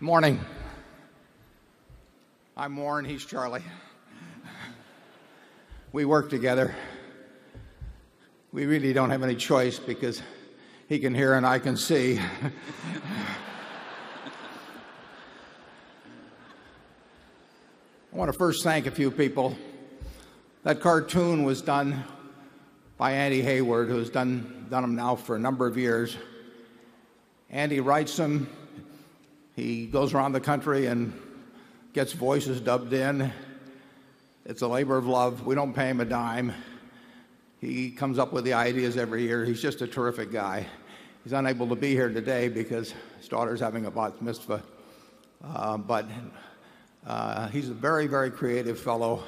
Morning. I'm Warren. He's Charlie. We work together. We really don't have any choice because he can hear and I can see. I want to first thank a few people. That cartoon was done by Andy Hayward, who has done them now for a number of years. Andy writes them. He goes around the country and gets voices dubbed in. It's a labor of love. We don't pay him a dime. He comes up with the ideas every year. He's just a terrific guy. He's unable to be here today because his daughter is having a bat mitzvah. But he's a very, very creative fellow.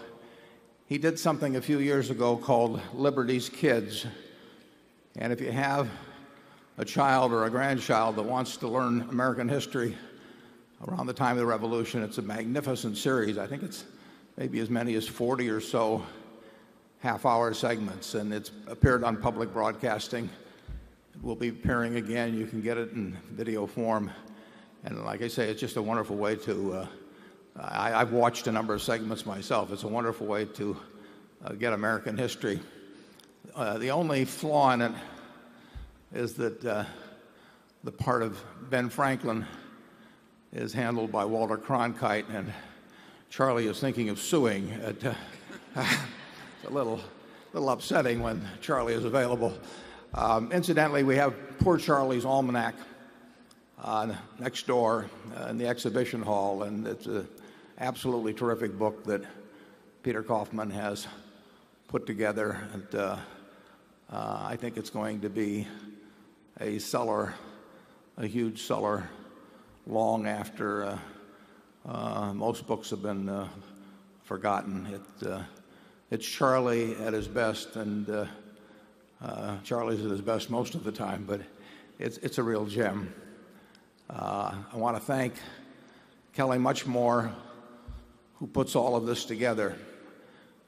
He did something a few years ago called Liberty's Kids. And if you have a child or a grandchild that wants to learn American history around the time of the revolution. It's a magnificent series. I think it's maybe as many as 40 or so half hour segments. And it's appeared on public broadcasting. We'll be pairing again. You can get it in video form. And like I say, it's just a wonderful way to I've watched a number of segments myself. It's a wonderful way to get American history. The only flaw in it is that the part of Ben Franklin is handled by Walter Cronkite, and Charlie is thinking of suing. It's a little upsetting when Charlie is available. Incidentally, we have poor Charlie's almanac next door in the exhibition hall. And it's an absolutely terrific book that Peter Kaufmann has put together. And I think it's going to be a seller, a huge seller long after most books have been forgotten. It's Charlie at his best and Charlie's at his best most of the time, but it's a real gem. I want to thank Kelly much more who puts all of this together.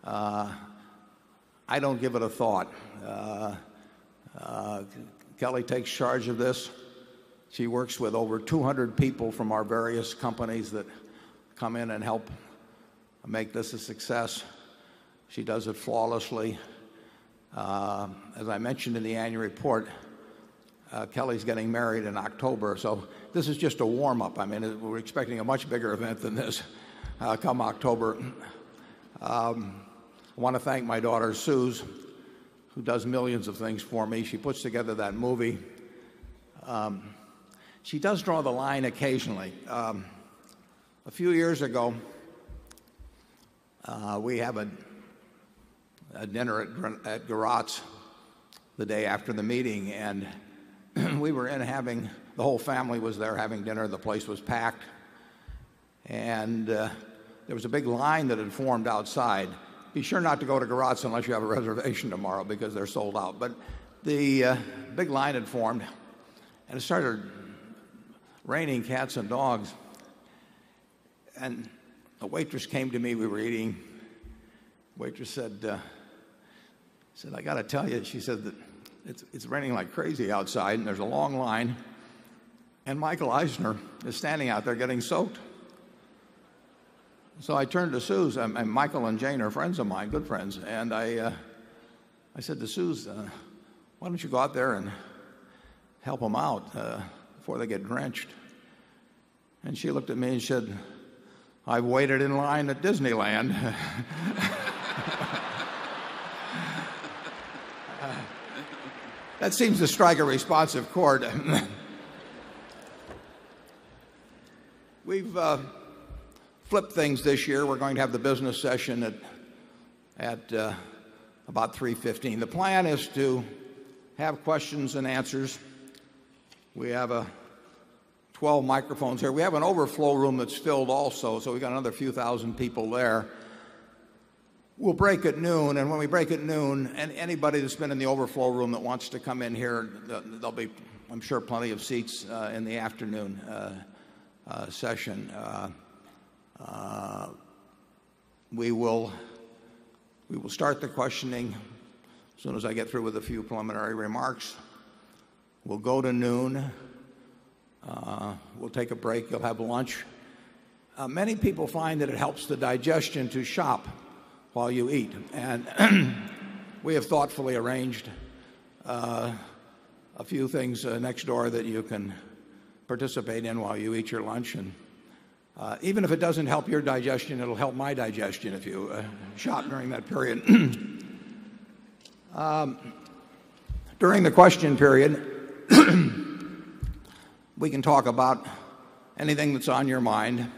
I don't give it a thought. Kelly takes charge of this. She works with over 200 people from our various companies that come in and help make this a success. She does it flawlessly. As I mentioned in the annual report, Kelly is getting married in October. So this is just a warm up. I mean, we're expecting a much bigger event than this come October. I want to thank my daughter, Sue, who does millions of things for me. She puts together that movie. She does draw the line occasionally. A few years ago, we have a dinner at Garotts the day after the meeting, and we were in having the whole family was there having dinner. The place was packed. And there was a big line that had formed outside. Be sure not to go to Garats unless you have a reservation tomorrow because they're sold out. But the big line had formed and it started raining cats and dogs. And a waitress came to me. We were eating. The waitress said, I got to tell you, she said that it's raining like crazy outside and there's a long line. And Michael Eisner is standing out there getting soaked. So I turned to Sousa and Michael and Jane are friends of mine, good friends. And I said to Sousa, why don't you go out there and help them out before they get drenched? And she looked at me and said, I've waited in line at Disneyland. That seems to strike a responsive chord. We've flipped things this year. We're going to have the business session at about 3:15. The plan is to have questions and answers. We have, 12 microphones here. We have an overflow room that's filled also, so we've got another few thousand people there. We'll break at noon, and when we break at noon, anybody that's been in the overflow room that wants to come in here, there'll be, I'm sure, plenty of seats in the afternoon session. We will start the questioning as soon as I get through with a few preliminary remarks. We'll go to noon. We'll take a break. You'll have lunch. Many people find that it helps the digestion to shop while you eat. And we have thoughtfully arranged a few things next door that you can participate in while you eat your lunch. And even if it doesn't help your digestion, it will help my digestion if you shop during that period. During the question period, we can talk about anything that's on your mind.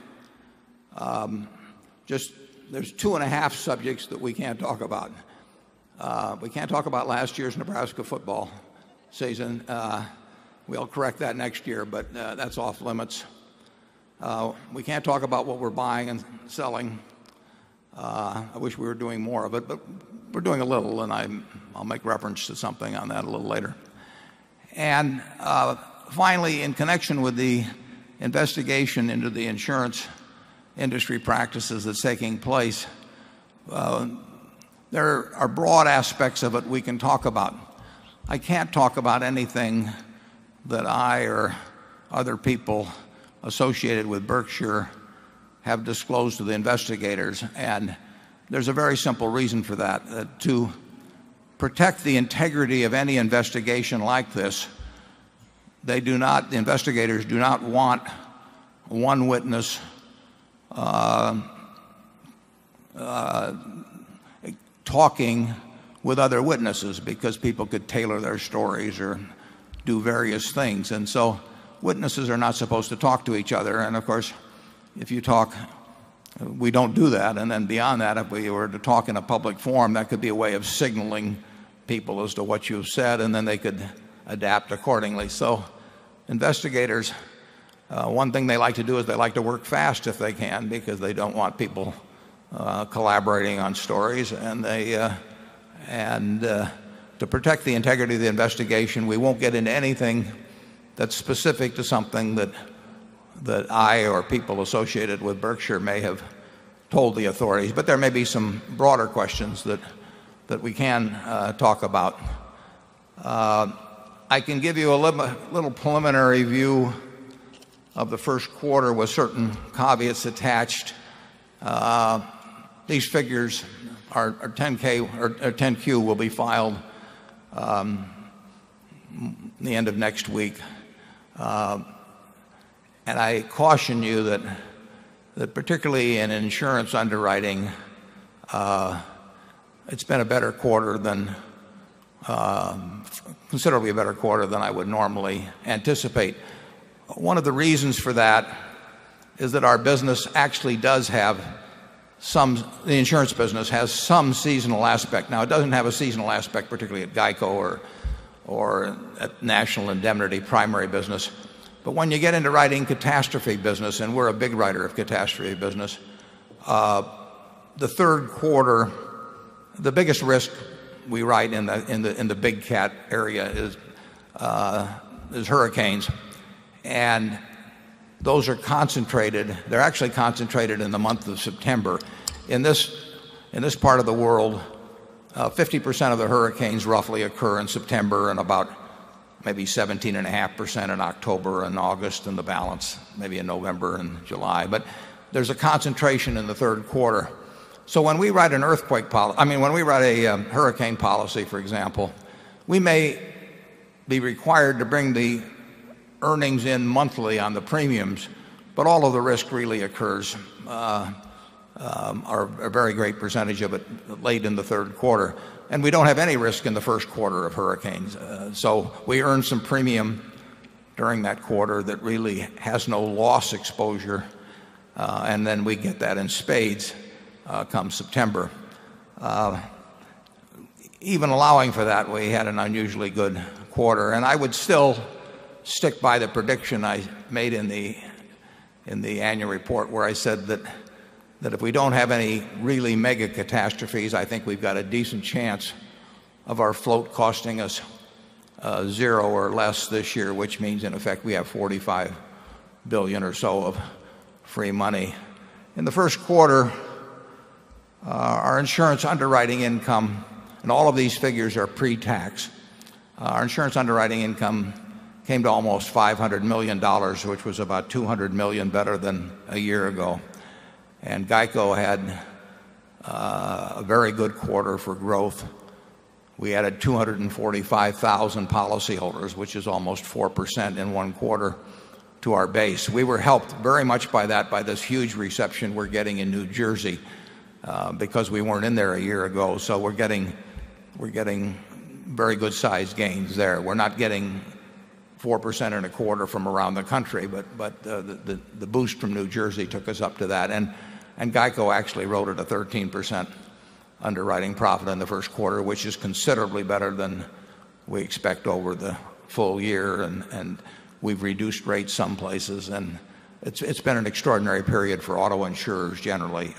Just there's 2.5 subjects that we can't talk about. We can't talk about last year's Nebraska football season. We'll correct that next year, but that's off limits. We can't talk about what we're buying and selling. I wish we were doing more of it, but we're doing a little and I'll make reference to something on that a little later. And finally, in connection with the investigation into the insurance industry practices that's taking place, there are broad aspects of it we can talk about. I can't talk about anything that I or other people associated with Berkshire have disclosed to the investigators. And there's a very simple reason for that. To protect the integrity of any investigation like this, They do not the investigators do not want one witness talking with other witnesses because people could tailor their stories or do various things. And so witnesses are not supposed to talk to each other. And of course, if you talk, we don't do that. And then beyond that, if we were to talk in a public forum, that could be a way of signaling people as to what you've said and then they could adapt accordingly. So investigators, one thing they like to do is they like to work fast if they can because they don't want people collaborating on stories. And they and to protect the integrity of the investigation, we won't get into anything that's specific to something that I or people associated with Berkshire may have told the authorities. But there may be some broader questions that we can talk about. I can give you a little preliminary view of the Q1 with certain caveats attached. These figures, our 10 ks our 10 Q will be filed the end of next week. And I caution you that particularly in insurance underwriting, it's been a better quarter than considerably a better quarter than I would normally anticipate. One of the reasons for that is that our business actually does have some the insurance business has some seasonal aspect. Now it doesn't have a seasonal aspect, particularly at GEICO or National Indemnity Primary Business. But when you get into writing catastrophe business, and we're a big writer of catastrophe business, The Q3, the biggest risk we write in the big cat area is hurricanes. And those are concentrated they're actually concentrated in the month of September. In this part of the world, 50% of the hurricanes roughly occur in September and about maybe 17.5% in October August and the balance maybe in November July. But there's a concentration in the Q3. So when we write an earthquake I mean, when we write a hurricane policy, for example, we may be required to bring the earnings in monthly on the premiums, but all of the risk really occurs, or a very great percentage of it, late in Q3. And we don't have any risk in the Q1 of hurricanes. So we earned some premium during that quarter that really has no loss exposure. And then we get that in spades come September. Even allowing for that, we had an unusually good quarter. And I would still stick by the prediction I made in the annual report where I said that if we don't have any really mega catastrophes, I think we've got a decent chance of our float costing us 0 or less this year, which means in effect we have $45,000,000,000 or so of free money. In the Q1, our insurance underwriting income and all of these figures are pretax our insurance underwriting income came to almost $500,000,000 which was about $200,000,000 better than a year ago. And GEICO had a very good quarter for growth. We added 245,000 policyholders, which is almost 4% in 1 quarter to our base. We were helped very much by that by this huge reception we're getting in New Jersey because we weren't in there a year ago. So we're getting very good sized gains there. We're not getting 4% in a quarter from around the country, but the boost from New Jersey took us up to that. And And GEICO actually wrote at a 13% underwriting profit in the Q1, which is considerably better than we expect over the full year. And we've reduced rates some places. And it's been an extraordinary period for auto insurers generally.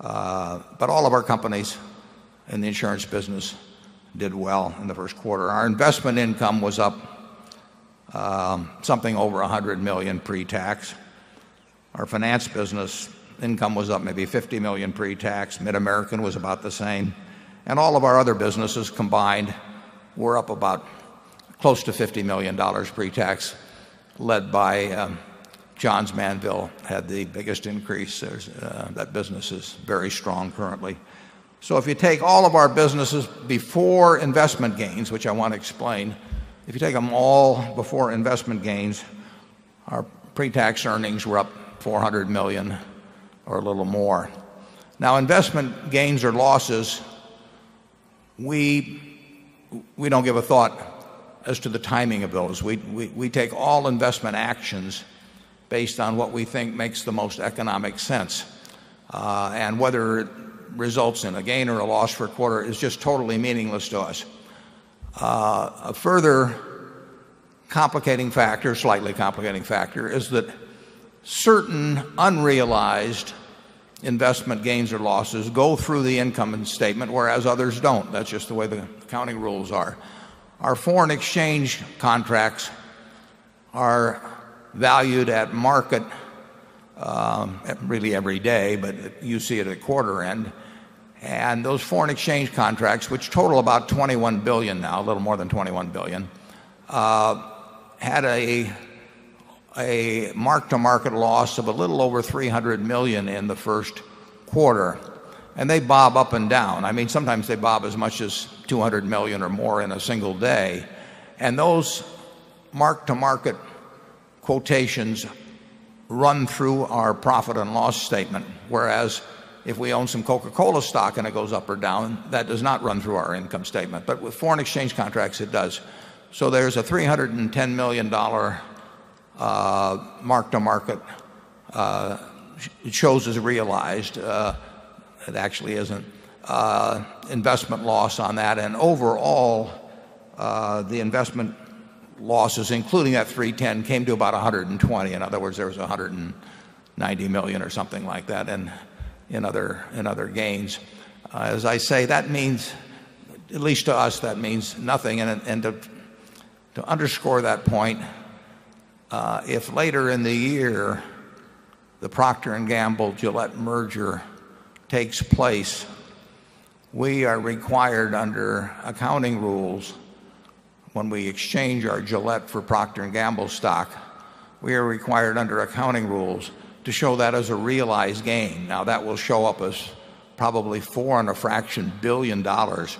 But all of our companies in the insurance business did well in the Q1. Our investment income was up something over $100,000,000 pretax. Our finance business income was up maybe $50,000,000 pretax. Mid American was about the same. And all of our other businesses combined were up about close to $50,000,000 pretax led by, Johns Manville had the biggest increase. That business is very strong currently. So if you take all of our businesses before investment gains, which I want to explain, if you take them all before investment gains, our pretax earnings were up $400,000,000 or a little more. Now investment gains or losses, we don't give a thought as to the timing of those. We take all investment actions based on what we think makes the most economic sense. And whether it results in a gain or a loss for a quarter is just totally meaningless to us. A further complicating factor, slightly complicating factor, is that certain unrealized investment gains or losses go through the income statement, whereas others don't. That's just the way the accounting rules are. Our foreign exchange contracts are valued at market, really every day, but you see it at quarter end. And those foreign exchange contracts, which total about $21,000,000,000 now, a little more than $21,000,000,000 had a mark to market loss of a little over $300,000,000 in the first quarter. And they bob up and down. I mean, sometimes they bob as much as $200,000,000 or more in a single day. And those mark to market quotations run through our profit and loss statement, whereas if we own some Coca Cola stock and it goes up or down, that does not run through our income statement. But with foreign exchange contracts, it does. So there is a $310,000,000 mark to market. It shows as realized. It actually isn't investment loss on that. And overall, the investment losses, including that 310,000,000 came to about 120,000,000 in other words, there was 190,000,000 or something like that in other gains. As I say that means at least to us, that means nothing. And to underscore that point, if later in the year, the Procter and Gamble Gillette merger takes place, we are required under accounting rules when we exchange our Gillette for Procter and Gamble stock, we are required under accounting rules to show that as a realized gain. Now that will show up as probably $4,000,000,000 and a fraction $1,000,000,000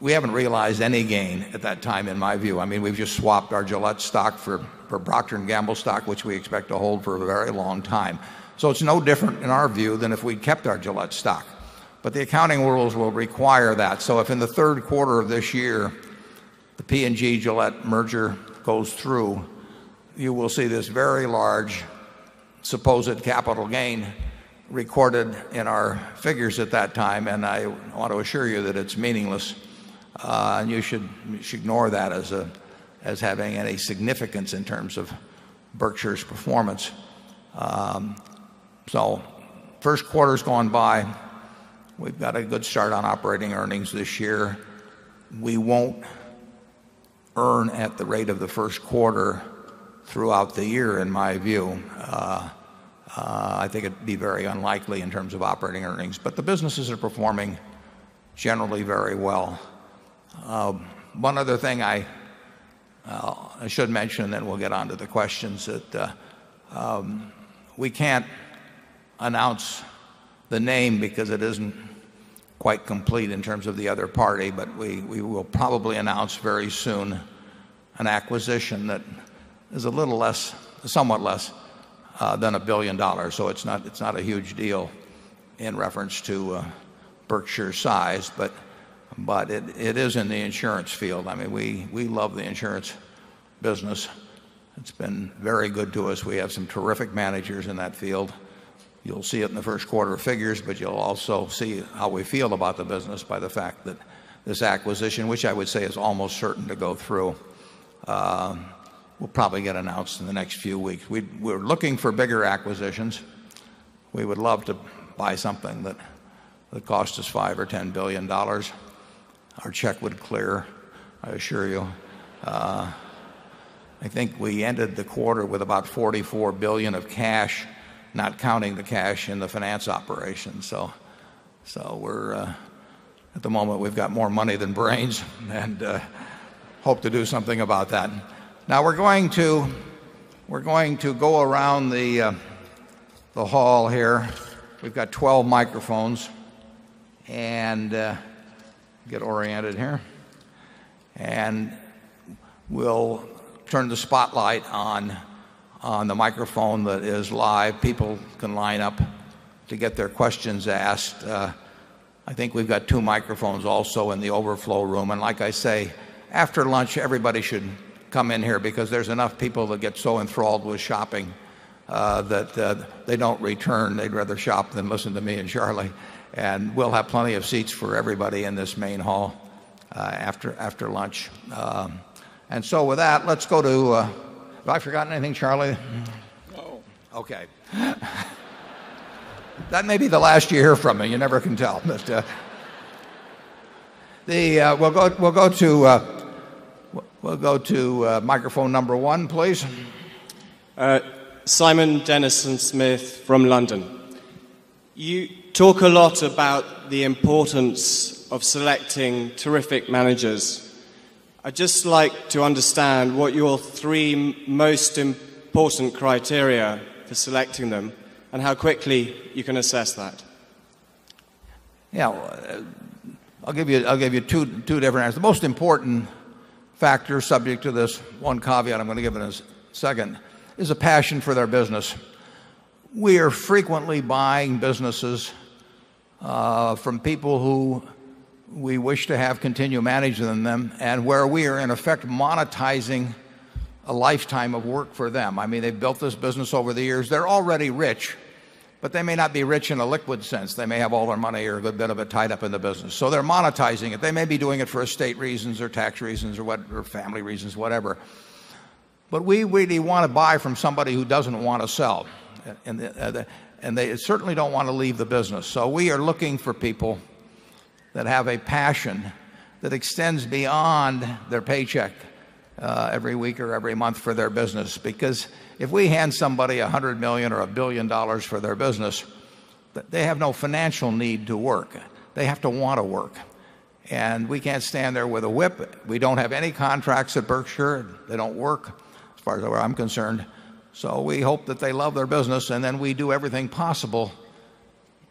We haven't realized any gain at that time, in my view. I mean, we've just swapped our Gillette stock for Procter and Gamble stock, which we expect to hold for a very long time. So it's no different in our view than if we kept our Gillette stock. But the accounting rules will require that. So if in the Q3 of this year, the P and G Gillette merger goes through, you will see this very large supposed capital gain recorded in our figures at that time. And I want to assure you that it's meaningless. And you should ignore that as having any significance in terms of Berkshire's performance. So Q1 has gone by. We've got a good start on operating earnings this year. We won't earn at the rate of the Q1 throughout the year in my view. I think it'd be very unlikely in terms of operating earnings. But the businesses are performing generally very well. One other thing I should mention and then we'll get on to the questions that we can't announce the name because it isn't quite complete in terms of the other party, but we will probably announce very soon an acquisition that is a little less somewhat less than $1,000,000,000 So it's not a huge deal in reference to Berkshire's size. But it is in the insurance field. I mean we love the insurance business. It's been very good to us. We have some terrific managers in that field. You'll see it in the Q1 figures, but you'll also see how we feel about the business by the fact that this acquisition, which I would say is almost certain to go through, will probably get announced in the next few weeks. We're looking for bigger acquisitions. We would love to buy something that would cost us $5,000,000,000 or $10,000,000,000 Our check would clear, I assure you. I think we ended the quarter with about $44,000,000,000 of cash, not counting the cash in the finance operations. So we're, at the moment, we've got more money than brains and hope to do something about that. Now we're going to we're going to go around the, the hall here. We've got 12 microphones and get oriented here. And we'll turn the spotlight on the microphone that is live. People can line up to get their questions asked. I think we've got 2 microphones also in the overflow room. And like I say, after lunch, everybody should come in here because there's enough people that get so enthralled with shopping, that they don't return. They'd rather shop than listen to me and Charlie. And we'll have plenty of seats for everybody in this main hall after lunch. And so with that, let's go to, have I forgotten anything, Charlie? No. Okay. That may be the last you hear from me. You never can tell. We'll go to microphone number 1, please. Simon Dennison Smith from London. You talk a lot about the importance of selecting terrific managers. I just like to understand what your 3 most important criteria for selecting them and how quickly you can assess that? I'll give you 2 different answers. The most important factor subject to this one caveat I'm going to give in a second is a passion for their business. We are frequently buying businesses, from people who we wish to have continued managing them and where we are, in effect, monetizing a lifetime of work for them. I mean, they've built this business over the years. They're already rich, but they may not be rich in a liquid sense. They may have all their money or a bit of a tied up in the business. So they're monetizing it. They may be doing it for estate reasons or tax reasons or what or family reasons, whatever. But we really want to buy from somebody who doesn't want to sell. And they certainly don't want to leave the business. So we are looking for people that have a passion that extends beyond their paycheck every week or every month for their business. Because if we hand somebody $100,000,000 or $1,000,000,000 for their business, they have no financial need to work. They have to want to work. And we can't stand there with a whip. We don't have any contracts at Berkshire. They don't work as far as I'm concerned. So we hope that they love their business and then we do everything possible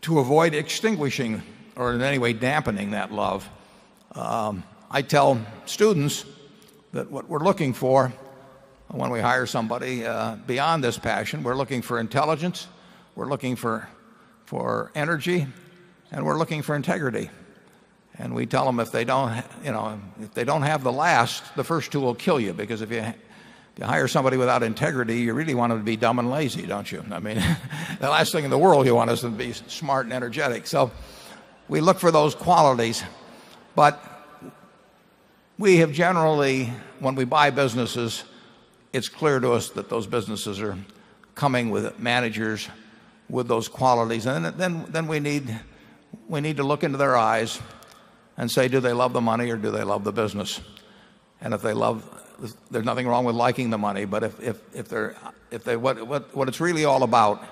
to avoid extinguishing or in any way dampening that love. I tell students that what we're looking for when we hire somebody beyond this passion, we're looking for intelligence, we're looking for energy and we're looking for integrity. And we tell them if they don't have the last, the first two will kill you because if you hire somebody without integrity, you really want to be dumb and lazy, don't you? I mean, the last thing in the world you want is to be smart and energetic. So we look for those qualities. But we have generally when we buy businesses, it's clear to us that those businesses are coming with managers with those qualities. And then we need to look into their eyes and say do they love the money or do they love the business. And if they love there's nothing wrong with liking the money. But if they're what it's really all about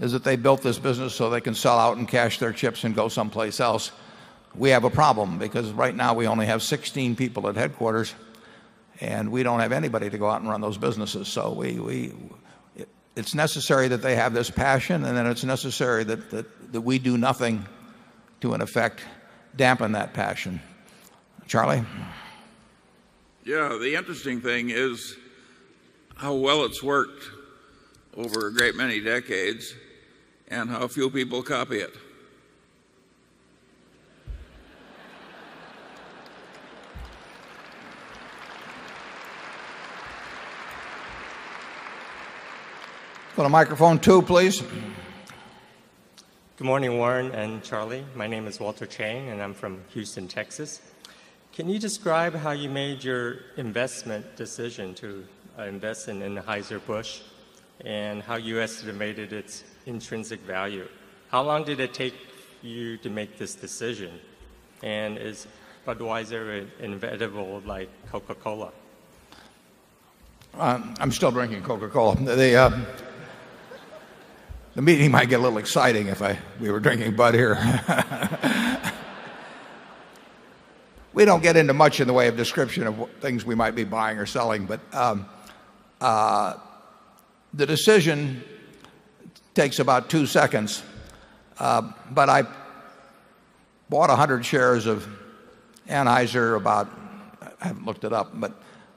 is that they built this business so they can sell out and cash their chips and go someplace else. We have a problem because right now we only have 16 people at headquarters and we don't have anybody to go out and run those businesses. So we it's necessary that they have this passion and then it's necessary that we do nothing to, in effect, dampen that passion. Charlie? Yes. The interesting thing is Good morning, Warren and Charlie. My name is Walter Chang and I'm from Houston, Texas. Can you describe how you made your investment decision to invest in the Heizer Busch? And how you estimated its intrinsic value? How long did it take you to make this decision? And is Budweiser inevitable like Coca Cola? I'm still drinking Coca Cola. The meeting might get a little exciting if I we were drinking butter. We don't get into much in the way of description of things we might be buying or selling. But the decision takes about 2 seconds. But I bought 100 shares of Anheuser about I haven't looked it up, but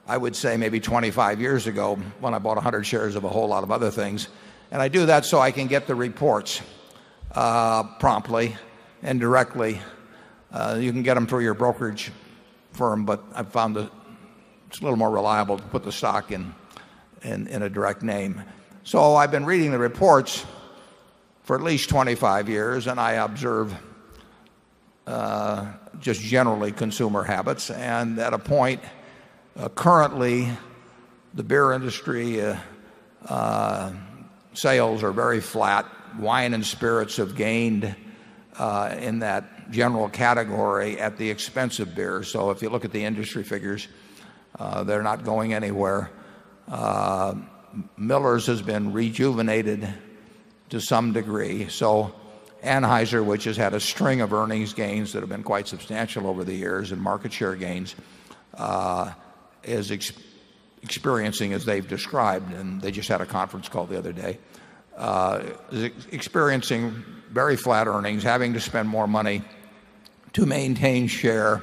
I would say maybe 25 years ago when I bought 100 shares of a whole lot of other things. And I do that so I can get the reports promptly and directly. You can get them through your brokerage firm, but I've found it's a little more reliable to put the stock in a direct name. So I've been reading the reports for at least 25 years and I observe just generally consumer habits. And at a point currently the beer industry sales are very flat. Wine and spirits have gained in that general category at the expense of beer. So if you look at the industry figures, they're not going anywhere. Miller's has been rejuvenated to some degree. So Anheuser which has had a string of earnings gains that have been quite substantial over the years and market share gains, is experiencing as they've described and they just had a conference call the other day, experiencing very flat earnings, having to spend more money to maintain share,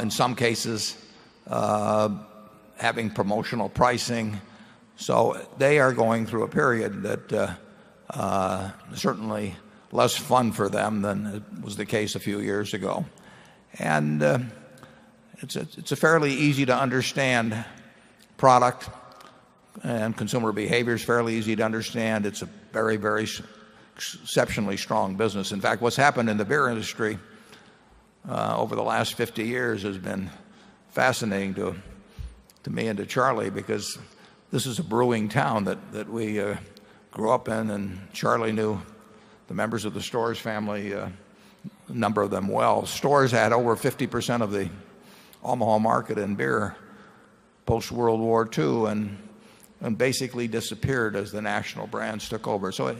in some cases, having promotional pricing. So they are going through a period that certainly less fun for them than was the case a few years ago. And it's a fairly easy to understand product and consumer behavior is fairly easy to understand. It's a very, very exceptionally strong business. In fact, what's happened in the beer industry over the last 50 years has been fascinating to me and to Charlie because this is a brewing town that we grew up in and Charlie knew the members of the Storrs family, a number of them well. Storrs had over 50% of the Omaha market in beer post World War II and basically disappeared as the national brands took over. So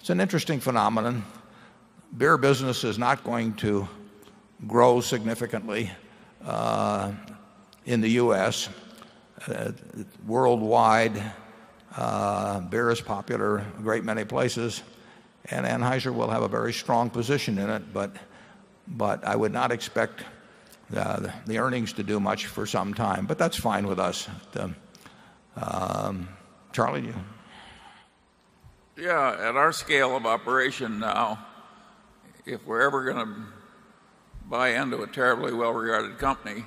it's an interesting phenomenon. Beer business is not going to grow significantly in the U. S. Worldwide. Beer is popular, great many places and Anheuser will have a very strong position in it. But I would not expect the earnings to do much for some time. But that's fine with us. Charlie, do you? Yes. At our scale of operation now, if we're ever going to buy into a terribly well regarded company,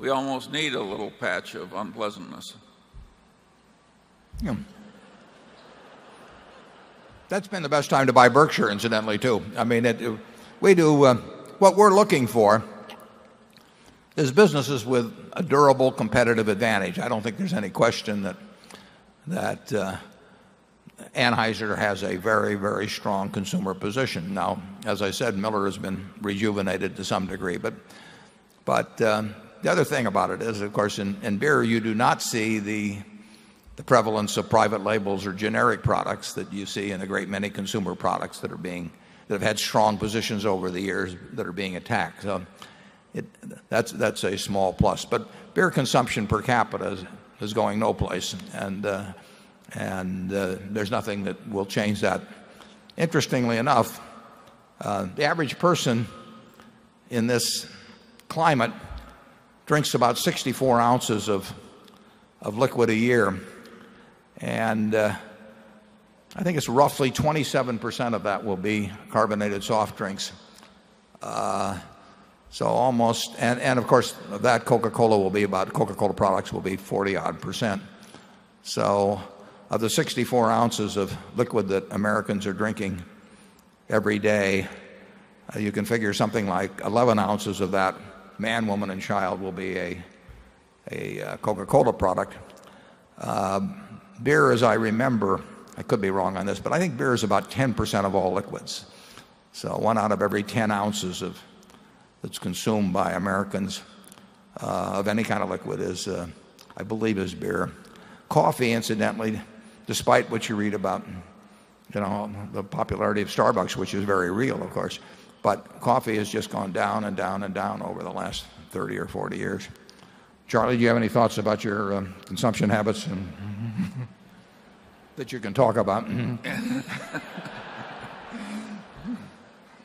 We almost need a little patch of unpleasantness. That's been the best time to buy Berkshire incidentally too. I mean, we do, what we're looking for is businesses with a durable competitive advantage. I don't think there's any question that Anheuser has a very, very strong consumer position. Now as I said, Miller has been rejuvenated to some degree. But the other thing about it is, of course, in beer, you do not see the prevalence of private labels or generic products that you see in a great many consumer products that are being that have had strong positions over the years that are being attacked. That's a small plus. But beer consumption per capita is going no place and there's nothing that will change that. Interestingly enough, the average person in this climate drinks about 64 ounces of liquid a year. And I think it's roughly 27% of that will be carbonated soft drinks. So almost and of course that Coca Cola will be about Coca Cola products will be 40 odd percent. So of the 64 ounces of liquid that Americans are drinking every day, you can figure something like 11 ounces of that man, woman and child will be a Coca Cola product. Beer as I remember, could be wrong on this, but I think beer is about 10% of all liquids. So one out of every 10 ounces of that's consumed by Americans of any kind of liquid is I believe is beer. Coffee incidentally despite what you read about the popularity of Starbucks which is very real of course. But coffee has just gone down and down and down over the last 30 or 40 years. Charlie, do you have any thoughts about your consumption habits that you can talk about?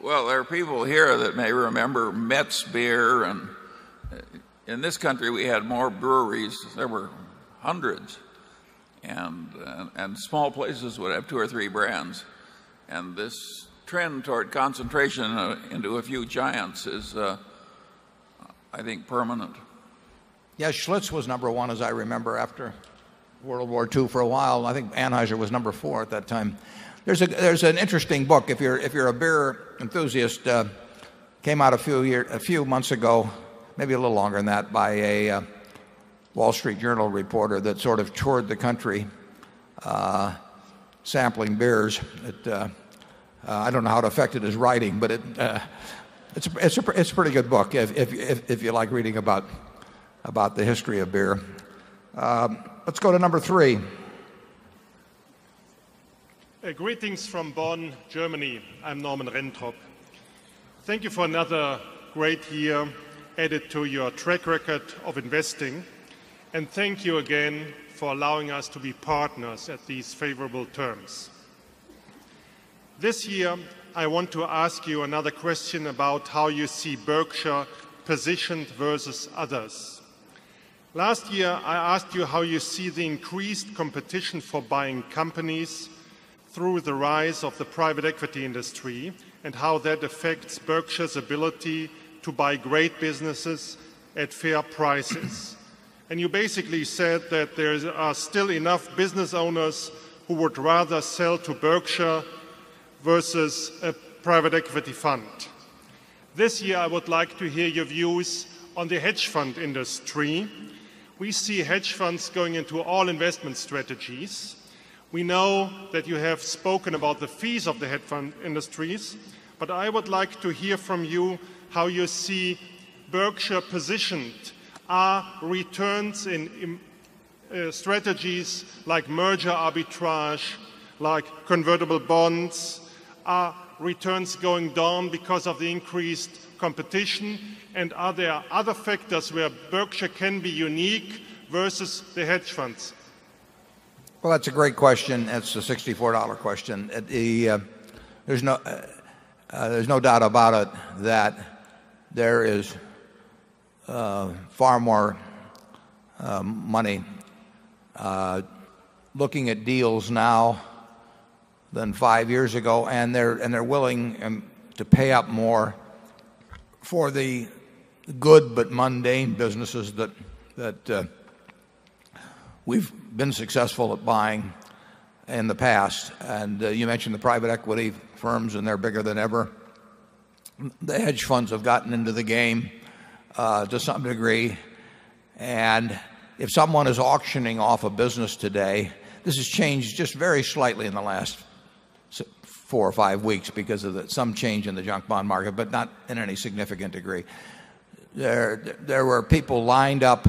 Well, there are people here that may remember Metz beer. And in this country, we had more breweries. There were 100 and small places would have 2 or 3 brands and this trend toward concentration into a few giants is I think permanent Yes Schlitz was number 1 as I remember after World War 2 for a while I think Anheuser was number 4 at that time There's an interesting book if you're a beer enthusiast. It came out a few months ago, maybe a little longer than that, by a Wall Street Journal reporter that sort of toured the country sampling beers. I don't know how it affected his writing but it's a pretty good book if you like reading about the history of beer. Let's go to number 3. Added to your track record of investing, and thank you again for allowing us to be partners at these favorable terms. This year, I want to ask you another question about how you see Berkshire positioned versus others. Last year, I asked you how you see the increased competition for buying companies through the rise of the private equity industry and how that affects Berkshire's ability to buy great businesses at fair prices. And you basically said that there are still enough business owners who would rather sell to Berkshire versus a private equity fund. This year, I would like to hear your views on the hedge fund industry. We see hedge funds going into all investment strategies. We know that you have spoken about the fees of the hedge fund industries, but I would like to hear from you how you see Berkshire positioned, returns in strategies like merger arbitrage, like convertible bonds, are returns going down because of the increased competition? And are there other factors where Berkshire can be unique versus the hedge funds? Well, that's a great question. It's a $64 question. There's no doubt about it that there is far more money. Looking at deals now than 5 years ago and they're willing to pay up more for the good but mundane businesses that we've been successful at buying in the past. And you mentioned the private equity firms and they're bigger than ever. The hedge funds have gotten into the game to some degree. And if someone is auctioning off a business today, this has changed just very slightly in the last 4 or 5 weeks because of some change in the junk bond market but not in any significant degree. There were people lined up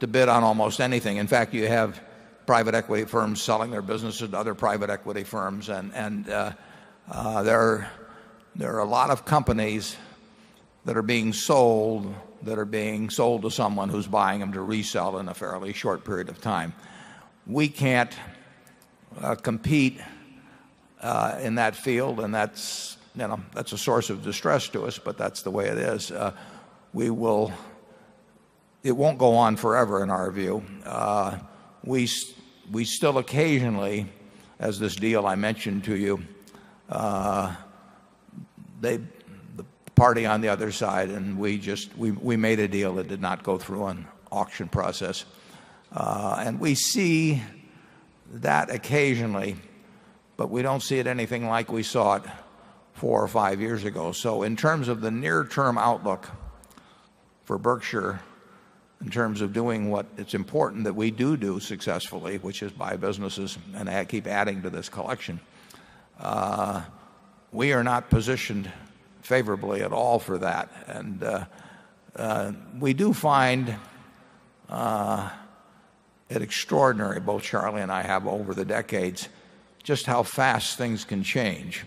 to bid on almost anything. In fact, you have private equity firms selling their business to other private equity firms. And there are a lot of companies that are being sold to someone who's buying them to resell in a fairly short period of time. We can't compete in that field and that's a source of distress to us but that's the way it is. We will it won't go on forever in our view. We still occasionally as this deal I mentioned to you, they the party on the other side and we just we made a deal that did not go through an auction process. And we see that occasionally, but we don't see it anything like we saw it 4 or 5 years ago. So in terms of the near term outlook for Berkshire, in terms of doing what it's important that we do And we do find it extraordinary, both Charlie and I have over the decades, just how fast things can change.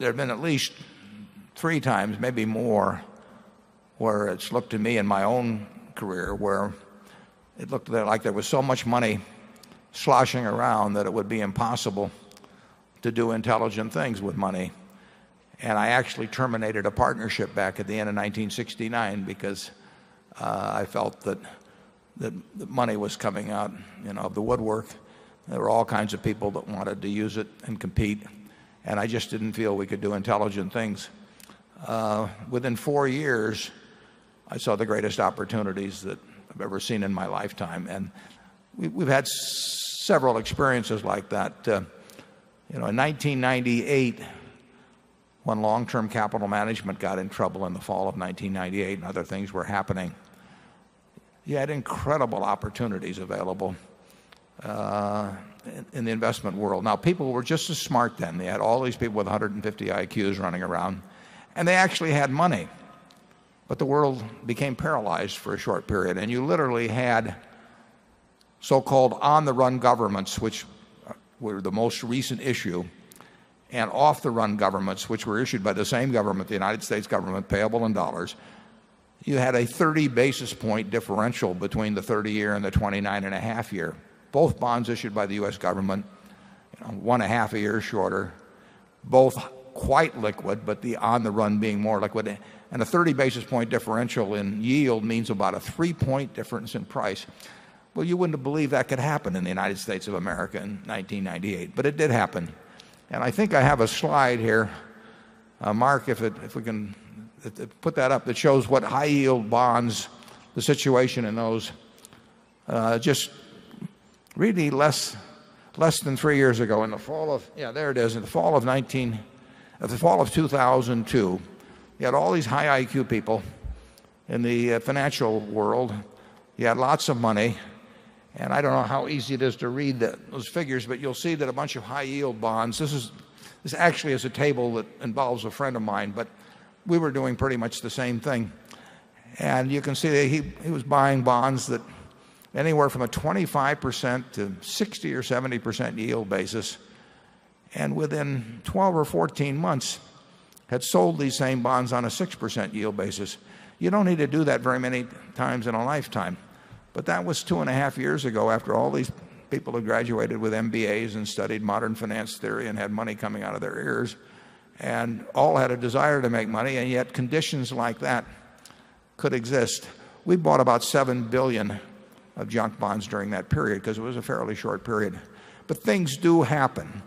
There have been at least three times maybe more where it's looked to me in my own career where it looked like there was so much money sloshing around that it would be impossible to do intelligent things with money. And I actually terminated a partnership back at the end of 1969 because I felt that the money was coming out of the woodwork. There were all kinds of people that wanted to use it and compete. And I just didn't feel we could do intelligent things. Within 4 years, I saw the greatest opportunities that I've ever seen in my lifetime. And we've had several experiences like that. In 1998, when long term capital management got in trouble in the fall of 1998 and other things were happening. You had incredible opportunities available in the investment world. Now people were just as smart then. They had all these people with 150 IQs running around and they actually had money. But the world became paralyzed for a short period and you literally had so called on the run governments which were the most recent issue and off the run governments which were issued by the same government, the United States government payable in dollars, you had a 30 basis point shorter, both quite liquid but the on the run being more liquid. And a 30 basis point differential in yield means about a 3 point difference in price. Well, you wouldn't believe that could happen in the United States of America in 1998, but it did happen. And I think I have a slide here, Mark, if it if we can put that up, it shows what high yield bonds, the situation in those, just really less less than 3 years ago in the fall of yeah, there it is. In the fall of 19 the fall of 2002, you had all these high IQ people in the financial world. You had lots of money and I don't know how easy it is to read those figures but you'll see that a bunch of high yield bonds. This is actually is a table that involves a friend of mine but we were doing pretty much the same thing. And you can see that he was buying bonds that anywhere from a 25% to 60 or 70 percent yield basis and within 12 or 14 months had sold these same bonds on a 6% yield basis. You don't need to do that very many times in a lifetime. But that was two and a half years ago after all these people who graduated with MBAs and studied modern finance theory and had money coming out of their ears and all had a desire to make money and yet conditions like that could exist. We bought about 7,000,000,000 of junk bonds during that period because it was a fairly short period. But things do happen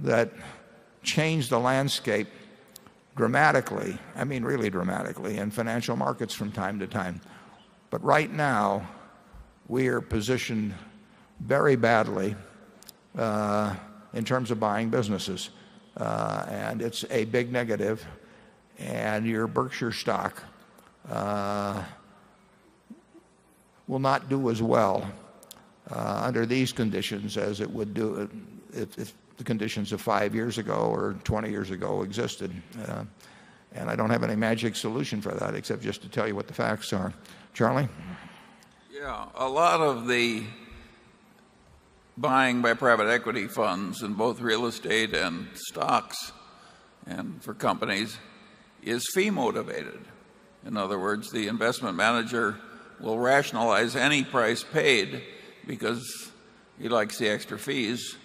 that change the landscape dramatically, I mean really dramatically in financial markets from time to time. But right now we are positioned very badly in terms of buying businesses. And it's a big negative. And your Berkshire stock will not do as well under these conditions as it would do if the conditions of 5 years ago or 20 years ago existed. And I don't have any magic solution for that except just to tell you what the facts are. Charlie? Yeah. A lot of the buying by private equity funds in both real estate and stocks and for companies is fee motivated. In other words, the investment manager will rationalize any price paid because he likes the extra fees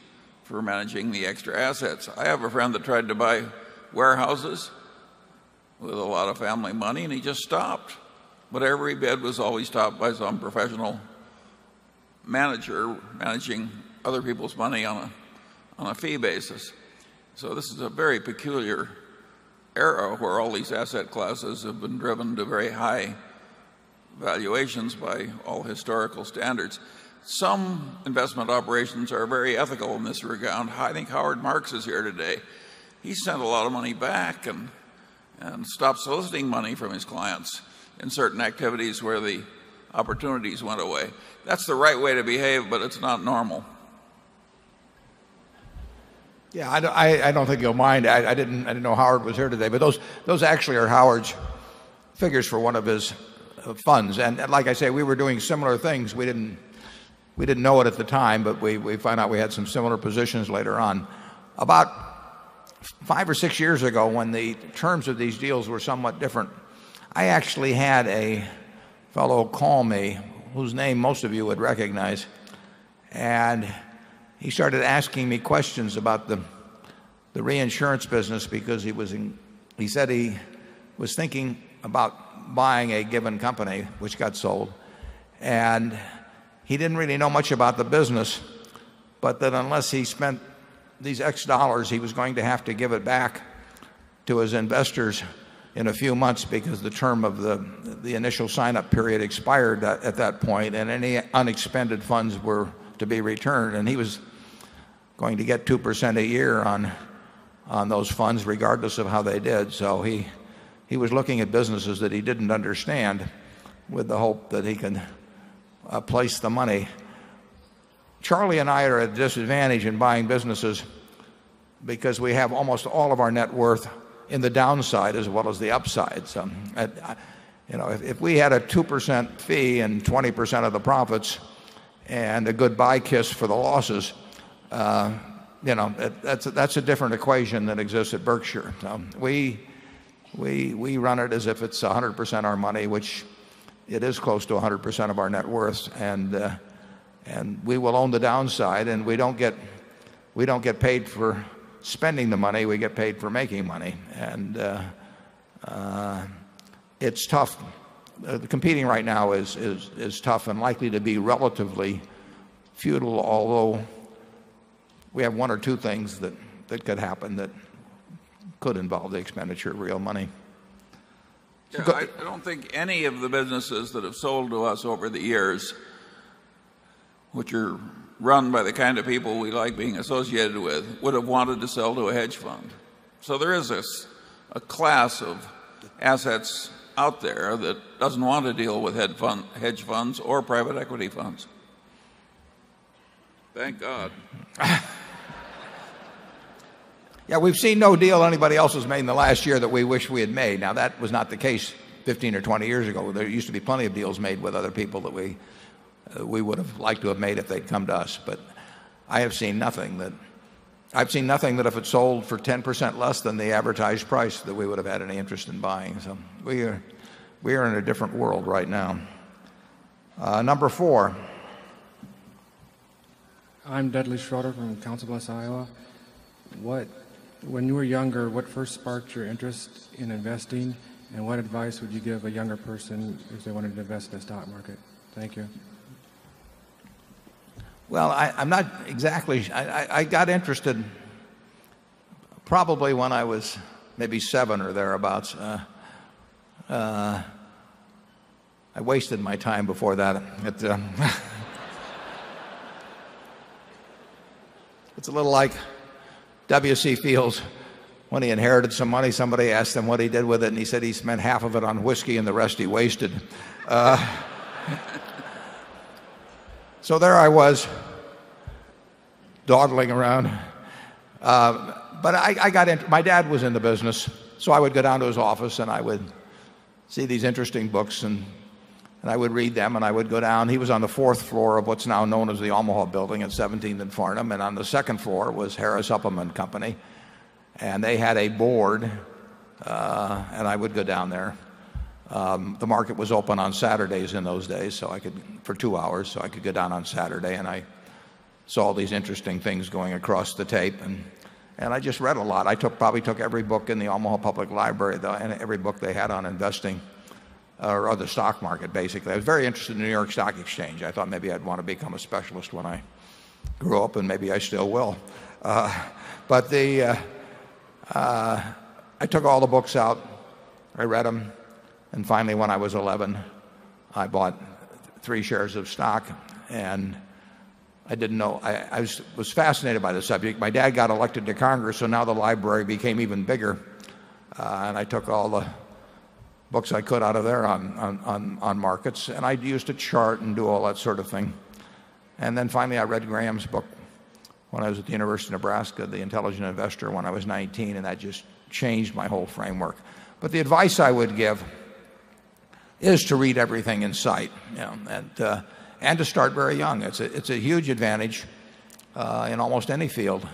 for managing the extra assets. I have a friend that tried to buy warehouses with a lot of family money and he just stopped. But every bid was always stopped by some professional manager managing other people's money on a fee basis. So this is a very peculiar era where all these asset classes have been driven to very high valuations by all historical standards. Some investment operations are very ethical, Mr. Gound. I think Howard Marks is here today. He sent a lot of money back and stops losing money from his clients in certain activities where the opportunities went away. That's the right way to behave, but it's not normal. Yes. I don't think you'll mind. I didn't know Howard was here today, but those actually are Howard's figures for one of his funds. And like I say, we were doing similar things. We didn't know it at the time, but we found out we had some similar positions later on. About 5 or 6 years ago, when the terms of these deals were somewhat different, I actually had a fellow call me whose name most of you would recognize. And he started asking me questions about the reinsurance business because he was in he said he was thinking about buying a given company which got sold. And he didn't really know much about the business, but that unless he spent these X dollars, he was going to have to give it back to his investors in a few months because the term of the initial sign up period expired at that point and any unexpended funds were to be returned. And he was going to get 2% a year on those funds regardless of how they did. So he was looking at businesses that he didn't understand with the hope that he can place the money. Charlie and I are at disadvantage in buying businesses because we have almost all of our net worth in the downside as well as the upside. So, you know, if we had a 2% fee and 20% of the profits and a goodbye kiss for the losses, you know, that's a different equation than exists at Berkshire. We run it as if it's 100% our money which it is close to 100% of our net worth. And we will own the downside and we don't get we don't get paid for spending the money, we get paid for making money. And it's tough. The competing right now is is is tough and likely to be relatively feudal although we have 1 or 2 things that could happen that could involve the expenditure of real money. I don't think any of the businesses that have sold to us over the years which are run by the kind of people we like being associated with would have wanted to sell to a hedge fund. So there is this a class of assets out there that doesn't want to deal with hedge funds or private equity funds. Thank God. Yes, we've seen no deal anybody else has made in the last year that we wish we had made. Now that was not the case 15 or 20 years ago. There used to be plenty of deals made with other people that we would have liked to have made if they'd come to us. But I have seen nothing that I've seen nothing that if it sold for 10% less than the advertised price that we would have had any interest in buying. So we are in a different world right now. Number 4. I'm Dudley Schroeder from Council Bluffs, Iowa. What when you were younger, what first sparked your interest in investing? And what advice would you give a younger person if they wanted to invest in the stock market? Thank you. Well, I'm not exactly I got interested probably when I was maybe 7 or thereabouts. I wasted my time before that. It's a little like W. C. Fields when he inherited some money, somebody asked him what he did with it and he said he spent half of it on whiskey and the rest he wasted. So there I was, dawdling around. But I got into, my dad was in the business. So I would go down to his office and I would see these interesting books and I would read them and I would go down. He was on the 4th floor of what's now known as the Omaha building at 17th and Farnham and on the 2nd floor was Harris Supplement Company And they had a board and I would go down there. The market was open on Saturdays in those days so I could for 2 hours so I could get down on Saturday and I saw all these interesting things going across the tape and I just read a lot. I probably took every book in the Omaha Public Library and every book they had on investing or the stock market basically. I was very interested in the New York Stock Exchange. I thought maybe I'd want to become a specialist when I grew up and maybe I still will. But the I took all the books out. I read them and finally when I was 11, I bought 3 shares of stock and I didn't know I was fascinated by the subject. My dad got elected to Congress so now the library became even bigger. And I took all the books I could out of there on markets and I used to chart and do all that sort of thing. And then finally I read Graham's book when I was at the University of Nebraska, The Intelligent Investor when I was 19 and that just changed my whole framework. But the advice I would give is to read everything in sight and to start very young. It's a huge advantage in almost any field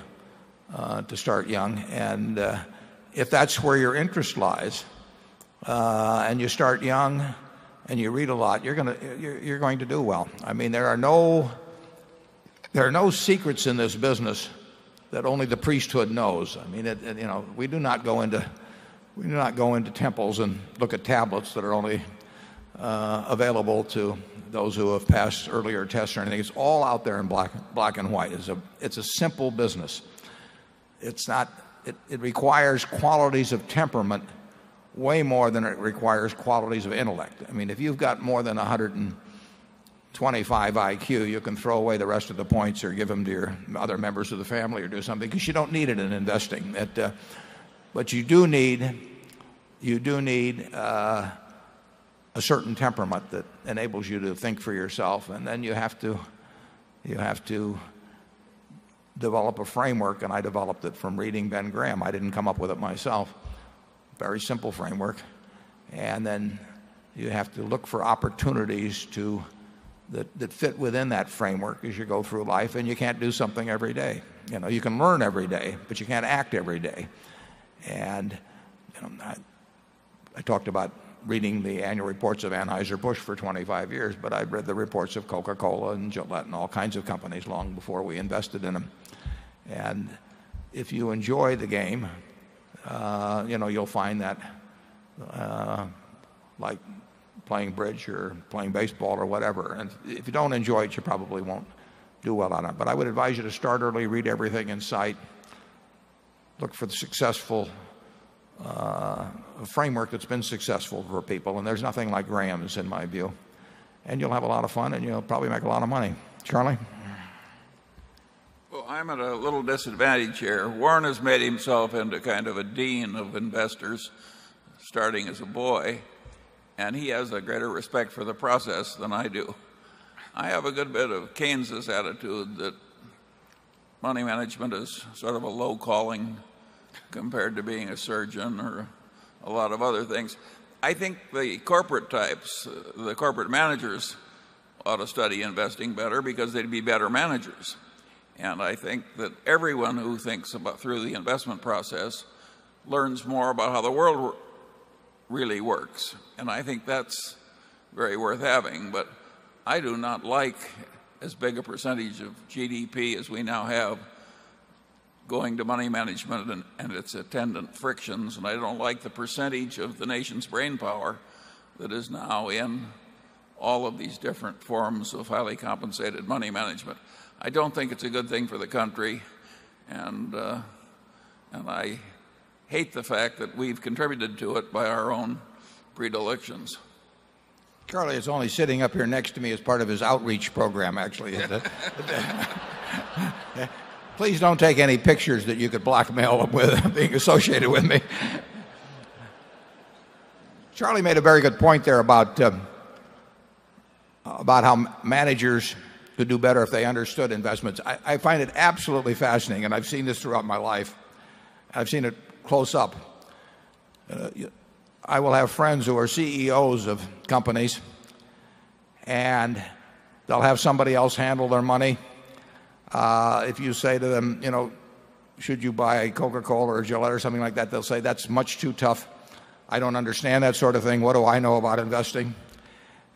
to start young. And if that's where your interest lies and you start young and you read a lot, you're going to do well. I mean, there are no secrets in this business that only the priesthood knows. I mean, we do not go into temples and look at tablets that are only available to those who have passed earlier tests or anything. It's all out there in black and white. It's a simple business. It's not it requires qualities of temperament way more than it requires qualities of intellect. I mean, if you've got more than 100 and 25 IQ, you can throw away the rest of the points or give them to your other members of the family or do something because you don't need it in investing. But you do need a certain temperament that enables you to think for yourself and then you have to you have to develop a framework. And I developed it from reading Ben Graham. I didn't come up with it myself. Very simple framework. And then you have to look for opportunities to that fit within that framework as you go through life and you can't do something every day. You can learn every day, but you can't act every day. And I talked about reading the annual reports of Anheuser Busch for 25 years, but I read the reports of Coca Cola and Gillette, all kinds of companies long before we invested in them. And if you enjoy the game, you'll find that like playing bridge or playing baseball or whatever. And if you don't enjoy it, you probably won't do well on it. But I would advise you to start early, read everything in sight, Look for the successful framework that's been successful for people and there's nothing like Graham's in my view. And you'll have a lot of fun and you'll probably make a lot of money. Charlie? Well, I'm at a little disadvantage here. Warren has made himself into kind of a Dean of money management is sort of a low calling compared to money management is sort of a low calling compared to being a surgeon or a lot of other things. I think the corporate types, the corporate managers ought to study investing better because they'd be better managers. And I think that everyone who thinks about through the investment process learns more about how the world really works. And I think that's very worth having but I do not like as big a percentage of GDP as we now have going to money management and its attendant frictions and I don't like the percentage of the nation's brainpower that is now in all of these different forms of highly compensated money management. I don't think it's a good thing for the country and I hate the fact that we've contributed to it by our own predilections. Charlie is only sitting up here next to me as part of his outreach program actually. Please don't take any pictures that you could blackmail with being associated with me. Charlie made a very good point there about, about how managers could do better if they understood investments. I find it absolutely fascinating and I've seen this throughout my life. I've seen it close-up. I will have friends who are CEOs of companies and they'll have somebody else handle their money. If you say to them, you know, should you buy Coca Cola or Gillette or something like that, they'll say that's much too tough. I don't understand that sort of thing. What do I know about investing?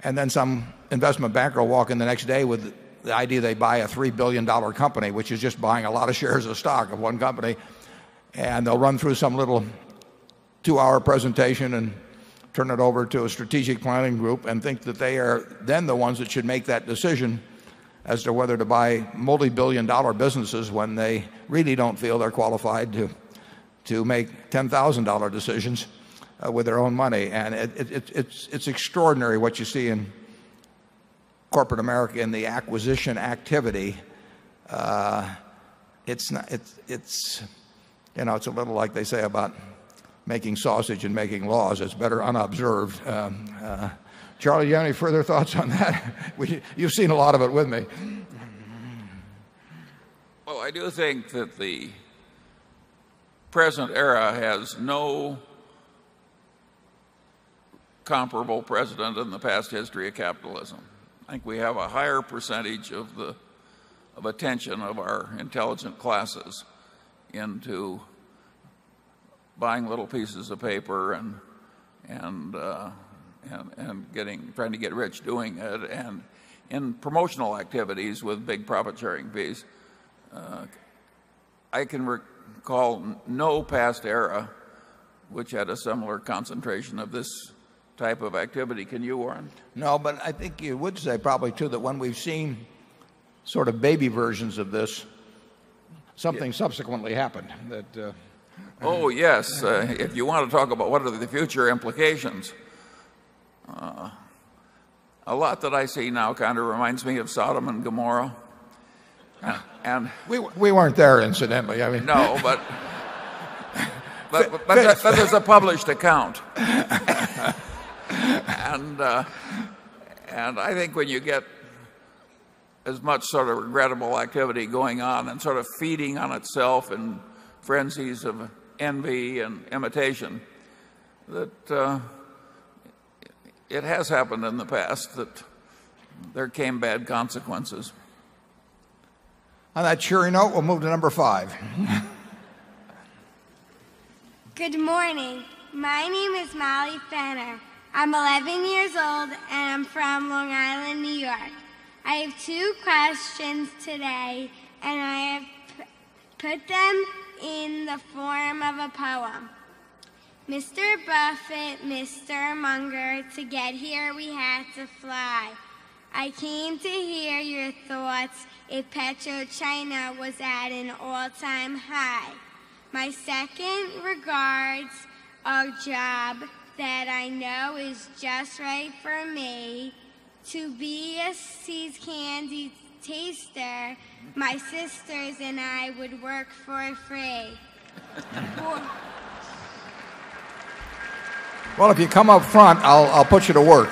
And then some investment banker walk in the next day with the idea they buy a $3,000,000,000 company, which is just buying a lot of shares of stock of 1 company. And they'll run through some little 2 hour presentation and turn it over to a strategic planning group and think that they are then the ones that should make that decision as to whether to buy multibillion dollar businesses when they really don't feel they're qualified to make $10,000 decisions with their own money. And it's extraordinary what you see in corporate America and the acquisition activity. It's not it's you know, it's a little like they say about making sausage and making laws, it's better unobserved. Charlie, do you have any further thoughts on that? You've seen a lot of it with me. Well, I do think that the present era has no comparable precedent in the past history of capitalism. Think we have a higher percentage of the attention of our intelligent classes into buying little pieces of paper and getting trying to get rich doing it and and promotional activities with big profit sharing fees. I can recall no past era which had a similar concentration of this type of activity. Can you, Warren? No. But I think you would say probably too that when we've seen sort of baby versions of this, something subsequently happened that Oh, yes. If you want to talk about what are the future implications, a lot that I see now kind of reminds me of Sodom and Gomorrah. We weren't there incidentally. No. But but but there's a published account. And, and I think when you get as much sort of regrettable activity going on and sort of feeding on itself and frenzies of envy and imitation that it has happened in the past that there came bad consequences. On that cheery note, we'll move to number 5. Good morning. My name is Molly. I'm 11 years old and I'm from Long Island, New York. I have 2 questions today and I have put them in the form of a poem. Mister Buffet, sturmonger, to get here, we had to fly. I came to hear your thoughts if PetroChina was at an all time high. My second regards of job that I know is just right for me to be a See's Candy taster, my sisters and I would work for free. Well, if you come up front, I'll I'll put you to work.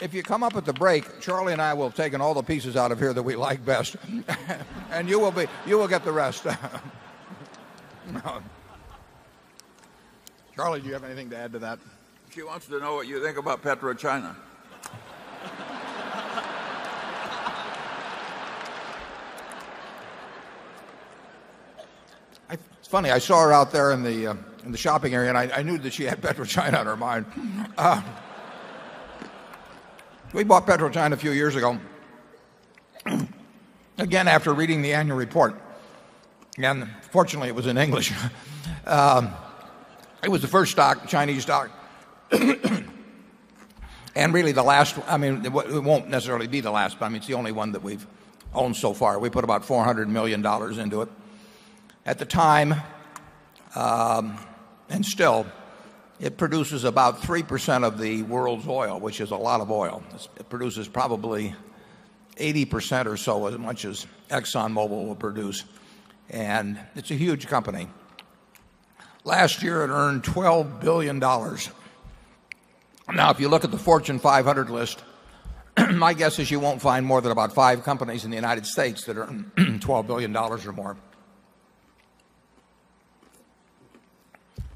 If you come up at the break, Charlie and I will have taken all the pieces out of here that we like best, and you will be you will get the rest. Charlie do you have anything to add to that? She wants to know what you think about PetroChina. It's funny I saw her out there in the shopping area and I knew that she had petro china on her mind. We bought PetroChina a few years ago. Again, after reading the annual report, again fortunately it was in English, it was the first stock, Chinese stock and really the last I mean it won't necessarily be the last but it's the only one that we've owned so far. We put about $400,000,000 into it. At the time, and still, it produces about 3% of the world's oil, which is a lot of oil. Produces probably 80% or so as much as ExxonMobil will produce. And it's a huge company. Last year it earned $12,000,000,000 Now if you look at the Fortune 500 list, my guess is you won't find more than 5 companies in the United States that are $12,000,000,000 or more.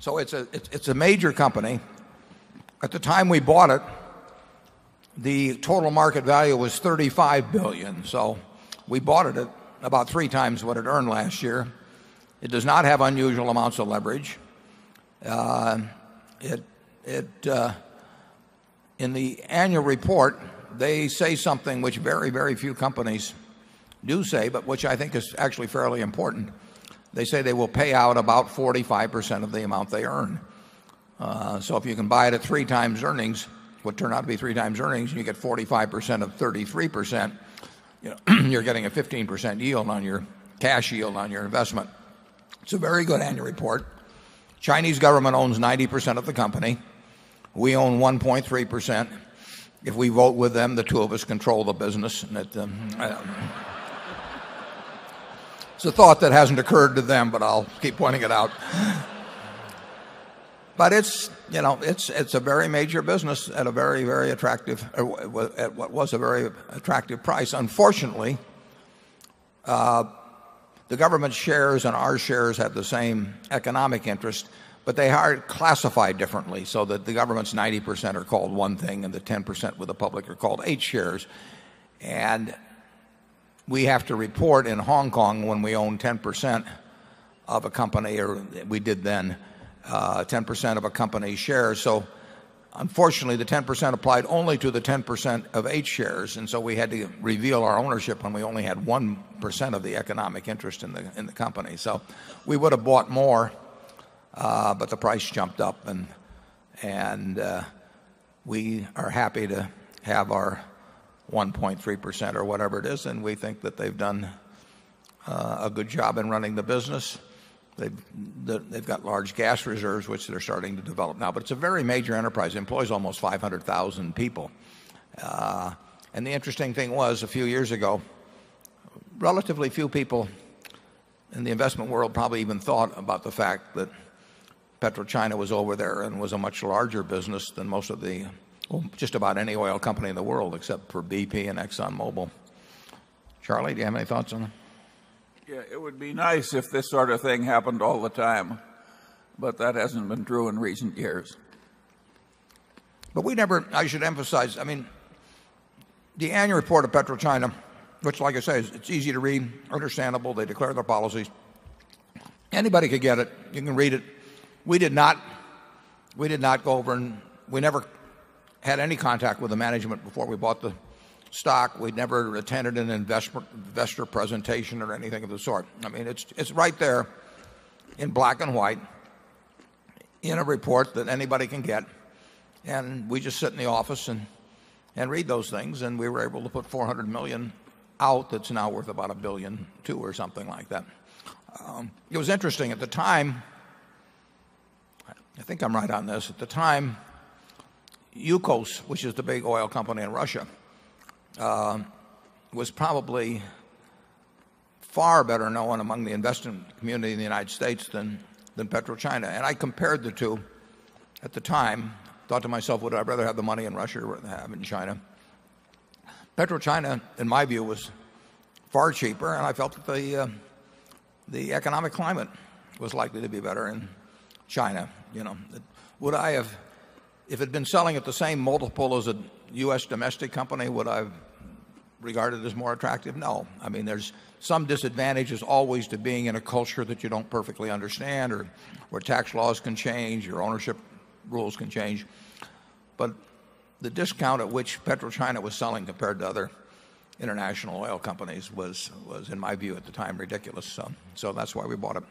So it's a major company. At the time we bought it, the total market value was $35,000,000,000 So we bought it at about 3 times what it earned last year. It does not have unusual amounts of leverage. In the annual report, they say something which very, very few companies do say, but which I think is actually fairly important. They say they will pay out about 45% of the amount they earn. So if you can buy it at 3 times earnings, what turned out to be 3x earnings, you get 45% of 33%. You're getting a 15% yield on your cash yield on your investment. It's a very good annual report. Chinese government owns 90% of the company. We own 1.3%. If we vote with them, the 2 of us control the business. It's a thought that hasn't occurred to them, but I'll keep pointing it out. But it's a very major business at a very, very attractive at what was a very attractive price. Unfortunately, the government shares and our shares have the same economic interest, but they are classified differently. So the government's 90% are called one thing and the 10% with the public are called 8 shares. And we have to report in Hong Kong when we own 10% of a company or we did then 10% of a company share. So unfortunately the 10% applied only to the 10% of 8 shares and so we had to reveal our ownership when we only had 1% of the economic interest in the company. So we would have bought more, but the price jumped up and we are happy to have our 1.3% or whatever it is. And we think that they've done a good job in running the business. They've got large gas reserves, which they're starting to develop now. But it's a very major enterprise, employs almost 500,000 people. The interesting thing was a few years ago, relatively few people in the investment world probably even thought about the fact that PetroChina was over there and was a much larger business than most of the just about any oil company in the world except for BP and ExxonMobil. Charlie, do you have any thoughts on that? Yes. It would be nice if this sort of thing happened all the time, but that hasn't been true in recent years. But we never I should emphasize I mean the annual report of PetroChina which like I say it's easy to read understandable they declare their policies Anybody could get it. You can read it. We did not go over and we never had any contact with the management before we bought the stock. We'd never attended an investor presentation or anything of the sort. I mean, it's right there in black and white in a report that anybody can get. And we just sit in the office and read those things. And we were able to put 400,000,000 out that's now worth about 1,200,000,000 or something like that. It was interesting at the time I think I'm right on this. At the time, Ucos, which is the big oil company in Russia, was probably far better known among the investment community in the United States than than PetroChina. And I compared the 2 at the time, thought thought to myself would I rather have the money in Russia than China. PetroChina in my view was far cheaper and I felt that the economic climate was likely to be better in China. Would I have if it had been selling at the same multiple as a US domestic company, would I regard it as more attractive? No. I mean, there's some disadvantages always to being in a culture that you don't perfectly understand or where tax laws can change, your ownership rules can change. But the discount at which PetroChina was selling compared to other international oil companies was, in my view at the time, ridiculous. So that's why we bought it.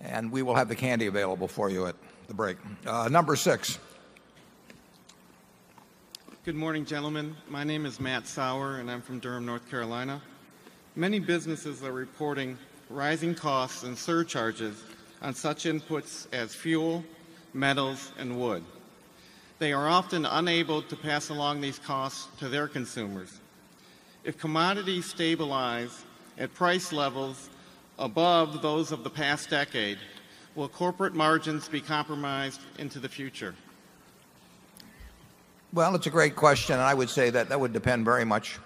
And we will have the candy available for you at the break. Number 6. Good morning, gentlemen. My name is Matt Sauer, and I'm from Durham, North Carolina. Many businesses are reporting rising costs and surcharges on such inputs as fuel, metals, and wood. They are often unable to pass along these costs to their consumers. If commodities stabilize at price levels above those of the past decade, will corporate margins be compromised into the future? Well, it's a great question. I would say that that would depend very much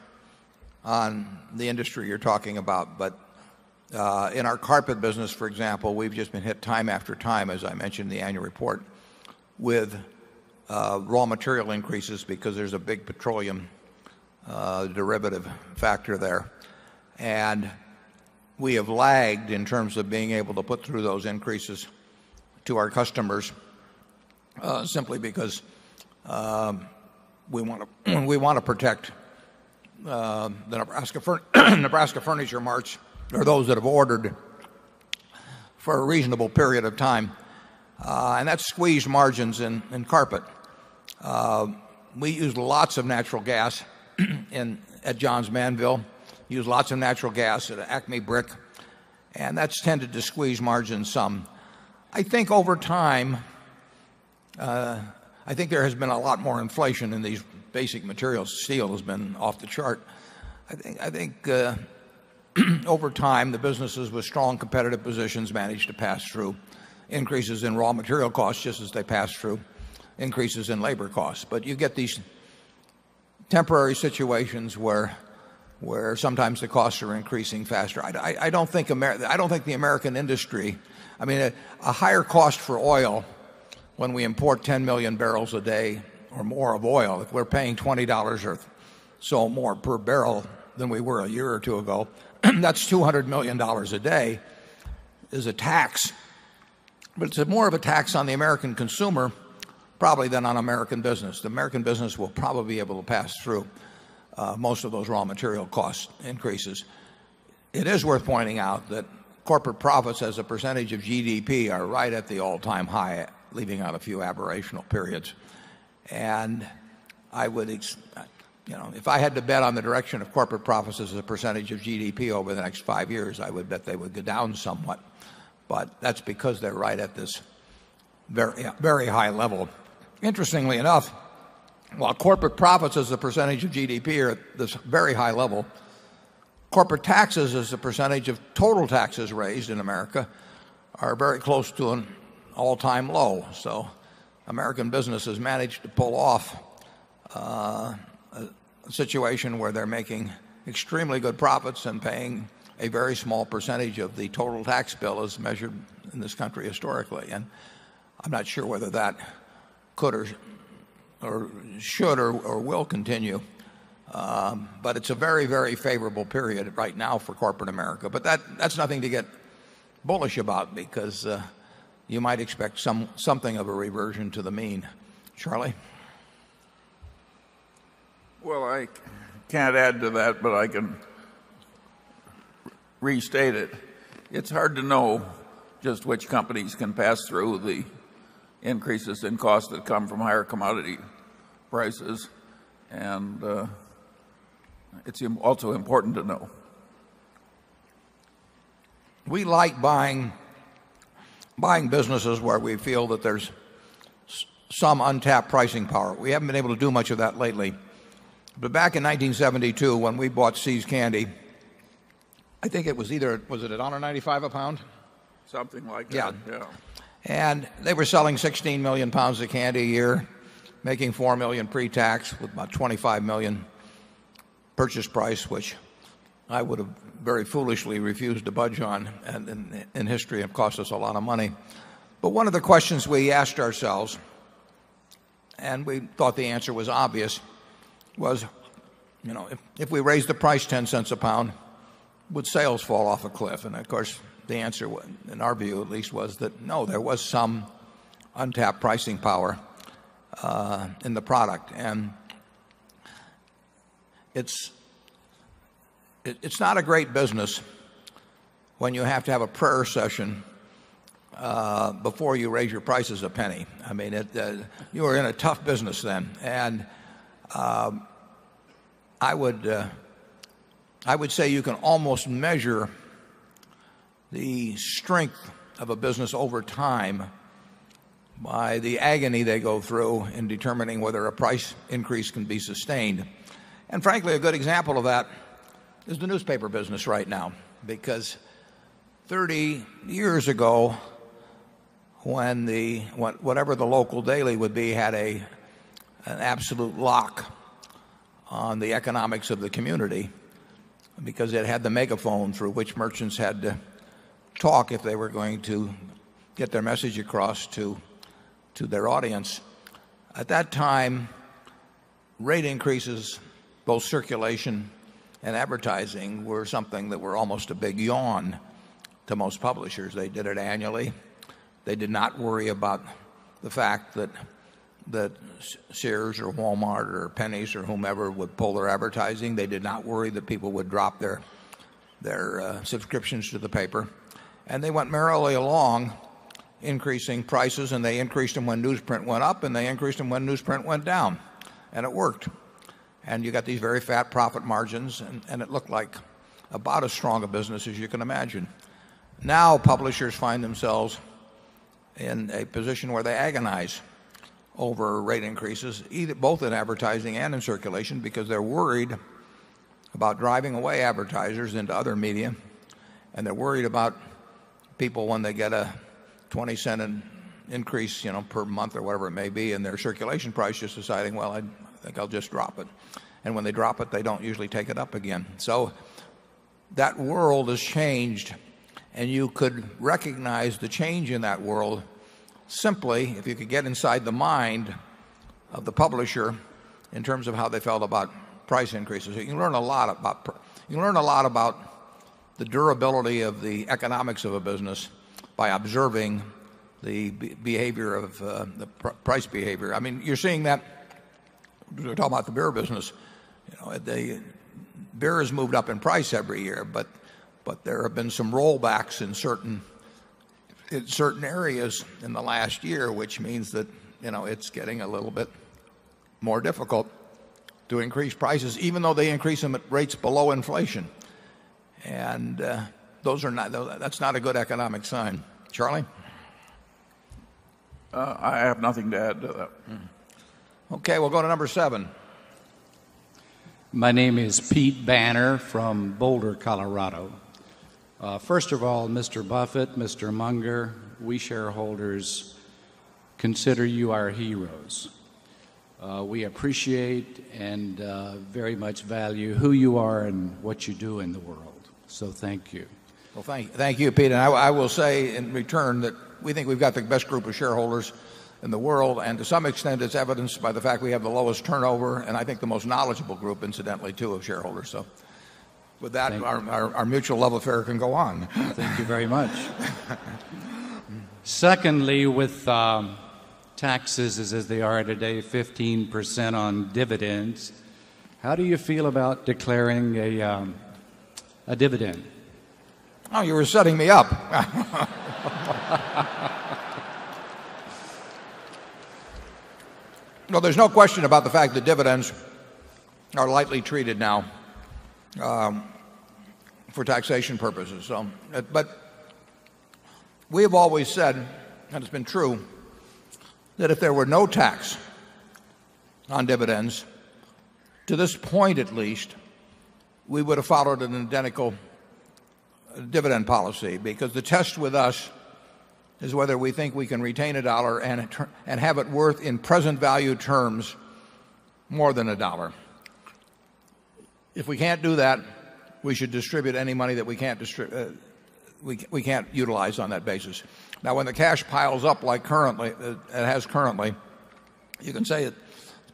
on the industry you're talking about. But in our carpet business for example, we've just been hit time after time as I mentioned in the annual report with raw material increases because there's a big petroleum derivative factor there. And we have lagged in terms of being able to put through those increases to our customers simply because we want to protect the Nebraska Furniture March or those that have ordered for a reasonable period of time and that's squeezed margins in carpet. We used lots of natural gas at Johns Manville, used lots of natural gas at Acme Brick and that's tended to squeeze margins some. I think over time, I think there has been a lot more inflation in these basic materials. Steel has been off the chart. I think over time the businesses with strong competitive positions managed to pass through increases in raw material costs just as they pass through increases in labor costs. But you get these temporary situations where sometimes the costs are increasing faster. I don't think the American industry, I mean, a higher cost for oil when we import 10,000,000 barrels a day or more of oil, if we're paying $20 or so more per barrel than we were a year or 2 ago, that's $200,000,000 a day is a tax. But it's more of a tax on the American consumer probably than on American business. The American business will probably be able to pass through most of those raw material cost increases. It is worth pointing out that corporate profits as a percentage of GDP are right at the all time high, leaving out a few aberrational periods. And I would if I had to bet on the direction of corporate profits as a percentage of GDP over the next 5 years, I would bet they would go down somewhat. But that's because they're right at this very high level. Interestingly enough, while corporate profits as a percentage of GDP are at this very high level, Corporate taxes as a percentage of total taxes raised in America are very close to an all time low. So American Business has managed to pull off a situation where they're making extremely good profits and paying a very small percentage of the total tax bill as measured in this country historically. And I'm not sure whether that could or should or will continue. But it's a very, very favorable period right now for corporate America. But that's nothing to get bullish about because you might expect something of a reversion to the mean. Charlie? Well, I can't add to that, but I can restate it. It's hard to know just which companies can pass through the increases in costs that come from higher commodity prices and it's also important to know. We like buying businesses where we feel that there's some untapped pricing power. We haven't been able to do much of that lately. But back in 1972 when we bought See's Candy, I think it was either was it $1.95 a pound? Something like that. Yeah. And they were selling £16,000,000 of candy a year, making £4,000,000 pretax with about 25,000,000 purchase price which I would have very foolishly refused to budge on and in history have cost us a lot of money. But one of the questions we asked ourselves and we thought the answer was obvious was you know if we raised the price $0.10 a pound would sales fall off a cliff? And of course, the answer in our view at least was that no, there was some untapped pricing power in the product. And it's not a great business when you have to have a prayer session before you raise your prices a penny. I mean, you were in a tough business then. And I would say you can almost measure the strength of a business over time by the agony they go through in determining whether a price increase can be sustained. And frankly, a good example of that is the newspaper business right now because 30 years ago, when the whatever the local daily would be had an absolute lock on the economics of the community because it had the megaphone through which merchants had to talk if they were going to get their message across to their audience. At that time rate increases both circulation and advertising were something that were almost a big yawn to most publishers. They did it annually. They did not worry about the fact that that Sears or Walmart or Penny's or whomever would pull their advertising. They did not worry that people would drop their subscriptions to the paper. And they went merrily along increasing prices and they increased them when newsprint went up and they increased them when newsprint went down And it worked. And you got these very fat profit margins and it looked like about as strong a business as you can imagine. Now publishers find themselves in a position where they agonize over rate increases both in advertising and in circulation because they're worried about driving away advertisers into other media and they're worried about people when they get a $0.20 increase per month or whatever it may be and their circulation price just deciding well I think I'll just drop it. And when they drop it they don't usually take it up again. So that world has changed and you could recognize the change in that world simply if you could get inside the mind of the publisher in terms of how they felt about price increases. You can learn a lot about the durability of the economics of a business by observing the behavior of the price behavior. I mean you're seeing that we're talking about the beer business. They beer has moved up in price every year, but there have been some rollbacks in certain areas in the last year, which means that it's getting a little bit more difficult to increase prices even though they increase them at rates below inflation. And those are not that's not a good economic sign. Charlie? I have nothing to add to that. Okay. We'll go to number 7. My name is Pete Banner from Boulder, Colorado. First of all, Mr. Buffett, Mr. Munger, we shareholders consider you our heroes. We appreciate and very much value who you are and what you do in the world. So thank you. Well, thank you, Pete. And I will say in return that we think we've got the best group of shareholders in the world. And to some extent, it's evidenced by the fact we have the lowest turnover and I think the most knowledgeable group incidentally too of shareholders. So with that, our mutual level affair can go on. Thank you very much. Secondly, with taxes as they are today, 15% on dividends, how do you feel about declaring a dividend? You were setting me up. No, there's no question about the fact that dividends are lightly treated now for taxation purposes. But we have always said, and it's been true, that if there were no tax on dividends, to this point at least, we would have followed an identical dividend policy because the test with us is whether we think we can retain a dollar and have it worth in present value terms more than a dollar. If we can't do that, we should distribute any money that we can't we can't utilize on that basis. Now when the cash piles up like currently it has currently, you can say it's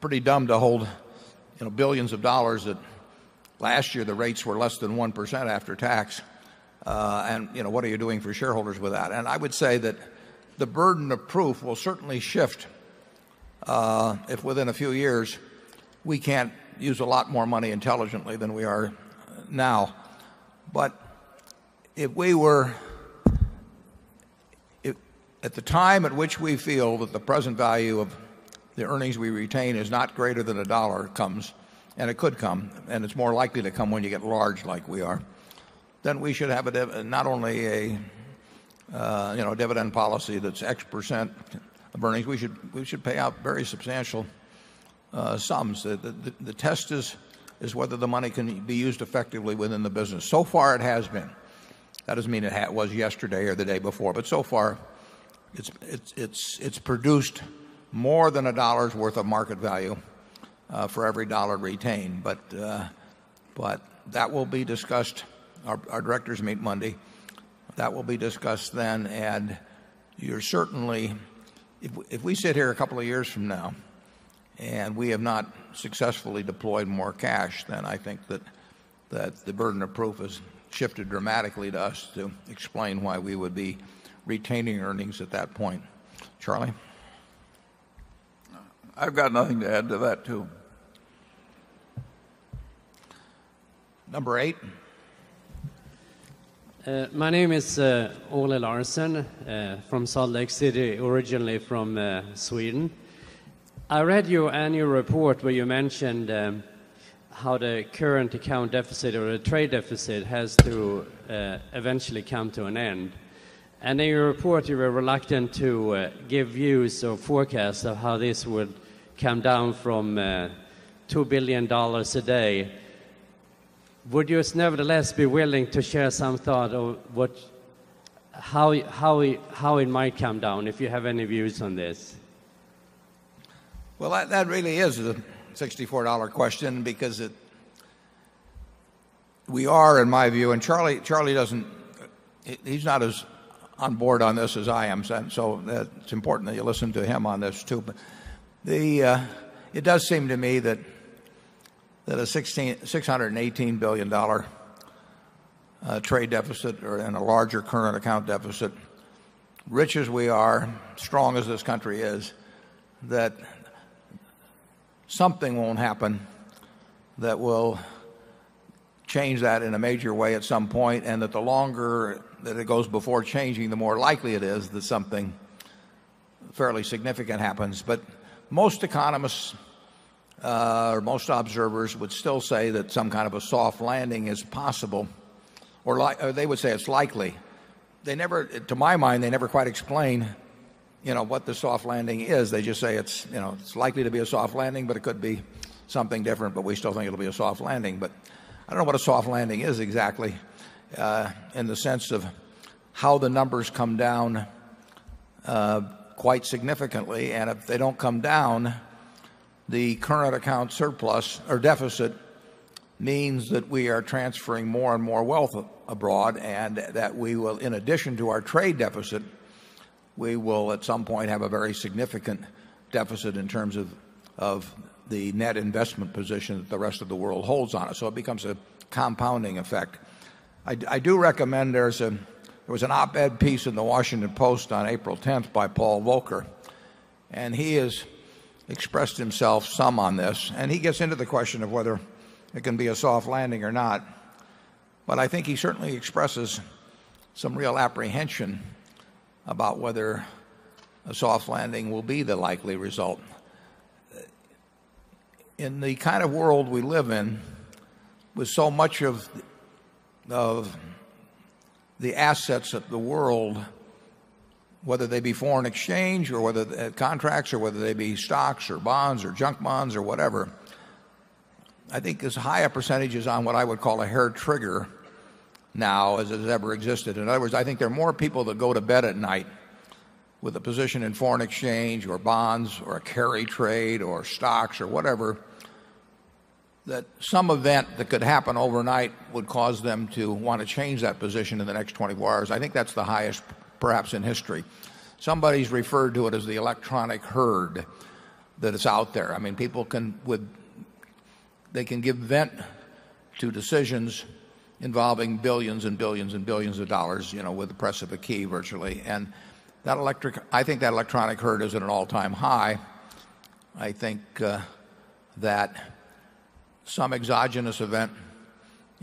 pretty dumb to hold 1,000,000,000 of dollars that last year the rates were less than 1% after tax. And what are you doing for shareholders with that? And I would say that the burden of proof will certainly shift if within a few years we can't use a lot more money intelligently than we are now. But if we were at the time at which we feel that the present value of the earnings we retain is not greater than a dollar comes and it could come and it's more likely to come when you get large like we are, then we should have a not only a dividend policy that's X percent of earnings, we should pay out very substantial sums. The test is whether the money can be used effectively within the business. So far it has been. That doesn't mean it was yesterday or the day before. But so far it's produced more than a dollar's worth of market value for every dollar retained. But that will be discussed our directors meet Monday. That will be discussed then. And you're certainly if we sit here a couple of years from now and we have not successfully deployed more cash, then I think that the burden of proof has shifted dramatically to us to explain why we would be retaining earnings at that point. Charlie? I've got nothing to add to that too. Number 8? My name is Ole Larsen from Salt Lake City, originally from Sweden. I read your annual report where you mentioned how the current account deficit or the trade deficit has to eventually come to an end. And in your report, you were reluctant to give views or forecast of how this would come down from $2,000,000,000 a day. Would you nevertheless be willing to share some thought of what how it might come down, if you have any views on this? Well, that really is a $64 question because it we are, in my view and Charlie doesn't he's not as on board on this as I am so it's important that you listen to him on this too. But the it does seem to me that that a $618,000,000,000 trade deficit and a larger current account deficit, Rich as we are, strong as this country is, that something won't happen that will change that in a major way at some point and that the longer that it goes before changing, the more likely it is that something fairly significant happens. But most economists, or most observers would still say that some kind of a soft landing is possible or they would say it's likely. They never to my mind, they never quite explain what the soft landing is. They just say it's likely to be a soft landing, but it could be something different. But we still think it'll be a soft landing. But I don't know what a soft landing is exactly in the sense of how the numbers come down quite significantly. And if they don't come down, the current account surplus or deficit means that we are transferring more and more wealth abroad and that we will, in addition to our trade deficit, we will at some point have a very significant deficit in terms of the net investment position that the rest of the world holds on us. So it becomes a compounding effect. I do recommend there's a there was an op ed piece in the Washington Post on April 10th by Paul Volcker. And he has expressed himself some on this and he gets into the question of whether it can be a soft landing or not. But I think he certainly expresses some real apprehension about whether a soft landing will be the likely result. In the kind of world we live in with so much of the assets of the world, whether they be foreign exchange or whether contracts or whether they be stocks or bonds or junk bonds or whatever. I think as higher percentages on what I would call a hair trigger now as it has ever existed. In other words, I think there are more people that go to bed at night with a position in foreign exchange or bonds or carry trade or stocks or whatever that some event that could happen overnight would cause them want to change that position in the next 20 quarters. I think that's the highest perhaps in history. Somebody's referred to it as the electronic herd that is out there. I mean people can they can give vent to decisions involving 1,000,000,000 and 1,000,000,000 and 1,000,000,000 of dollars with the press of a key virtually. And that electric I think that electronic herd is at an all time high. I think that some exogenous event,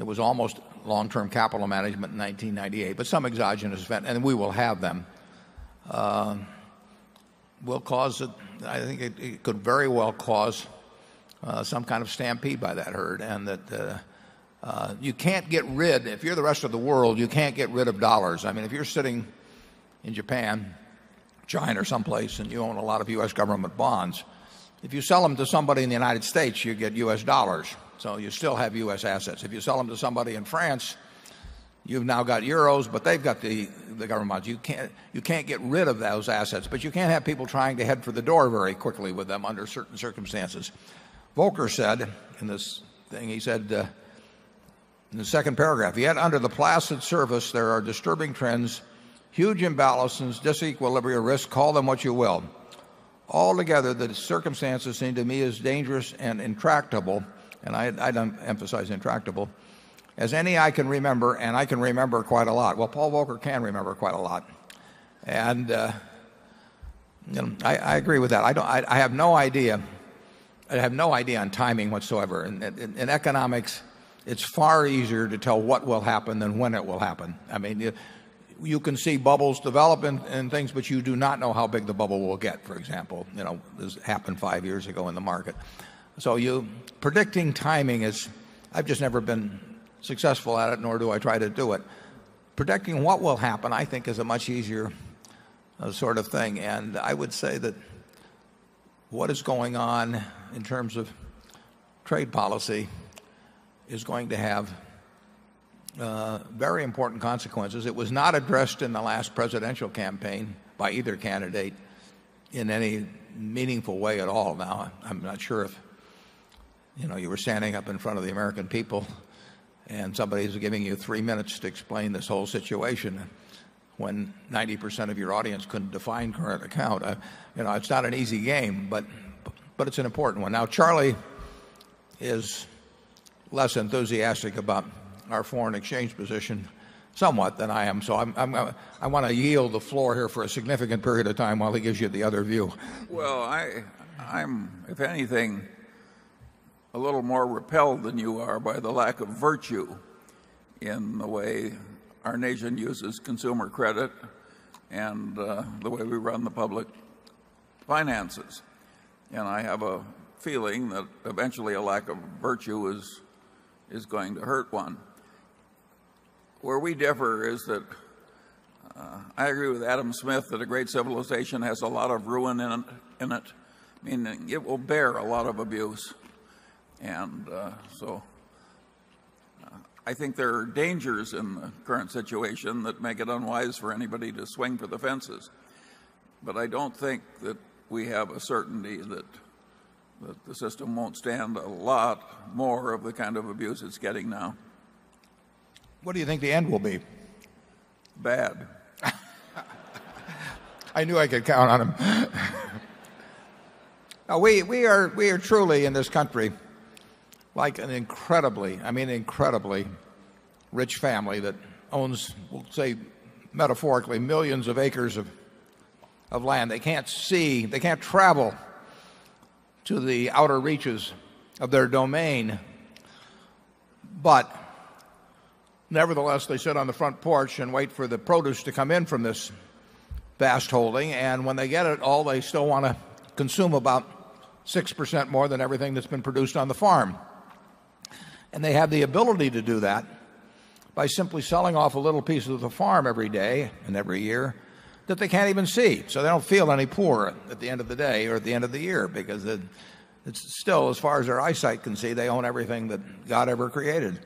it was almost long term capital management in 1998, but some exogenous event and we will have them, will cause I think it could very well cause some kind of stampede by that herd. And that you can't get rid if you're the rest of the world, you can't get rid of dollars. I mean, if you're sitting in Japan, China or someplace and you own a lot of U. S. Government bonds, if you sell them to somebody in the United States, you get U. S. Dollars. So you still have U. S. Assets. If you sell them to somebody in France, you've now got euros, but they've got the government. You can't get rid of those assets, but you can't have people trying to head for the door very quickly with them under certain circumstances. Volker said in this thing he said in the second paragraph, yet under the placid service, there are disturbing trends, huge imbalances, disequilibrium risk, call them what you will. Altogether, the circumstances seem to me as dangerous and intractable, and I don't emphasize intractable, as any I can remember and I can remember quite a lot. Well, Paul Volcker can remember quite a lot. And I agree with that. I don't I have no idea. I have no idea on timing whatsoever. In economics, it's far easier to tell what will happen than when it will happen. I mean, you can see bubbles develop and things, but you do not know how big the bubble will get, for example. This happened 5 years ago in the market. So you predicting timing is I've just never been successful at it nor do I try to do it. Predicting what will happen I think is a much easier sort of thing and I would say that what is going on in terms of trade policy is going to have very important consequences. It was not addressed in the last presidential campaign by either candidate in any meaningful way at all. Now I'm not sure if you were standing up in front of the American people and somebody is giving you 3 minutes to explain this whole situation when 90% of your audience couldn't define current account. It's not an easy game, but it's an important one. Now Charlie is less enthusiastic about our foreign exchange position somewhat than I am. So I'm I'm I want to yield the floor here for a significant period of time while he gives you the other view. Well, I I'm if anything a little more repelled than you are by the lack of virtue in the way our nation uses consumer credit and the way we run the public finances. And I have a feeling that eventually a lack of virtue is going to hurt one. Where we differ is that I agree with Adam Smith that a great civilization has a lot of ruin in it, meaning it will bear a lot of abuse. And so I think there are dangers in the current situation that make it unwise for anybody to swing to the fences. But I don't think that we have a certainty that the system won't stand a lot more of the kind of abuse it's getting now. What do you think the end will be? Bad. I knew I could count on him. We are truly in this country like an incredibly I mean, incredibly rich family that owns, say metaphorically, millions of acres of land. They can't see. They can't travel to the outer reaches of their domain. But nevertheless, they sit on the front porch and wait for the produce to come in from this vast holding. And when they get it all, they still want to consume about 6% more than everything that's been produced on the farm. And they have the ability to do that by simply selling off a little piece of the farm every day and every year that they can't even see. So they don't feel any poor at the end of the day or at the end of the year because it's still as far as their eyesight can see they own everything that God ever created.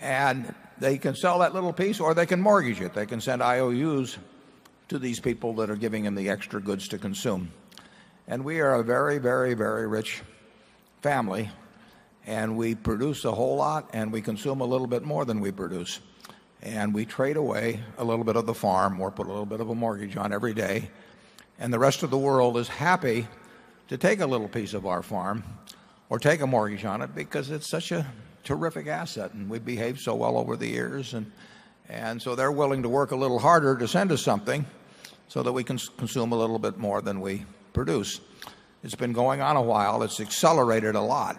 And they can sell that little piece or they can mortgage it. They can send IOUs to these people that are giving them the extra goods to consume. And we are a very, very, very rich family. And we produce a whole lot and we consume a little bit more than we produce. And we trade away a little bit of the farm or put a little bit of a mortgage on every day. And the rest of the world is happy to take a little piece of our farm or take a mortgage on it because it's such a terrific asset and we've behaved so well over the years. And so they're willing to work a little harder to send us something so that we can consume a little bit more than we produce. It's been going on a while. It's accelerated a lot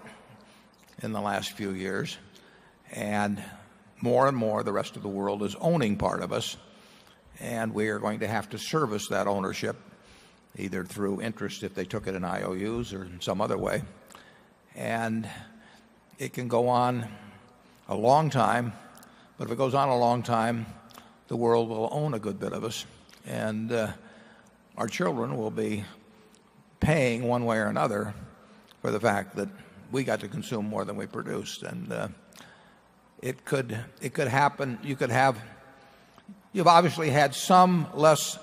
in the last few years. And more and more, the rest of the world is owning part of us. And we are going to have to service that ownership either through interest if they took it in IOUs or in some other way. And it can go on a long time but if it goes on a long time the world will own a good bit of us and our children will be paying one way or another for the fact that we got to consume more than we produced and it could happen. You could have you've obviously had some less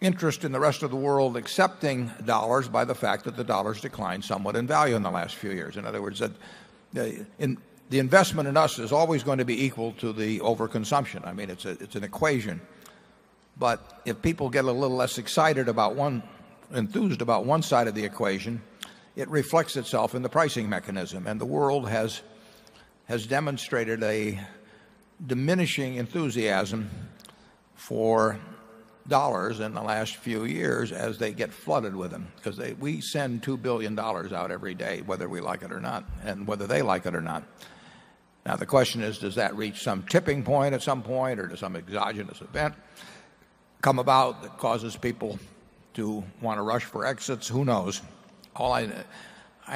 interest in the rest of the world accepting dollars by the fact that the dollars declined somewhat in value in the last few years. In other words, the investment in us is always going to be equal to the overconsumption. I mean, it's an equation. But if people get a little less excited about 1 enthused about one side of the equation, it reflects itself in the pricing mechanism. And the world has demonstrated a diminishing enthusiasm for dollars in the last few years as they get flooded with them because we send $2,000,000,000 out every day whether we like it or not and whether they like it or not. Now the question is, does that reach some tipping point at some point or to some exogenous event come about that causes people to want to rush for exits? Who knows? I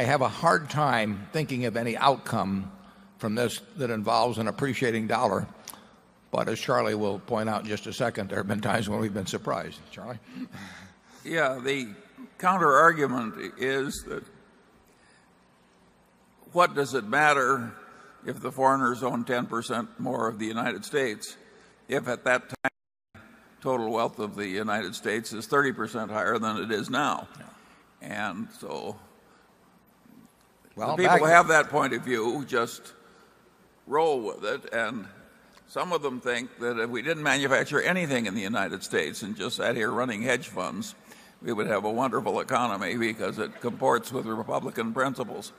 have a hard time thinking of any outcome from this that involves an appreciating dollar. But as Charlie will point out in just a second, there have been times when we've been surprised. Charlie? Yes. The counterargument is that what does it matter if the foreigners own 10% more of the United States if at that time total wealth of the United States is 30% higher than it is now. And so people who have that point of view just roll with it. And some of them think that if we didn't manufacture anything in the United States and just sat here running hedge funds, we would have a wonderful economy because it comports with the Republican principles.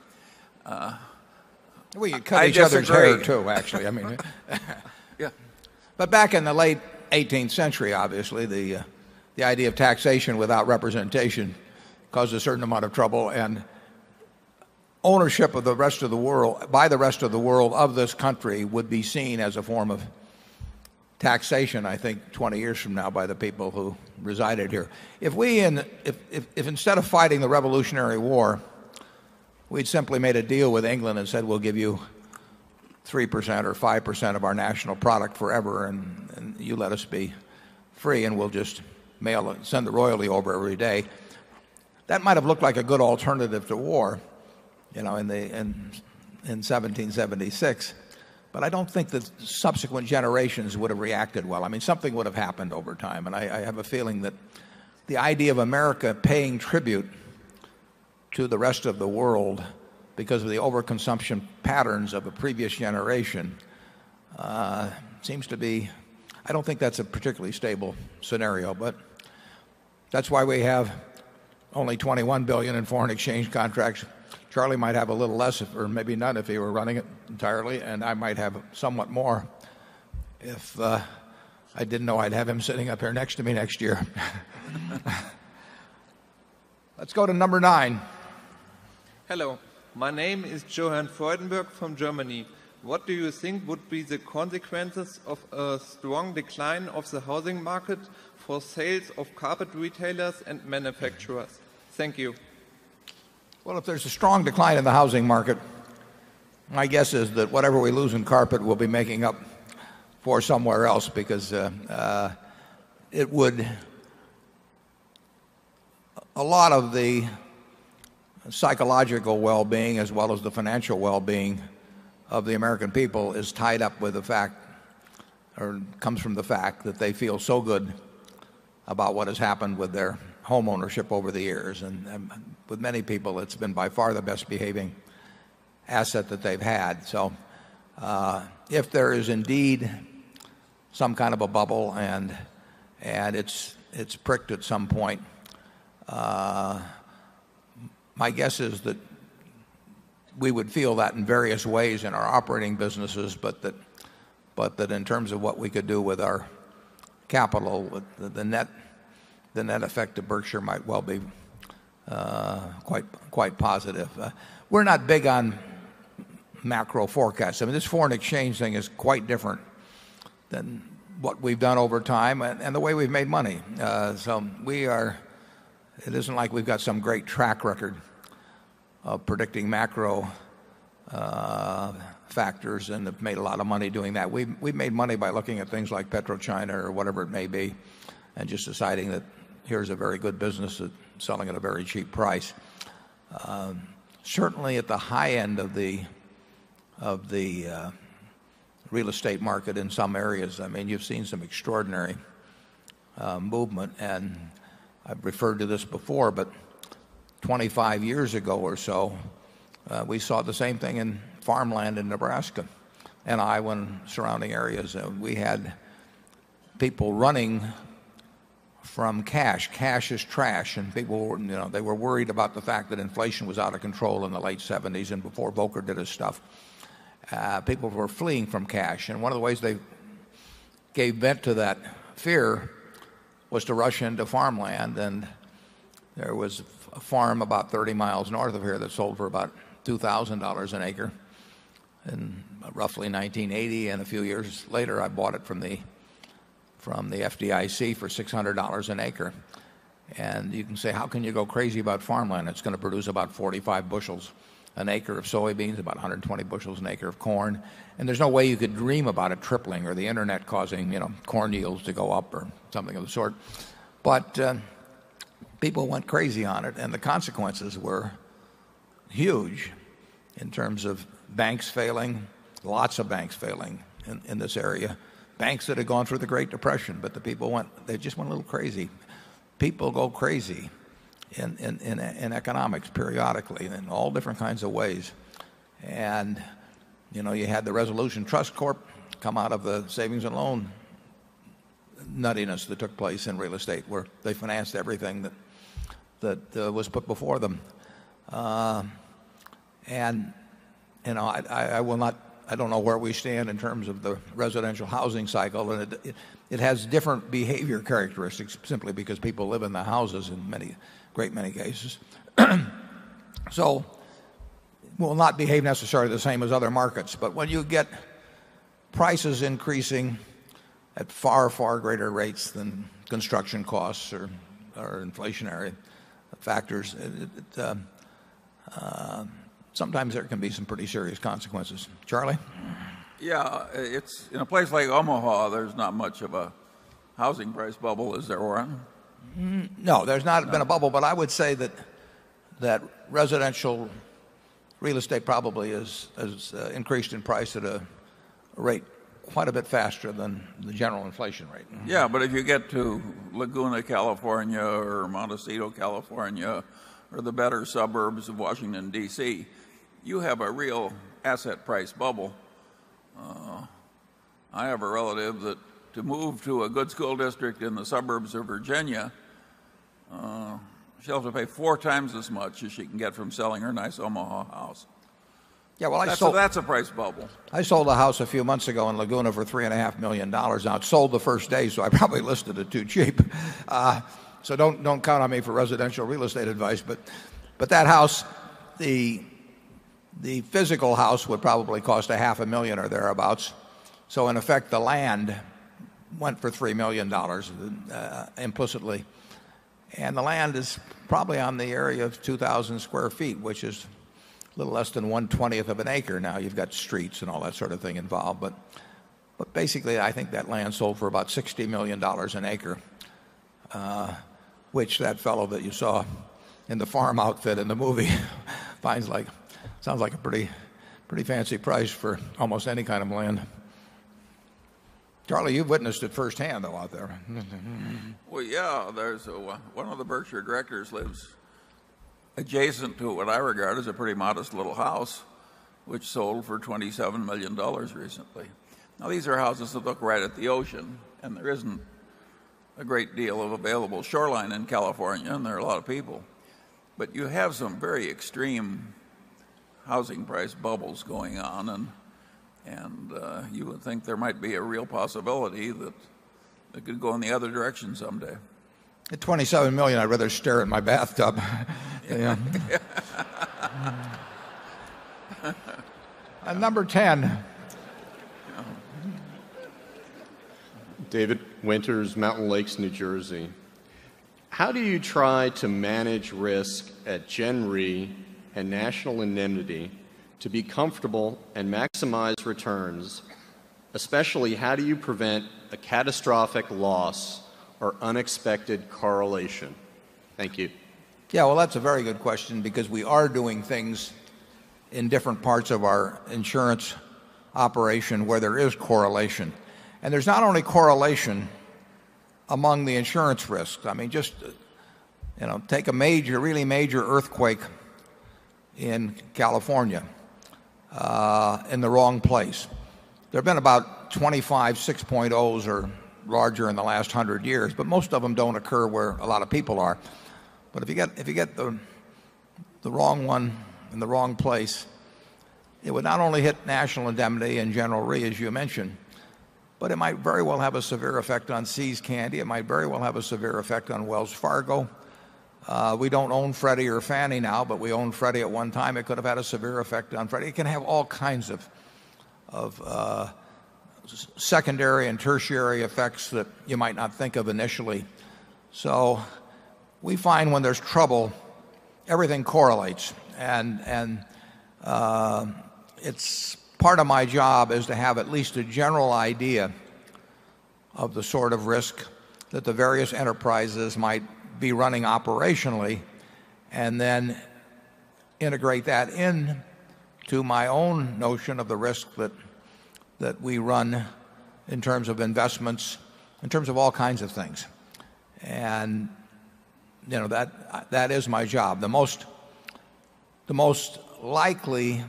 We cut each other too actually. I mean, yeah. But back in the late 18th century, obviously, the idea of taxation without representation caused a certain amount of trouble and ownership of the rest of the world by the rest of the world of this country would be seen as a form of taxation, I think, 20 years from now by the people who resided here. If we if instead of fighting the Revolutionary War, we'd simply made a deal with England and said we'll give you 3% or 5% of our national product forever and you let us be free and we'll just mail and send the royalty over every day. That might have looked like a good alternative to war in 17/76, but I don't think that subsequent generations would have reacted well. I mean something would have happened over time and I have a feeling that the idea of America paying tribute to the rest of the world because of the overconsumption patterns of a previous generation, seems to be I don't think that's a particularly stable scenario, but that's why we have only $21,000,000,000 in foreign exchange contracts. Charlie might have a little less or maybe none if he were running it entirely, and I might have somewhat more if I didn't know I'd have him sitting up here next to me next year. Let's go to number 9. Hello. My name is Johan Freudenburg from Germany. What do you think would be the consequences of a strong decline of the housing market for sales of carpet retailers and manufacturers? Thank you. Well, if there's a strong decline in the housing market, my guess is that whatever we lose in carpet will be making up for somewhere else because, it would a lot of the psychological well-being as well as the financial well-being of the American people is tied up with the fact or comes from the fact that they feel so good about what has happened with their homeownership over the years. And with many people, it's been by far the best behaving asset that they've had. So if there is indeed some kind of a bubble and it's pricked at some point, my guess is that we would feel that in various ways in our operating businesses but that but that in terms of what we could do with our capital with the net the net effect of Berkshire might well be quite positive. We're not big on macro forecasts. I mean this foreign exchange thing is quite different than what we've done over time and the way we've made money. So we are it isn't like we've got some great track record of predicting macro factors and have made lot of money doing that. We've made money by looking at things like PetroChina or whatever it may be and just deciding that here's a very good business that's selling at a very cheap price. Certainly at the high end of the real estate market in some areas, I mean you've seen some extraordinary movement and I've referred to this before but 25 years ago or so we saw the same thing in farmland in Nebraska and Iowa and surrounding areas. We had people running from cash. Cash is trash and people weren't you know they were worried about the fact that inflation was out of control in the late 70s and before Volcker did his stuff. People were fleeing from cash. And one of the ways they gave vent to that fear was to rush into farmland. And there was a farm about 30 miles north of here that sold for about $2,000 an acre in roughly 1980. And a few years later, I bought it from the FDIC for $600 an acre. And you can say how can you go crazy about farmland. It's going to produce about 45 bushels an acre of soybeans, about 120 bushels an acre of corn. And there's no way you could dream about it tripling or the internet causing corn yields to go up or something of the sort. But people went crazy on it and the consequences were huge in terms of banks failing, lots of banks failing in this area. Banks that had gone through the Great Depression, but the people went they just went a little crazy. People go crazy in economics periodically and in all different kinds of ways. And you had the Resolution Trust Corp come out of the savings and loan nuttiness that took place in real estate where they financed everything that was put before them. And I will not I don't know where we stand in terms of the residential housing cycle. And It has different behavior characteristics simply because people live in the houses in many great many cases. So it will not behave necessarily the same as other markets. But when you get prices increasing at far, far greater rates than construction costs or inflationary factors. Sometimes there can be some pretty serious consequences. Charlie? Yes. It's in a place like Omaha, there's not much of a housing price bubble, is there, Warren? No, there's not been a bubble. But I would say that residential real estate probably has increased in price at a rate quite a bit faster than the general inflation rate. Yes. But if you get to Laguna, California or Montecito, California or the better suburbs of Washington, D. C, you have a real asset price bubble. I have a relative that to move to a good school district in the suburbs of Virginia, she also pay 4 times as much as she can get from selling her nice Omaha house. Yeah. Well, I So that's a price bubble. I sold a house a few months ago in Laguna for $3,500,000 outsold the 1st day so I probably listed it too cheap. Don't count on me for residential real estate advice. But that house, the physical house would probably cost $500,000 or thereabouts. So in effect, the land went for $3,000,000 implicitly. And the land is probably on the area of 2,000 square feet, which is a little less than 1 20th of an acre now. You've got streets and all that sort of thing involved. But basically I think that land sold for about $60,000,000 an acre which that fellow that you saw in the farm outfit in the movie finds like sounds like a pretty, pretty fancy price for almost any kind of land. Charlie, you've witnessed it firsthand, though, out there. Well, yes. There's one of the Berkshire Directors lives adjacent to what I regard as a pretty modest little house which sold for $27,000,000 recently. Now these are houses that look right at the ocean and there isn't a great deal of available shoreline in California and there are a lot of people. But you have some very extreme housing price bubbles going on and you would think there might be a real possibility that it could go in the other direction someday. At 27,000,000 I'd rather stare at my bathtub. Number 10. David Winters, Mountain Lakes, New Jersey. How do you try to manage risk at Gen Re and National Anemnity to be comfortable and maximize returns, especially how do you prevent a catastrophic loss or unexpected correlation? Thank you. Yes. Well, that's a very good question because we are doing things in different parts of our insurance operation where there is correlation. There's not only correlation among the insurance risks. I mean, just take a major, really major earthquake in California, in the wrong place. There have been about 25, 6.0s or larger in the last 100 years, but most of them don't occur where a lot of people are. But if you get if you get the the wrong one in the wrong place, it would not only hit National Indemnity and General Re as you mentioned, but it might very well have a severe effect on See's Candy. It might very well have a severe effect on Wells Fargo. We don't own Freddie or Fannie now, but we own Freddie at one time. It could have had a severe effect on Freddie. It can have all kinds of secondary and tertiary effects that you might not think of initially. So we find when there's trouble, everything correlates. And it's part of my job is to have at least a general idea of the sort of risk that the various enterprises might be running operationally and then integrate that into my own notion of the risk that we run-in terms of investments, in terms of all kinds of things. And that is my job. The most likely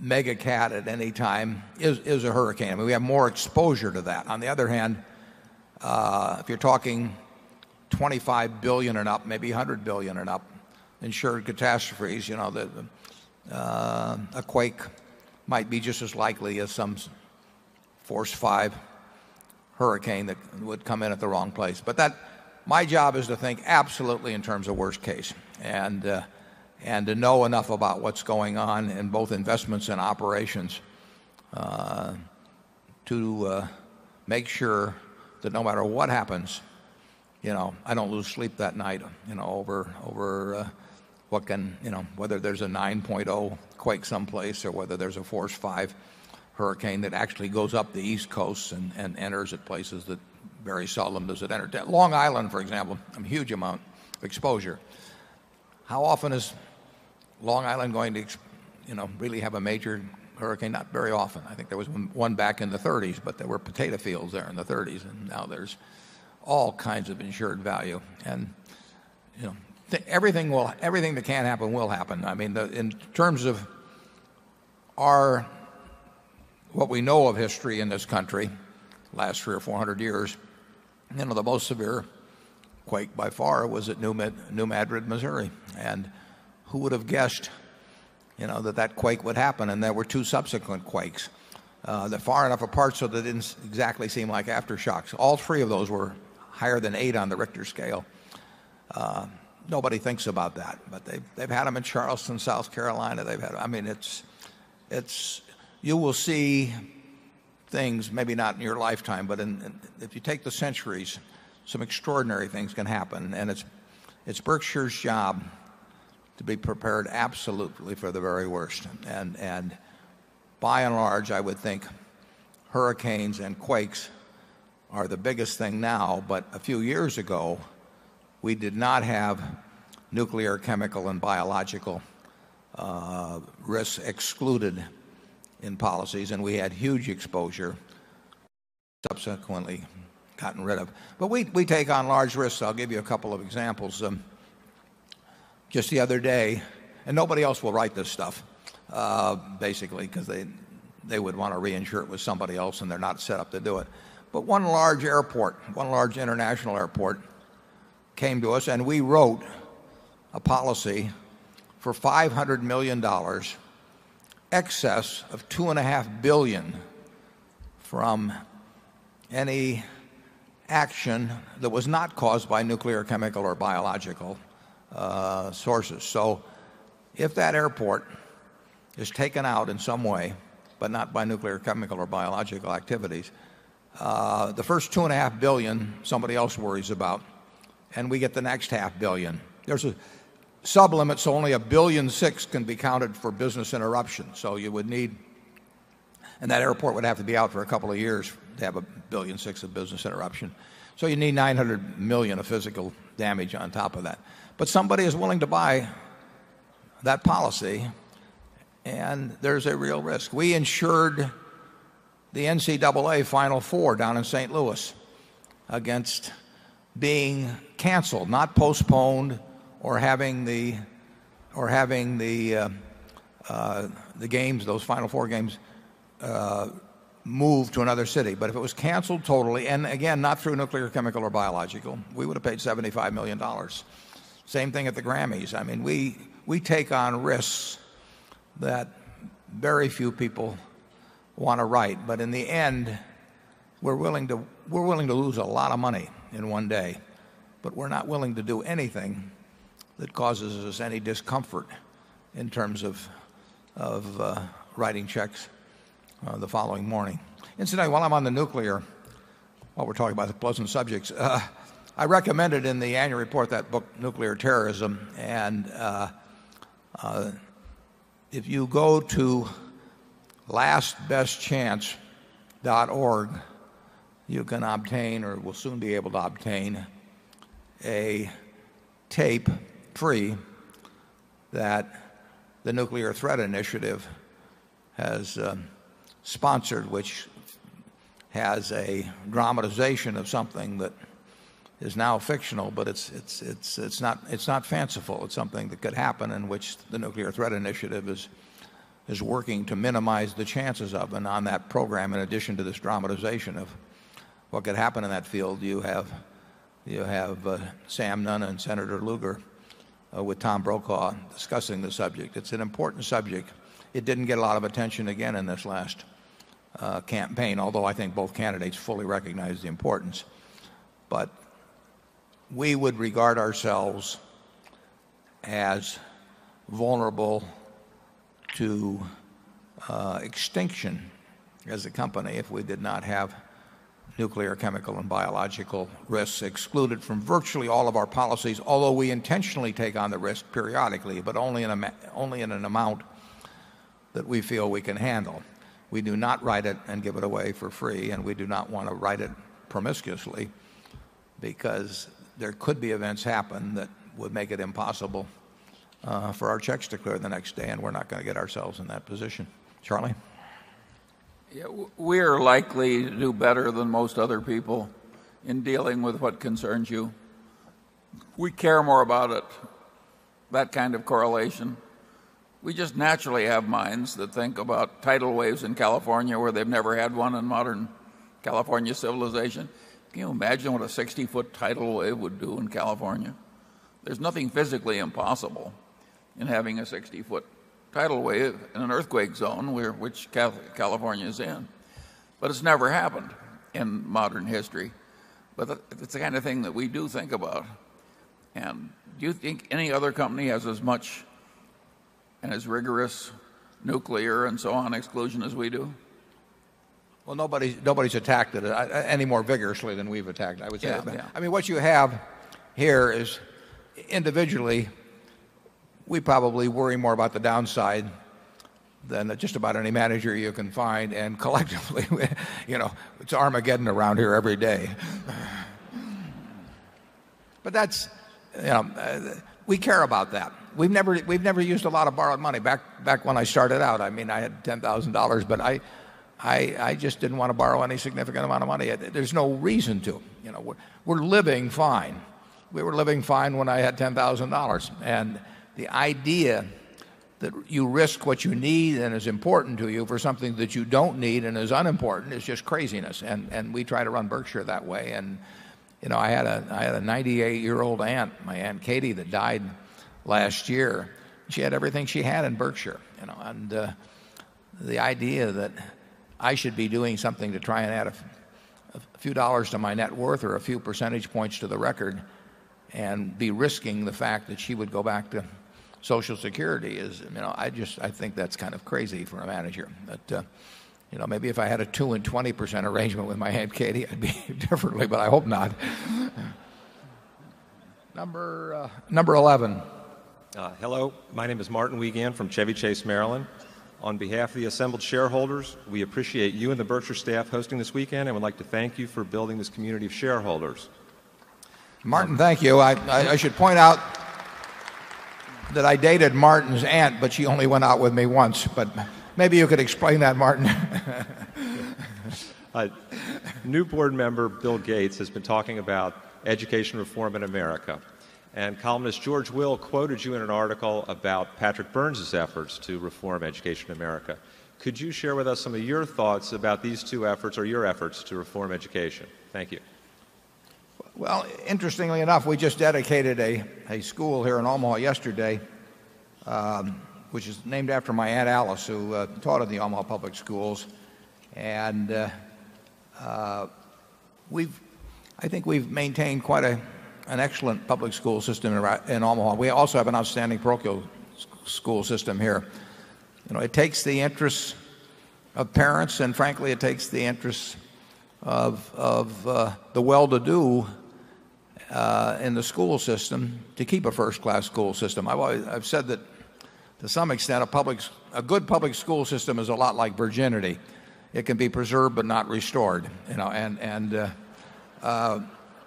mega cat at any time is a hurricane. We have more exposure to that. On the other hand, if you're talking 25,000,000,000 and up maybe 100,000,000,000 and up insured catastrophes, you know, the, a quake might be just as likely as some force 5 hurricane that would come in at the wrong place. But that my job is to think absolutely in terms of worst case and and to know enough about what's going on in both investments and operations to make sure that no matter what happens, I don't lose sleep that night over what can whether there's a 9.0 quake someplace or whether there's a Forest V hurricane that actually goes up the East Coast and enters at places that very seldom does it enter. Long Island, for example, a huge amount of exposure. How often is Long Island going to really have a major hurricane? Not very often. I think there was one back in the '30s, but there were potato fields there in the '30s. And now there's all kinds of insured value. And everything will everything that can happen will happen. I mean, in terms of our what we know of history in this country last 3 or 400 years and with the most severe quake by far was at New Madrid Missouri. And who would have guessed that that quake would happen? And there were 2 subsequent quakes. They're far enough apart so they didn't exactly seem like aftershocks. All three of those were higher than 8 on the Richter scale. Nobody thinks about that. But they've had them in Charleston, South Carolina. They've had I mean, it's you will see things, maybe not in your lifetime, but if you take the centuries, some extraordinary things can happen. And it's Berkshire's job to be prepared absolutely for the very worst. And by and large I would think hurricanes and quakes are the biggest thing now but a few years ago we did not have nuclear chemical and biological risks excluded in policies and we had huge exposure subsequently gotten rid of. But we take on large risks. I'll give you a couple of examples. Just the other day and nobody else will write this stuff, basically because they would want to reinsure it with somebody else and they're not set up to do it. But one large airport, one large international airport came to us and we wrote a policy for $500,000,000 excess of 2,500,000,000 from any action that was not caused by nuclear, chemical or biological, sources. So if that airport is taken out in some way, but not by nuclear, chemical or biological activities, the first 2 and a half 1000000000 somebody else worries about and we get the next half billion. There's a sub limit so only a 1,600,000,000 can be counted for business interruption. So you would need and that airport would have to be out for a couple of years to have 1,006,000,000 of business interruption. So you need 900,000,000 of physical damage on top of that. But somebody is willing to buy that policy and there's a real risk. We insured the NCAA Final 4 down in St. Louis against being canceled, not postponed or having the or having the, the games, those final four games, move to another city. But if it was canceled totally, and again, not through nuclear, chemical or biological, we would have paid $75,000,000 Same thing at the Grammys. I mean, we take on risks that very few people want to write. But in the end, we're willing to lose a lot of money in one day, but we're not willing to do anything that causes us any discomfort in terms of writing checks the following morning. And today, while I'm on the nuclear, while we're talking about the pleasant subjects, I recommended in the annual report that book Nuclear Terrorism. And if you go to lastbestchance.org, you can obtain or will soon be able to obtain a tape free that the Nuclear Threat Initiative has sponsored, which has a dramatization of something that is now fictional, but it's not fanciful. It's something that could happen in which the nuclear threat initiative is working to minimize the chances of. And on that program, in addition to this dramatization of what could happen in that field, you have Sam Nunn and Senator Lugar with Tom Brokaw discussing the subject. It's an important subject. It didn't get a lot of attention again in this last campaign although I think both candidates fully recognize the importance. But we would regard ourselves as vulnerable to extinction as a company if we did not have nuclear, chemical, and biological risks excluded from virtually all of our policies, although we intentionally take on the risk periodically, but only in a only in an amount that we feel we can handle. We do not write it and give it away for free and we do not want to write it promiscuously because there could be events happen that would make it impossible for our checks to clear the next day and we're not going to get ourselves in that position. Charlie? We are likely to do better than most other people in dealing with what concerns you. We care more about it, that kind of correlation. We just naturally have minds that think about tidal waves in California where they've never had 1 in modern California civilization. Can you imagine what a 60 foot tidal wave would do in California? There's nothing physically impossible in having a 60 foot tidal wave in an earthquake zone which California is in. But it's never happened in modern history. But it's the kind of thing that we do think about. And do you think any other company has as much and as rigorous nuclear and so on exclusion as we do? Well, nobody's attacked it any more vigorously than we've attacked, I would say. I mean, what you have here is individually, we probably worry more about the downside than just about any manager you can find and collectively you know it's Armageddon around here every day. But that's we care about that. We've never used a lot of borrowed money. Back when I started out, I mean, I had $10,000 but I just didn't want to borrow any significant amount of money. There's no reason to. You know, we're living fine. We were living fine when I had $10,000 And the idea that you risk what you need and is important to you for something that you don't need and is unimportant is just craziness. And we try to run Berkshire that way. And I had a 98 year old aunt, my aunt Katie that died last year. She had everything she had in Berkshire. And the idea that I should be doing something to try and add a few dollars to my net worth or a few percentage points to the record and be risking the fact that she would go back to social security is, I just I think that's kind of crazy for a manager. But maybe if I had a 2 20 percent arrangement with my hand, Katie, I'd be different, but I hope not. Number 11. Hello. My name is Martin Wiegand from Chevy Chase, Maryland. On behalf of the assembled shareholders, we appreciate you and the Berkshire staff hosting this weekend and would like to thank you for building this community of shareholders. Martin, thank you. I should point out that I dated Martin's aunt, but she only went out with me once. But maybe you could explain that, Martin. New Board member Bill Gates has been talking about education reform in America and columnist George Will quoted you in an article about Patrick Burns' efforts to reform Education in America. Could you share with us some of your thoughts about these two efforts or your efforts to reform education? Thank you. Well, interestingly enough, we just dedicated a school here in Omaha yesterday, which is named after my aunt, Alice, who, taught at the Omaha Public Schools. And, we've I think we've maintained quite an excellent public school system in in Omaha. We also have an outstanding parochial school system here. You know, it takes the interest of parents and frankly it takes the interest of of, the well-to-do in the school system to keep a 1st class school system. I've said that to some extent, a good public school system is a lot like virginity. It can be preserved but not restored. And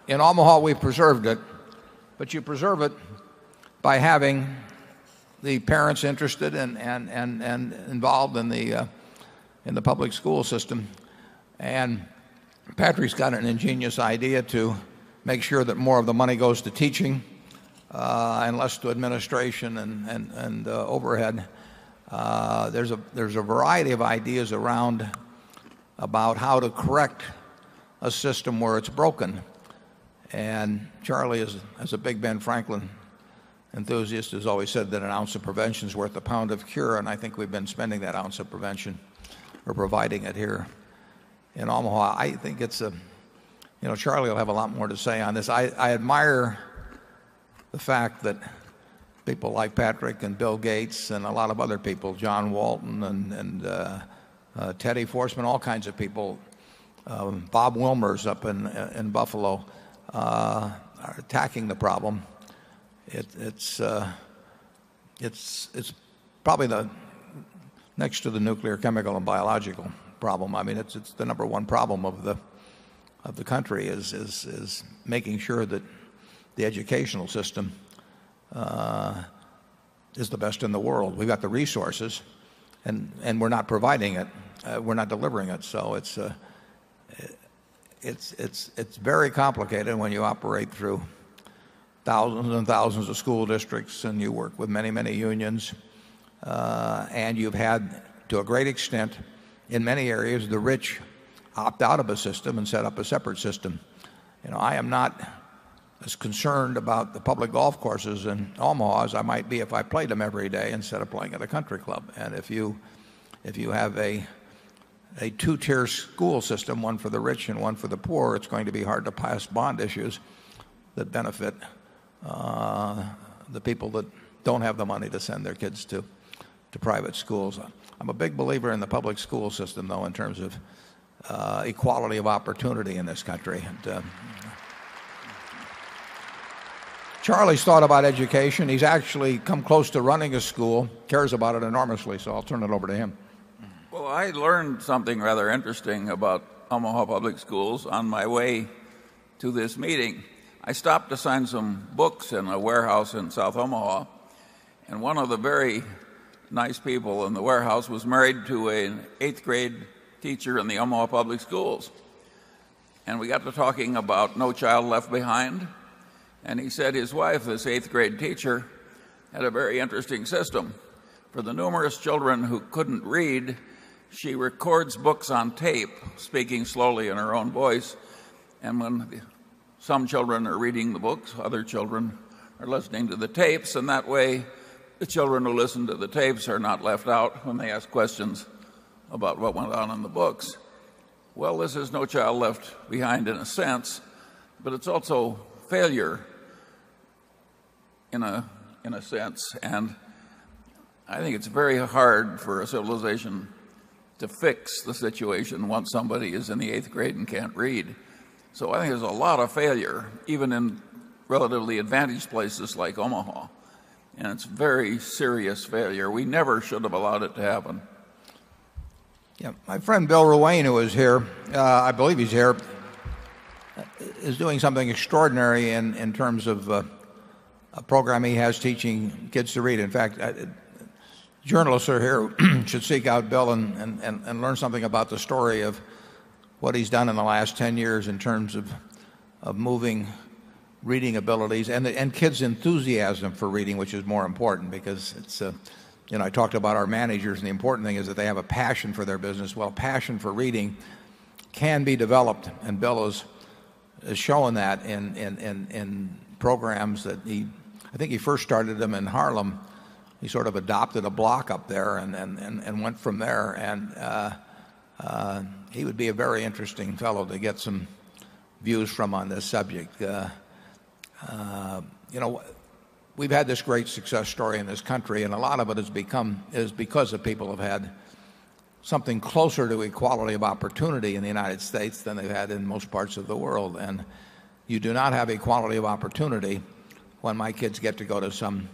in Omaha, we preserved it. But you preserve it by having the parents interested and and and and involved in the, in the public school system. And Patrick's got an ingenious idea to make sure that more of the money goes to teaching, and less to administration and overhead. There's a variety of ideas around about how to correct a system where it's broken. And Charlie, as a big Ben Franklin enthusiast, has always said that an ounce of prevention is worth a pound of cure, and I think we've been spending that ounce of prevention or providing it here in Omaha. I think it's a you know, Charlie will have a lot more to say on this. I I admire the fact that people like Patrick and Bill Gates and a lot of other people, John Walton and Teddy Forsman, all kinds of people, Bob Wilmer is up in Buffalo attacking the problem. It's It's probably the next to the nuclear, chemical and biological problem. I mean, it's the number one problem of the country is making sure that the educational system is the best in the world. We've got the resources and we're not providing it. We're not delivering it. So it's it's it's very complicated when you operate through thousands and thousands of school districts and you work with many, many unions. And you've had to a great extent in many areas the rich opt out of a system and set up a separate system. You know, I am not as concerned about the public golf courses in Omaha as I might be if I play them every day instead of playing at a country club. And if you if you have a 2 tier school system, 1 for the rich and one for the poor, it's going to be hard to pass bond issues that benefit the people that don't have the money to send their kids to private schools. I'm a big believer in the public school system though in terms of equality of opportunity in this country. Charlie's thought about education. He's actually come close to running a school, cares about it enormously. So I'll turn it over to him. Well, I learned something rather interesting about Omaha Public Schools on my way to this meeting. I stopped to sign some books in a warehouse in South Omaha. And one of the very nice people in the warehouse was married to an 8th grade teacher in the Omaha Public Schools. And we got to talking about No Child Left Behind. And he said his wife, this 8th grade teacher, at a very interesting system. For the numerous children who couldn't read, she records books on tape speaking slowly in her own voice. And when some children are reading the books, other children are listening to the tapes. And that way, the children who listen to the tapes are not left out when they questions about what went on in the books. Well, this is No Child Left Behind in a sense, but it's also failure in a sense. And I think it's very hard for a civilization to fix the situation once somebody is in the 8th grade and can't read. So I think there's a lot of failure even in relatively advantaged places like Omaha and it's very serious failure. We never should have allowed it to happen. Yeah. My friend Bill Ruane who is here, I believe he's here, is doing something extraordinary in terms of a program he has teaching kids to read. In fact, journalists are here should seek out Bill and learn something about the story of what he's done in the last 10 years in terms of moving reading abilities and kids' enthusiasm for reading, which is more important because it's I talked about our managers and the important thing is that they have a passion for their business. Well, passion for reading can be developed. And Bill has shown that in programs that he I think he first started them in Harlem. He sort of adopted a block up there and went from there. And he would be a very interesting fellow to get some views from on this subject. You know, we've had this great success story in this country and a lot of it has become is because of people have had something closer to equality of opportunity in the United States than they've had in most parts of the world. And you do not have equality of opportunity when my kids get to go to some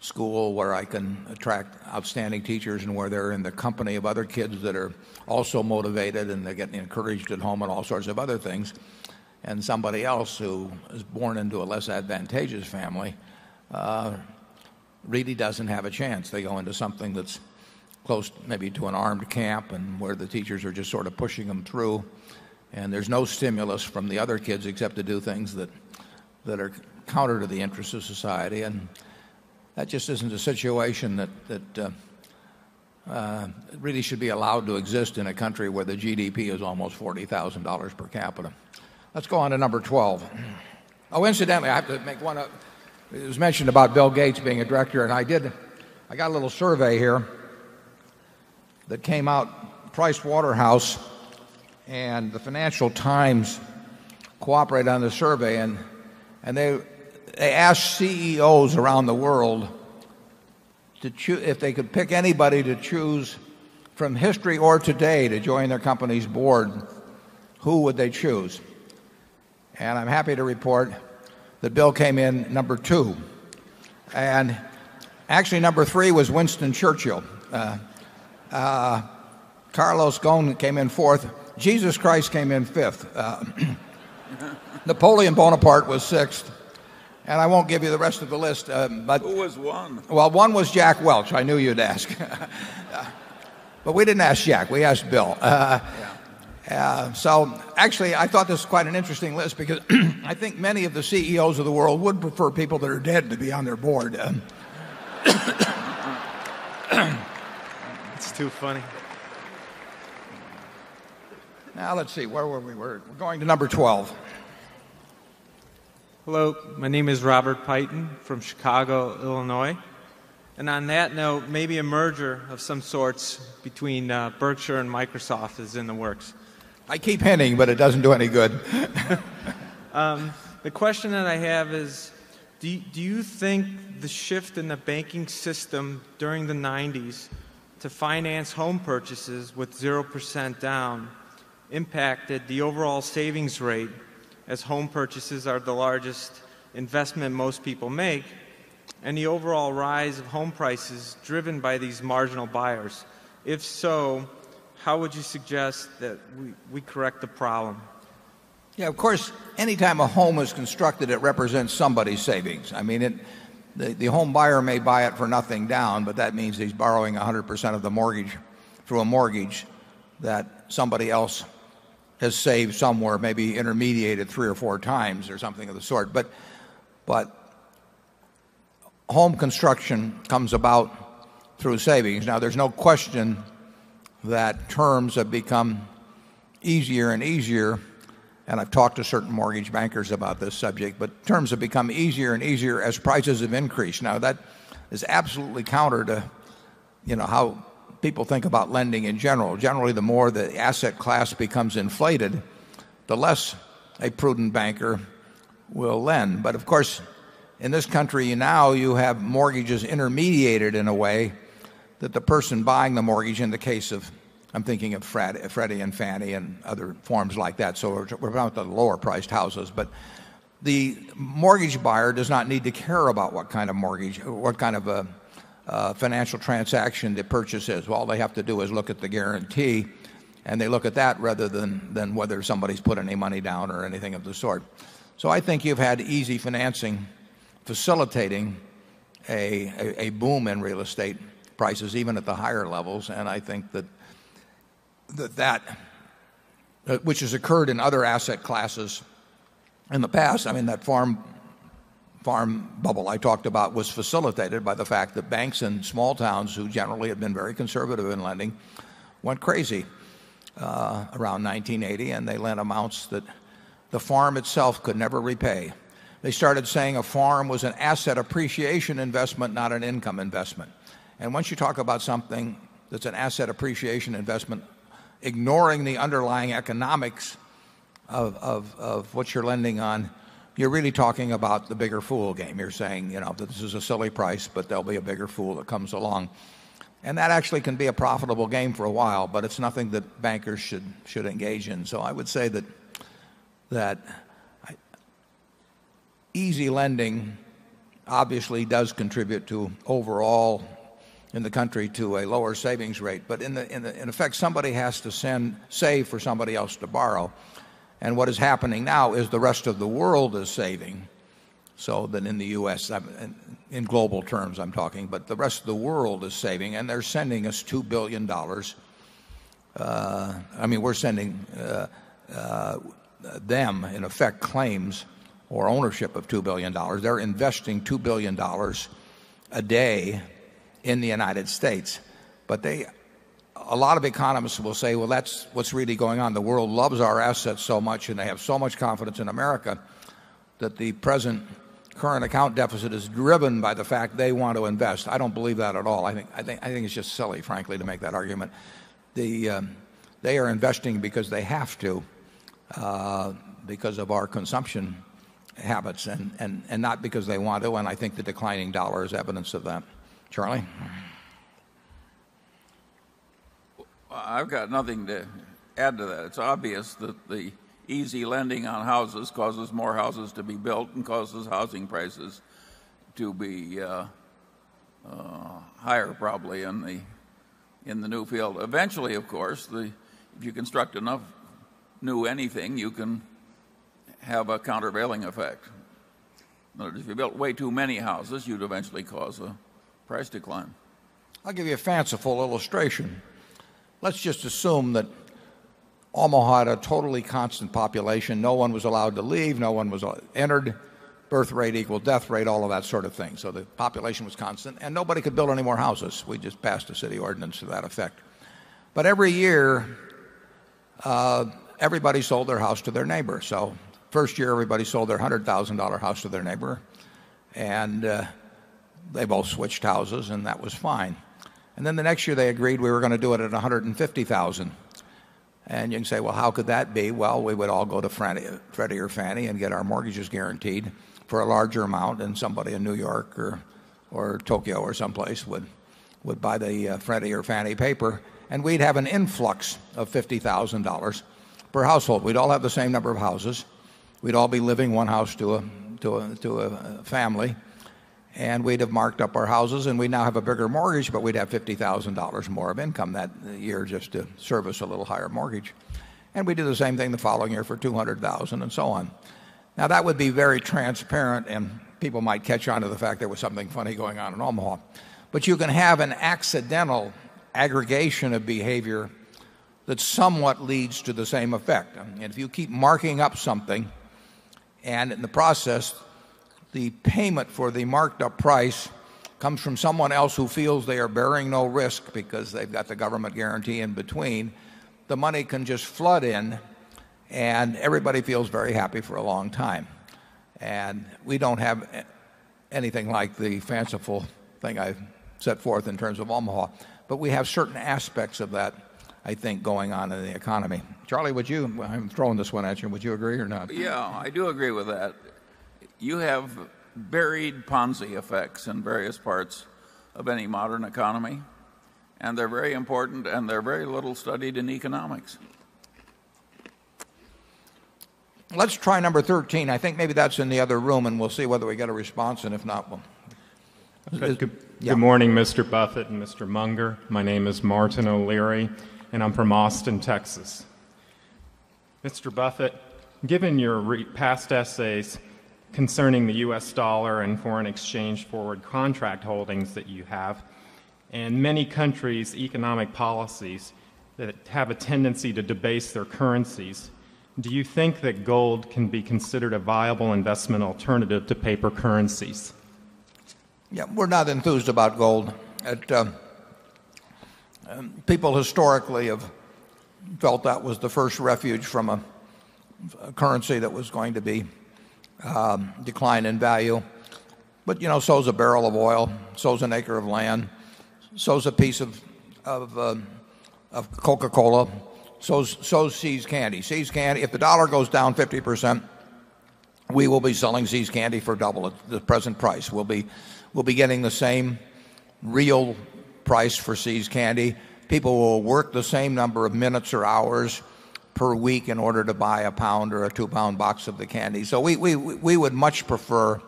school where I can attract outstanding teachers and where they're in the company of other kids that are also motivated and they're getting encouraged at home and all sorts of other things And somebody else who is born into a less advantageous family really doesn't have a chance. They go into something that's close maybe to an armed camp and where the teachers are just sort of pushing them through. And there's no stimulus from the other kids except to do things that that are counter to the interests of society. And that just isn't a situation that that really should be allowed to exist in a country where the GDP is almost $40,000 per capita. Let's go on to number 12. Oh incidentally, I have to make one up. It was mentioned about Bill Gates being a director and I did, I got a little survey here that came out, Pricewaterhouse and the Financial Times cooperate on the survey. And and they they asked CEOs around the world to if they could pick anybody to choose from history or today to join their company's board, who would they choose? And I'm happy to report that Bill came in number 2. And actually, number 3 was Winston Churchill. Carlos Ghosn came in 4th. Jesus Christ came in 5th. Napoleon Bonaparte was 6th. And I won't give you the rest of the list. Who was 1? Well, 1 was Jack Welch. I knew you'd ask. But we didn't ask Jack. We asked Bill. So actually, I thought this was quite an interesting list because I think many of the CEOs of the world would prefer people that are dead to be on their board. It's too funny. Now let's see where were we were going to number 12. Hello. My name is Robert Peyton from Chicago, Illinois. And on that note, maybe a merger of some sorts between Berkshire and Microsoft is in the works. I keep hinting, but it doesn't do any good. The question that I have is, do you think the shift in the banking system during the 90s to finance home purchases with 0% down impacted the overall savings rate as home purchases are the largest investment most people make and the overall rise of home prices driven by these marginal buyers? If so, how would you suggest that we correct the problem? Yes, of course, anytime a home is constructed, it represents somebody's savings. I mean, the home buyer may buy it for nothing down, but that means he's borrowing 100% of the mortgage through a mortgage that somebody else has saved somewhere maybe intermediated 3 or 4 times or something of the sort. But home construction comes about through savings. Now there's no question that terms have become easier and easier and I've talked to certain mortgage bankers about this subject, but terms have become easier and easier as prices have increased. Now that is absolutely counter to how people think about lending in general. Generally the more the asset class becomes inflated, the less a prudent banker will lend. But of course, in this country, now you have mortgages intermediated in a way that the person buying the mortgage in the case of I'm thinking of Freddie and Fannie and other forms like that. So we're going to lower priced houses. But the mortgage buyer does not need to care about what kind of mortgage or what kind of a financial transaction they purchase is. All they have to do is look at the guarantee they look at that rather than whether somebody's putting any money down or anything of the sort. So I think you've had easy financing facilitating a boom in real estate prices even at the higher levels. And I think that that which has occurred in other asset classes in the past. I mean that farm farm bubble I talked about was facilitated by the fact that banks and small towns who generally have been very conservative in lending went crazy around 1980 and they lent amounts that the farm itself could never repay. They started saying a farm was an asset appreciation investment, not an income investment. And once you talk about something that's an asset appreciation investment, ignoring the underlying economics of what you're lending on, you're really talking about the bigger fool game. You're saying, you know, that this is a silly price, but there'll be a bigger fool that comes along. And that actually can be a profitable game for a while, but it's nothing that bankers should engage in. So I would say that easy lending obviously does contribute to overall in the country to a lower savings rate. But in effect, somebody has to send save for somebody else to borrow. And what is happening now is the rest of the world is saving. So that in the U. S. In global terms, I'm talking, but the rest of the world is saving and they're sending us $2,000,000,000 I mean we're sending them in effect claims or ownership of $2,000,000,000 They're investing $2,000,000,000 a day in the United States. But they a lot of economists will say, well, that's what's really going on. The world loves our assets so much and they have so much confidence in America that the present current account deficit is driven by the fact they want to invest. I don't believe that at all. I think it's just silly frankly to make that argument. The they are investing because they have to because of our consumption habits and not because they want to. And I think the declining dollar is evidence of that. Charlie? I've got nothing to add to that. It's obvious that the easy lending on houses causes more houses to be built and causes housing prices to be higher probably in the new field. Eventually of course if you construct enough new anything you can have a countervailing effect. If you built way too many houses you'd eventually cause a price decline. I'll give you a fanciful illustration. Let's just assume that Omaha had a totally constant constant population, no one was allowed to leave, no one was entered, birth rate equaled death rate, all of that sort of thing. So the population was constant and nobody could build any more houses. We just passed a city ordinance to that effect. But every year, everybody sold their house to their neighbor. So 1st year everybody sold their $100,000 house to their neighbor and they both switched houses and that was fine. And then the next year they agreed we were going to do it at 150,000. And you can say, well how could that be? Well we would all go to Freddie or Fannie and get our mortgages guaranteed for a larger amount and somebody in New York or Tokyo or someplace would buy the Freddie or Fannie paper And we'd have an influx of $50,000 per household. We'd all have the same number of houses. We'd all be living 1 house to a family. And we'd have marked up our houses and we now have a bigger mortgage, but we'd have $50,000 more of income that year just to service a little higher mortgage. And we do the same thing the following year for $200,000 and so on. Now that would be very transparent and people might catch on to the fact there was something funny going on in Omaha. But you can have an accidental aggregation of behavior that somewhat leads to the same effect. And if you keep marking up something and in the process, the payment for the marked up price comes from someone else who feels they are bearing no risk because they've got the government guarantee in between, the money can just flood in. And everybody feels very happy for a long time. And we don't have anything like the fanciful thing I've set forth in terms of Omaha. But we have certain aspects of that, I think, going on in the economy. Charlie, would you I'm throwing this one at you. Would you agree or not? Yes, I do agree with that. You have buried Ponzi effects in various parts of any modern economy and they're very important and they're very little studied in economics. Let's try number 13. I think maybe that's in the other room and we'll see whether we get a response and if not. Good morning, Mr. Buffet and Mr. Munger. My name is Martin O'Leary, and I'm from Austin, Texas. Mr. Buffett, given your past essays concerning the U. S. Dollar and foreign exchange forward contract holdings that you have, and many countries' economic policies that have a tendency to debase their currencies, do you think that gold can be considered a viable investment alternative to paper currencies? Yeah, we're not enthused about gold. People historically have felt that was the first refuge from a currency that was going to be decline in value. But so is a barrel of oil, so is an acre of land, so is a piece of Coca Cola, so is so's See's Candy. See's Candy, if the dollar goes down 50%, we will be selling See's Candy for double at the present price. We'll be we'll be getting the same real price for See's candy. People will work the same number of minutes or hours per week in order to buy a pound or a 2 pound box of the candy. So we would much prefer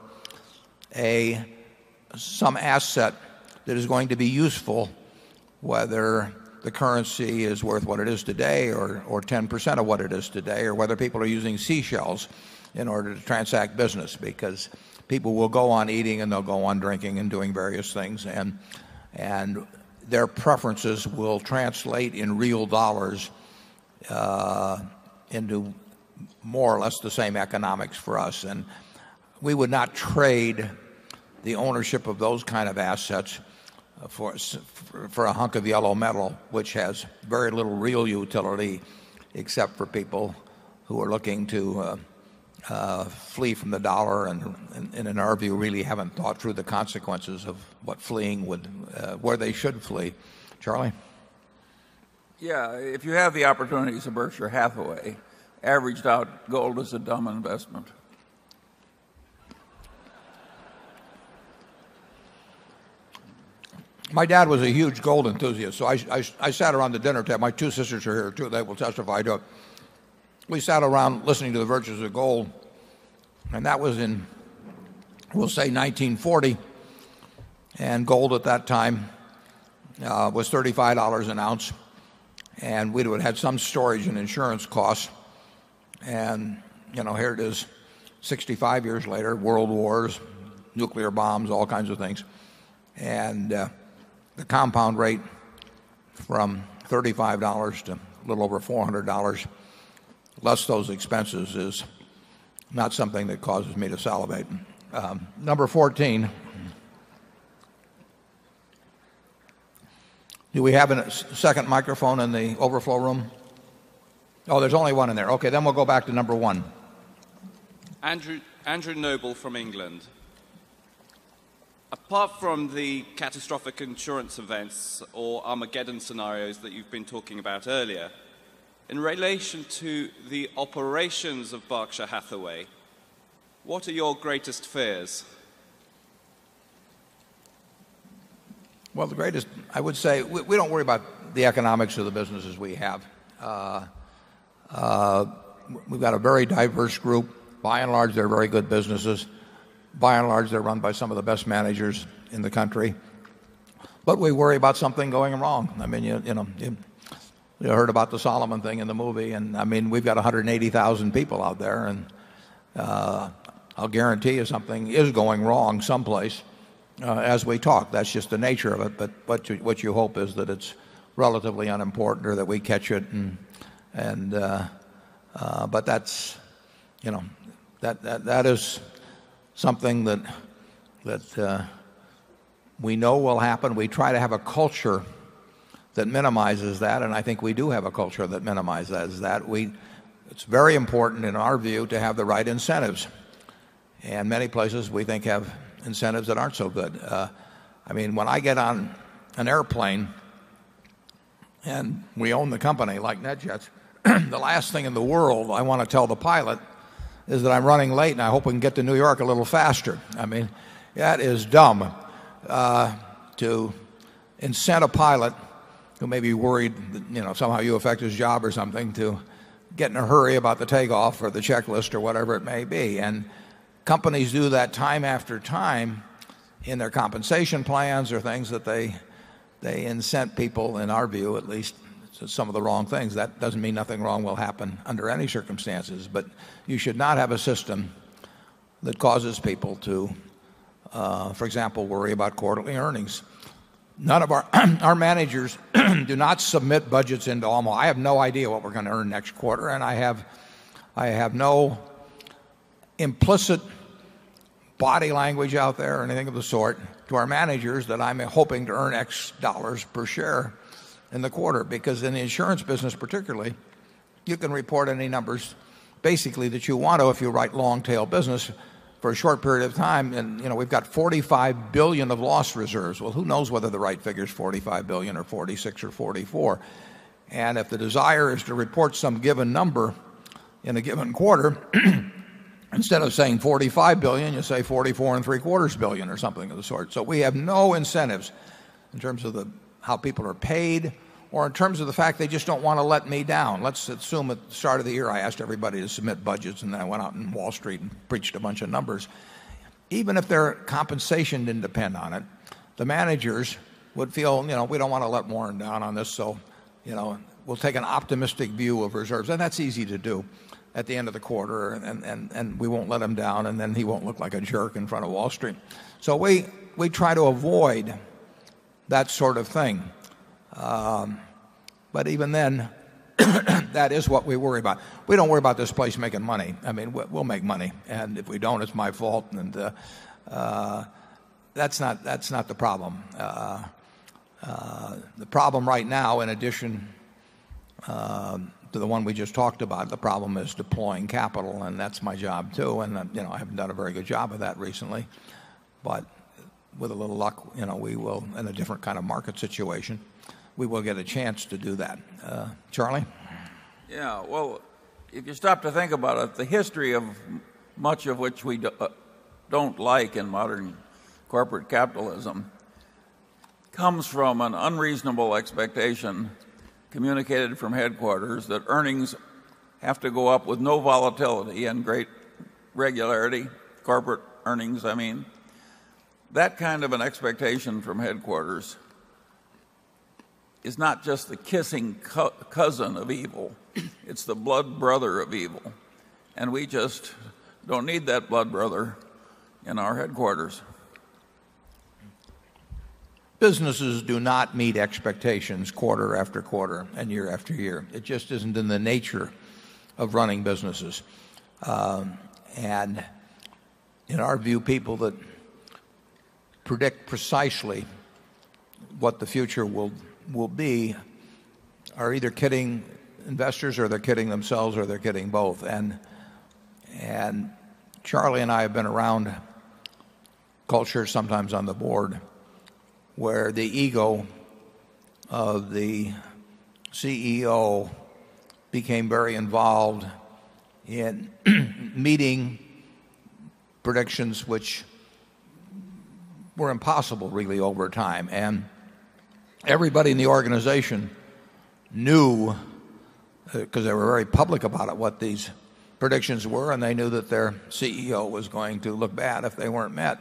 some asset that is going to be useful whether the currency is worth what it is today or 10% of what it is today or whether people are using seashells in order to transact business because people will go on eating and they'll go on drinking and doing various things. And their preferences will translate in real dollars into more or less the same economics for us. And we would not trade the ownership of those kind of assets for us for a hunk of yellow metal which has very little real utility except for people who are looking to flee from the dollar and in our view really haven't thought through the consequences of what fleeing would where they should flee. Charlie? Yes. If you have the opportunity to subvert your Hathaway, averaged out gold is a dumb investment. My dad was a huge gold enthusiast. So I sat around the dinner table. My 2 sisters are here too that will testify to it. We sat around listening to the virtues of gold. And that was in, we'll say, 1940. And gold at that time was $35 an ounce and we'd have had some storage and insurance costs. And here it is 65 years later, world wars, nuclear bombs, all kinds of things. And the compound rate from $35 to a little over $400 less those expenses is not something that causes me to salivate. Number 14, do we have a second microphone in the overflow room? Oh, there's only one in there. Okay, then we'll go back to number 1. Andrew Noble from England. Apart from the catastrophic insurance events or Armageddon scenarios that you've been talking about earlier, in relation to the operations of Berkshire Hathaway, what are your greatest fears? Well, the greatest I would say, we don't worry about the economics of the businesses we have. We've got a very diverse group. By and large, they're very good businesses. By and large, they're run by some of the best managers in the country. But we worry about something going wrong. I mean, you know, you heard about the Solomon thing in the movie and I mean we've got 180,000 people out there and I'll guarantee you something is going wrong someplace as we talk. That's just the nature of it. But what you hope is that it's relatively unimportant or that we catch it. And, but that's, you know, that is something that that we know will happen. We try to have a culture that minimizes that and I think we do have a culture that minimize as that we it's very important in our view to have the right incentives. And many places we think have incentives that aren't so good. I mean, when I get on an airplane and we own the company like NetJets, the last thing in the world I want to tell the pilot is that I'm running late and I hope we can get to New York a little faster. I mean, that is dumb to incent a pilot who may be worried, you know, somehow you affect his job or something to get in a hurry about the takeoff or the checklist or whatever it may be. And companies do that time after time in their compensation plans or things that they they incent people in our view at least some of the wrong things. That doesn't mean nothing wrong will happen under any circumstances. But you should not have a system that causes people to for example worry about quarterly earnings. None of our our managers do not submit budgets into ALMOST. I have no idea what we're going to earn next quarter and I have I have no implicit body language out there or anything of the sort to our managers that I'm hoping to earn X dollars per share in the quarter because in the insurance business particularly, you can report any numbers basically that you want to if you write long tail business for a short period of time. And we've got $45,000,000,000 of loss reserves. Well, who knows whether the right figure is $45,000,000,000 or $46,000,000 or $44,000,000 And if the desire is to report some given number in a given quarter, instead of saying 45,000,000,000 you say 44 and 3 quarters,000,000,000 or something of of the sort. So we have no incentives in terms of the how people are paid or in terms of the fact they just don't want to let me down. Let's assume at the start of the year I asked everybody to submit budgets and then I went out in Wall Street and breached a bunch of numbers. Even if their compensation didn't depend on it, the managers would feel, we don't want to let Warren down on this. So we'll take an optimistic view of reserves. And that's easy to do at the end of the quarter and we won't let him down and then he won't look like a jerk in front of Wall Street. So we try to avoid that sort of thing. But even then that is what we worry about. We don't worry about this place making money. I mean we'll make money And if we don't, it's my fault. And that's not the problem. The problem right now, in addition to the one we just talked about, the problem is deploying capital and that's my job too. And I haven't done a very good job of that recently. But with a little luck, we will in a different kind of market situation, we will get a chance to do that. Charlie? Yes. Well, if you stop to think about it, the history of much of which we don't like in modern corporate capitalism comes from an unreasonable expectation communicated from headquarters that earnings have to go up with no volatility and great regularity, corporate earnings, I mean. That kind of an expectation from headquarters is not just the kissing cousin of evil. It's the blood brother of evil and we just don't need that blood brother in our headquarters. Businesses do not meet expectations quarter after quarter and year. It just isn't in the nature of running businesses. And in our view, people that predict precisely what the future will be are either kidding investors or they're kidding themselves or they're kidding both. And Charlie and I have been around culture sometimes on the board where the ego of the CEO became very involved in meeting predictions which were impossible really over time. And everybody in the organization knew because they were very public about it what these predictions were and they knew that their CEO was going to look bad if they weren't met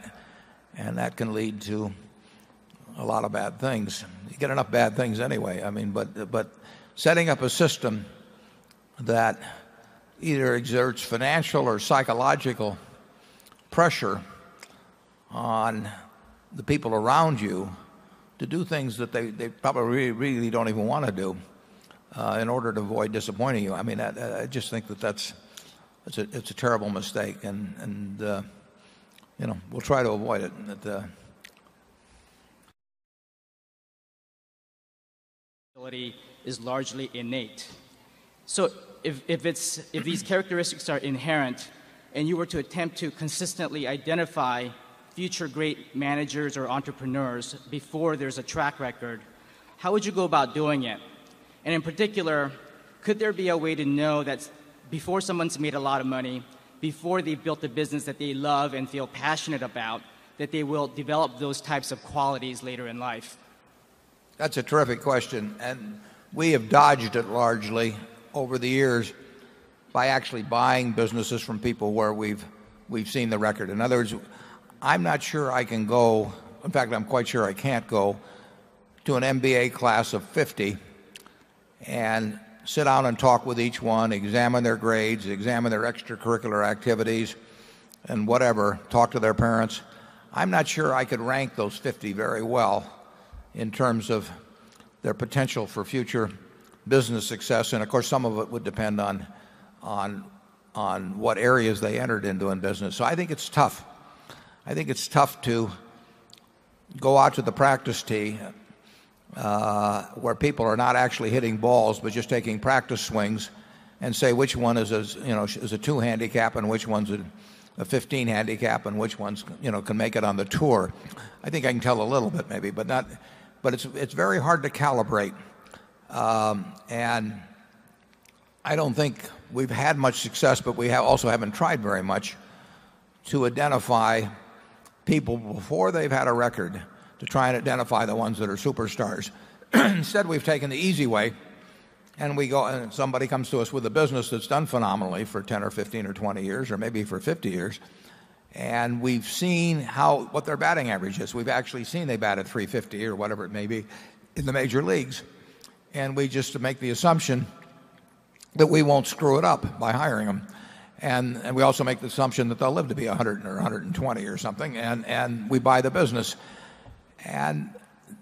And that can lead to a lot of bad things. You get enough bad things anyway. I mean, but setting up a system that either exerts financial or psychological pressure on the people around you to do things that they probably really don't even want to do in order to avoid disappointing you. I mean, I just think that that's it's a terrible mistake and we'll try to avoid it. Is largely innate. So if it's if these characteristics are inherent and you were to attempt to consistently identify future great managers or entrepreneurs before there's a track record, how would you go about doing it? And in particular, could there be a way to know that before someone's made a lot of money, before they've built a business that they love and feel passionate about, that they will develop those types of qualities later in life? That's a terrific question. And we have dodged it largely over the years by actually buying businesses from people where we've seen the record. In other words, I'm not sure I can go, in fact, I'm quite sure I can't go to an MBA class of 50 and sit down and talk with each one, examine their grades, examine their extracurricular activities and whatever, talk to their parents. I'm not sure I could rank those 50 very well in terms of their potential for future business success. And of course, some of it would depend on what areas they entered into in business. So I think it's tough. I think it's tough to go out to the practice tee where people are not actually hitting balls but just taking practice swings and say which one is a 2 handicap and which one's a 15 handicap and which ones can make it on the tour. I think I can tell a little bit maybe, but not but it's very hard to calibrate. And I don't think we've had much success, but we have also haven't tried very much to identify people before they've had a record to try and identify the ones that are superstars. Instead, we've taken the easy way and we go and somebody comes to us with a business that's done phenomenally for 10 or 15 or 20 years or maybe for 50 years. And we've seen how their batting average is. We've actually seen they batted 3.50 or whatever it may be in the major leagues. And we just make the assumption that we won't screw it up by hiring them. And we also make the assumption that they'll live to be 100 or 120 or something and we buy the business. And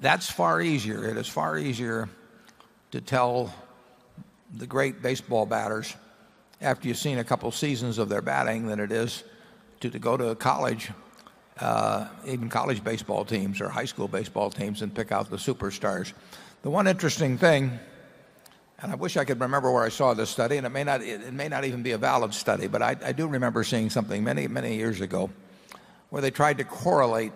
that's far easier. It is far easier to tell the great baseball batters after you've seen a couple seasons of their batting than it is to to go to college, even college baseball teams or high school baseball teams and pick out the superstars. The one interesting thing, and I wish I could remember where I saw this study and it may not even be a valid study, but I do remember seeing something many, many years ago where they tried to correlate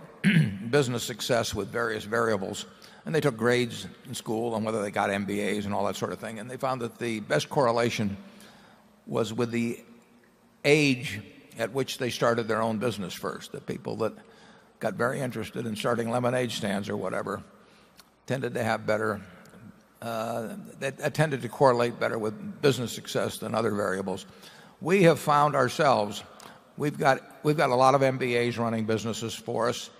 business success with various variables. And they took grades in school and whether they got MBAs and all that sort of thing. And they found that the best correlation was with the age at which they started their own business first. The people that got very interested in starting lemonade stands or whatever tended to have better that tended to correlate better with business success than other variables. We have found ourselves, we've got a lot of MBAs running businesses for us,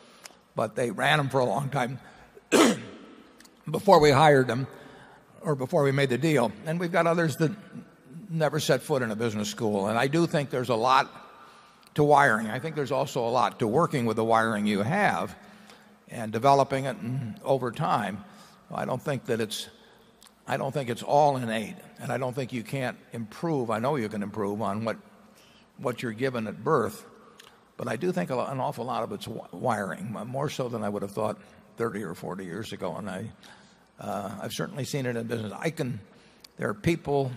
but they ran them for a long time before we hired them or before we made the deal. And we've got others that never set foot in a business school. And I do think there's a lot to wiring. I think there's also a lot to working with the wiring you have and developing it over time. I don't think that it's I don't think it's all innate. And I don't think you can't improve. I know you can improve on what you're given at birth. But I do think an awful lot of it's wiring, more so than I would have thought 30 or 40 years ago. And I've certainly seen it in business. I can there are people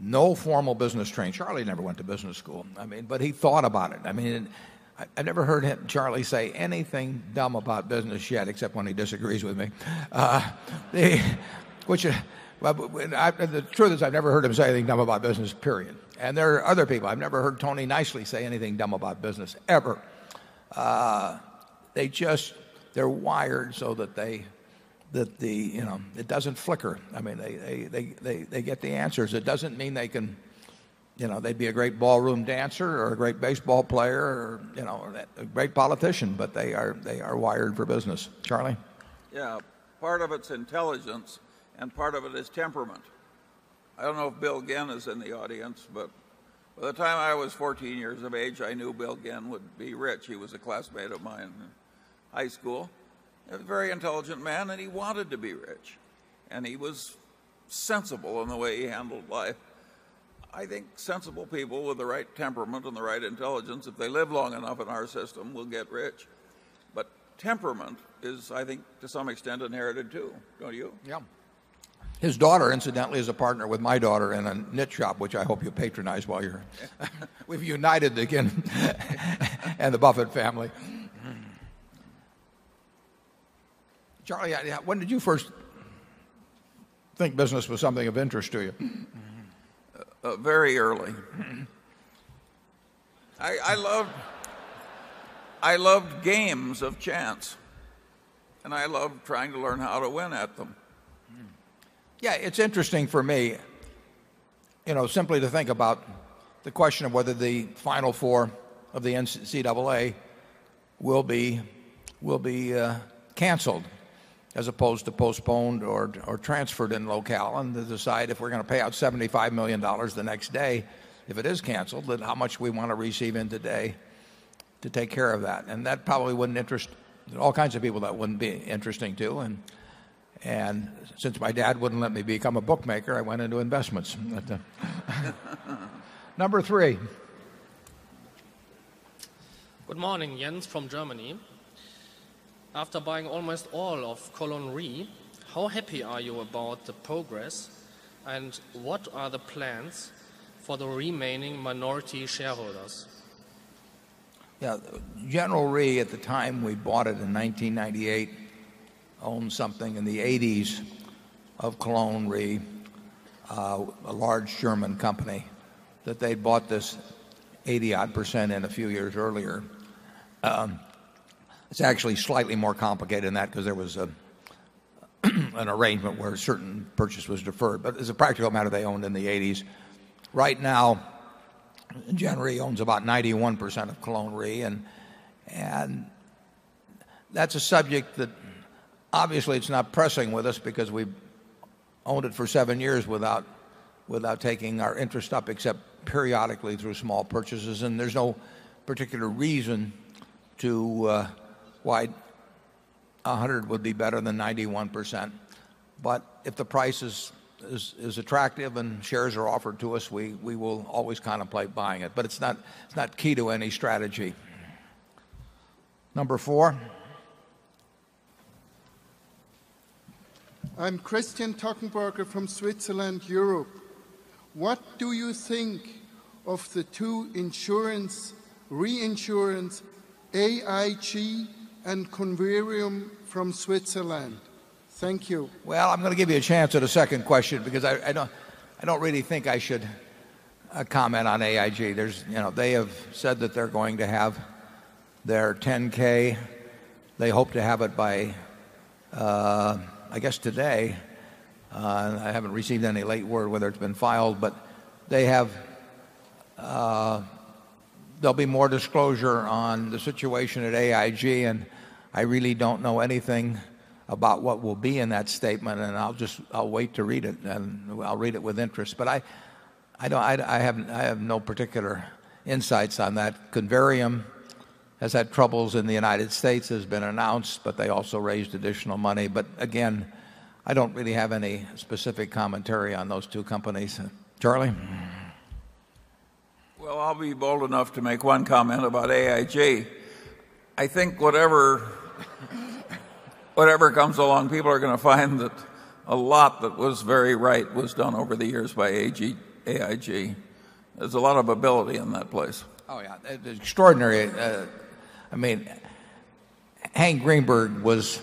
no formal business train. Charlie never went to business school. I mean, but he thought about it. I mean, I never heard him Charlie say anything dumb about business yet except when he disagrees with me. The truth is I've never heard him say anything dumb about business, period. And there are other people. I've never heard Tony nicely say anything dumb about business ever. They just they're wired so that the it doesn't flicker. I mean, they get the answers. It doesn't mean they can they'd be a great ballroom dancer or a great baseball player or you know a great politician but they are they are wired for business. Charlie? Yes. Part of it's intelligence and part of it is temperament. I don't know if Bill Genn is in the audience, but by the time I was 14 years of age, I knew Bill Genn would be rich. He was a classmate of mine in high school, a very intelligent man and he wanted to be rich and he was sensible in the way he handled life. I think sensible people with the right temperament and the right intelligence, if they live long enough in our system, will get rich. But temperament is I think to some extent inherited too. Don't you? Yeah. His daughter incidentally is a partner with my daughter in a knit shop which I hope you patronize while you're we've united again and the Buffett family. Charlie, when did you first think business was something of interest to you? Very early. I loved games of chance and I love trying to learn how to win at them. Yeah. It's interesting for me, you know, simply to think about the question of whether the final four of the NCAA will be canceled as opposed to postponed or transferred in locale and to decide if we're going to pay out $75,000,000 the next day, if it is canceled, then how much we want to receive in today to take care of that. And that probably wouldn't interest all kinds of people that wouldn't be interesting to. And since my dad wouldn't let me become a bookmaker, I went into investments. Number 3. Good morning, Jens from Germany. After buying almost all of COLONRI, how happy are you about the progress? And what are the plans for the remaining minority shareholders? Yes. General Re, at the time we bought it in 1998, owned something in the '80s of Cologne Re, a large German company that they bought this 80 odd percent in a few years earlier. It's actually slightly more complicated than that because there was an arrangement where a certain purchase was deferred. But as a practical matter they owned in the 80s. Right now, Jan Re owns about 91% of Cologne Re and that's a subject that obviously it's not pressing with us because we've owned it for 7 years without taking our interest up except periodically through small purchases. And there's no particular reason to why 100 would be better than 91%. But if the price is attractive and shares are offered to us, we will always contemplate buying it. But it's not key to any strategy. Number 4? I'm Christian Tuckenbarger from Switzerland, Europe. What do you think of the 2 insurance reinsurance AIG and Converium from Switzerland? Thank you. Well, I'm going to give you a chance at a second question because I don't really think I should comment on AIG. There's they have said that they're going to have their 10 ks. They hope to have it by, I guess today. I haven't received any late word whether it's been filed but they have there'll be more disclosure on the situation at AIG and I really don't know anything about what will be in that statement and I'll just wait to read it and I'll read it with interest. But I don't I have no particular insights on that. Converium has had troubles in the United States, has been announced, but they also raised additional money. But again, I don't really have any specific commentary on those 2 companies. Charlie? Well, I'll be bold enough to make one comment about AIG. I think whatever comes along, people are going to find that a lot that was very right was done over the years by AIG. There's a lot of ability in that place. Oh, yeah. It's extraordinary. I mean, Hank Greenberg was,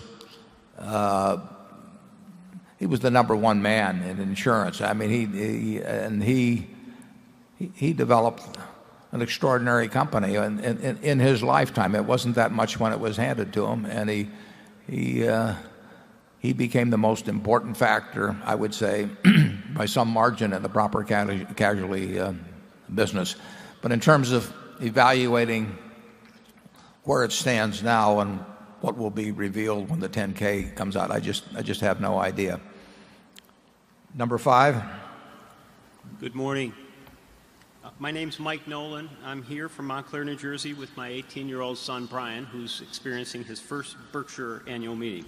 he was the number one man in insurance. I mean, he and he developed an extraordinary company in his lifetime. It wasn't that much when it was handed to him. And he became the most important factor I would say by some margin in the proper casualty business. But in terms of evaluating where it stands now and what will be revealed when the 10 ks comes out, I just have no idea. Number 5. Good morning. My name is Mike Nolan. I'm here from Montclair, New Jersey with my 18 year old son, Brian, who's experiencing his first Berkshire annual meeting.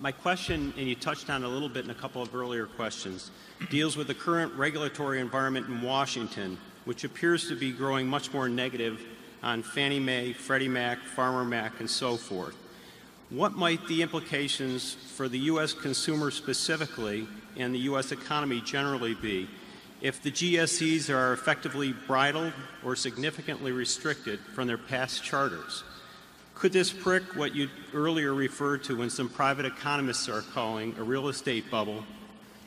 My question and you touched on it a little bit in a couple of earlier questions deals with the current regulatory environment in Washington, which appears to be growing much more negative on Fannie Mae, Freddie Mac, Farmer Mac, and so forth. What might the implications for the U. S. Consumer specifically and the U. S. Economy generally be if the GSEs are effectively bridled or significantly restricted from their past charters? Could this prick what you earlier referred to when some private economists are calling a real estate bubble?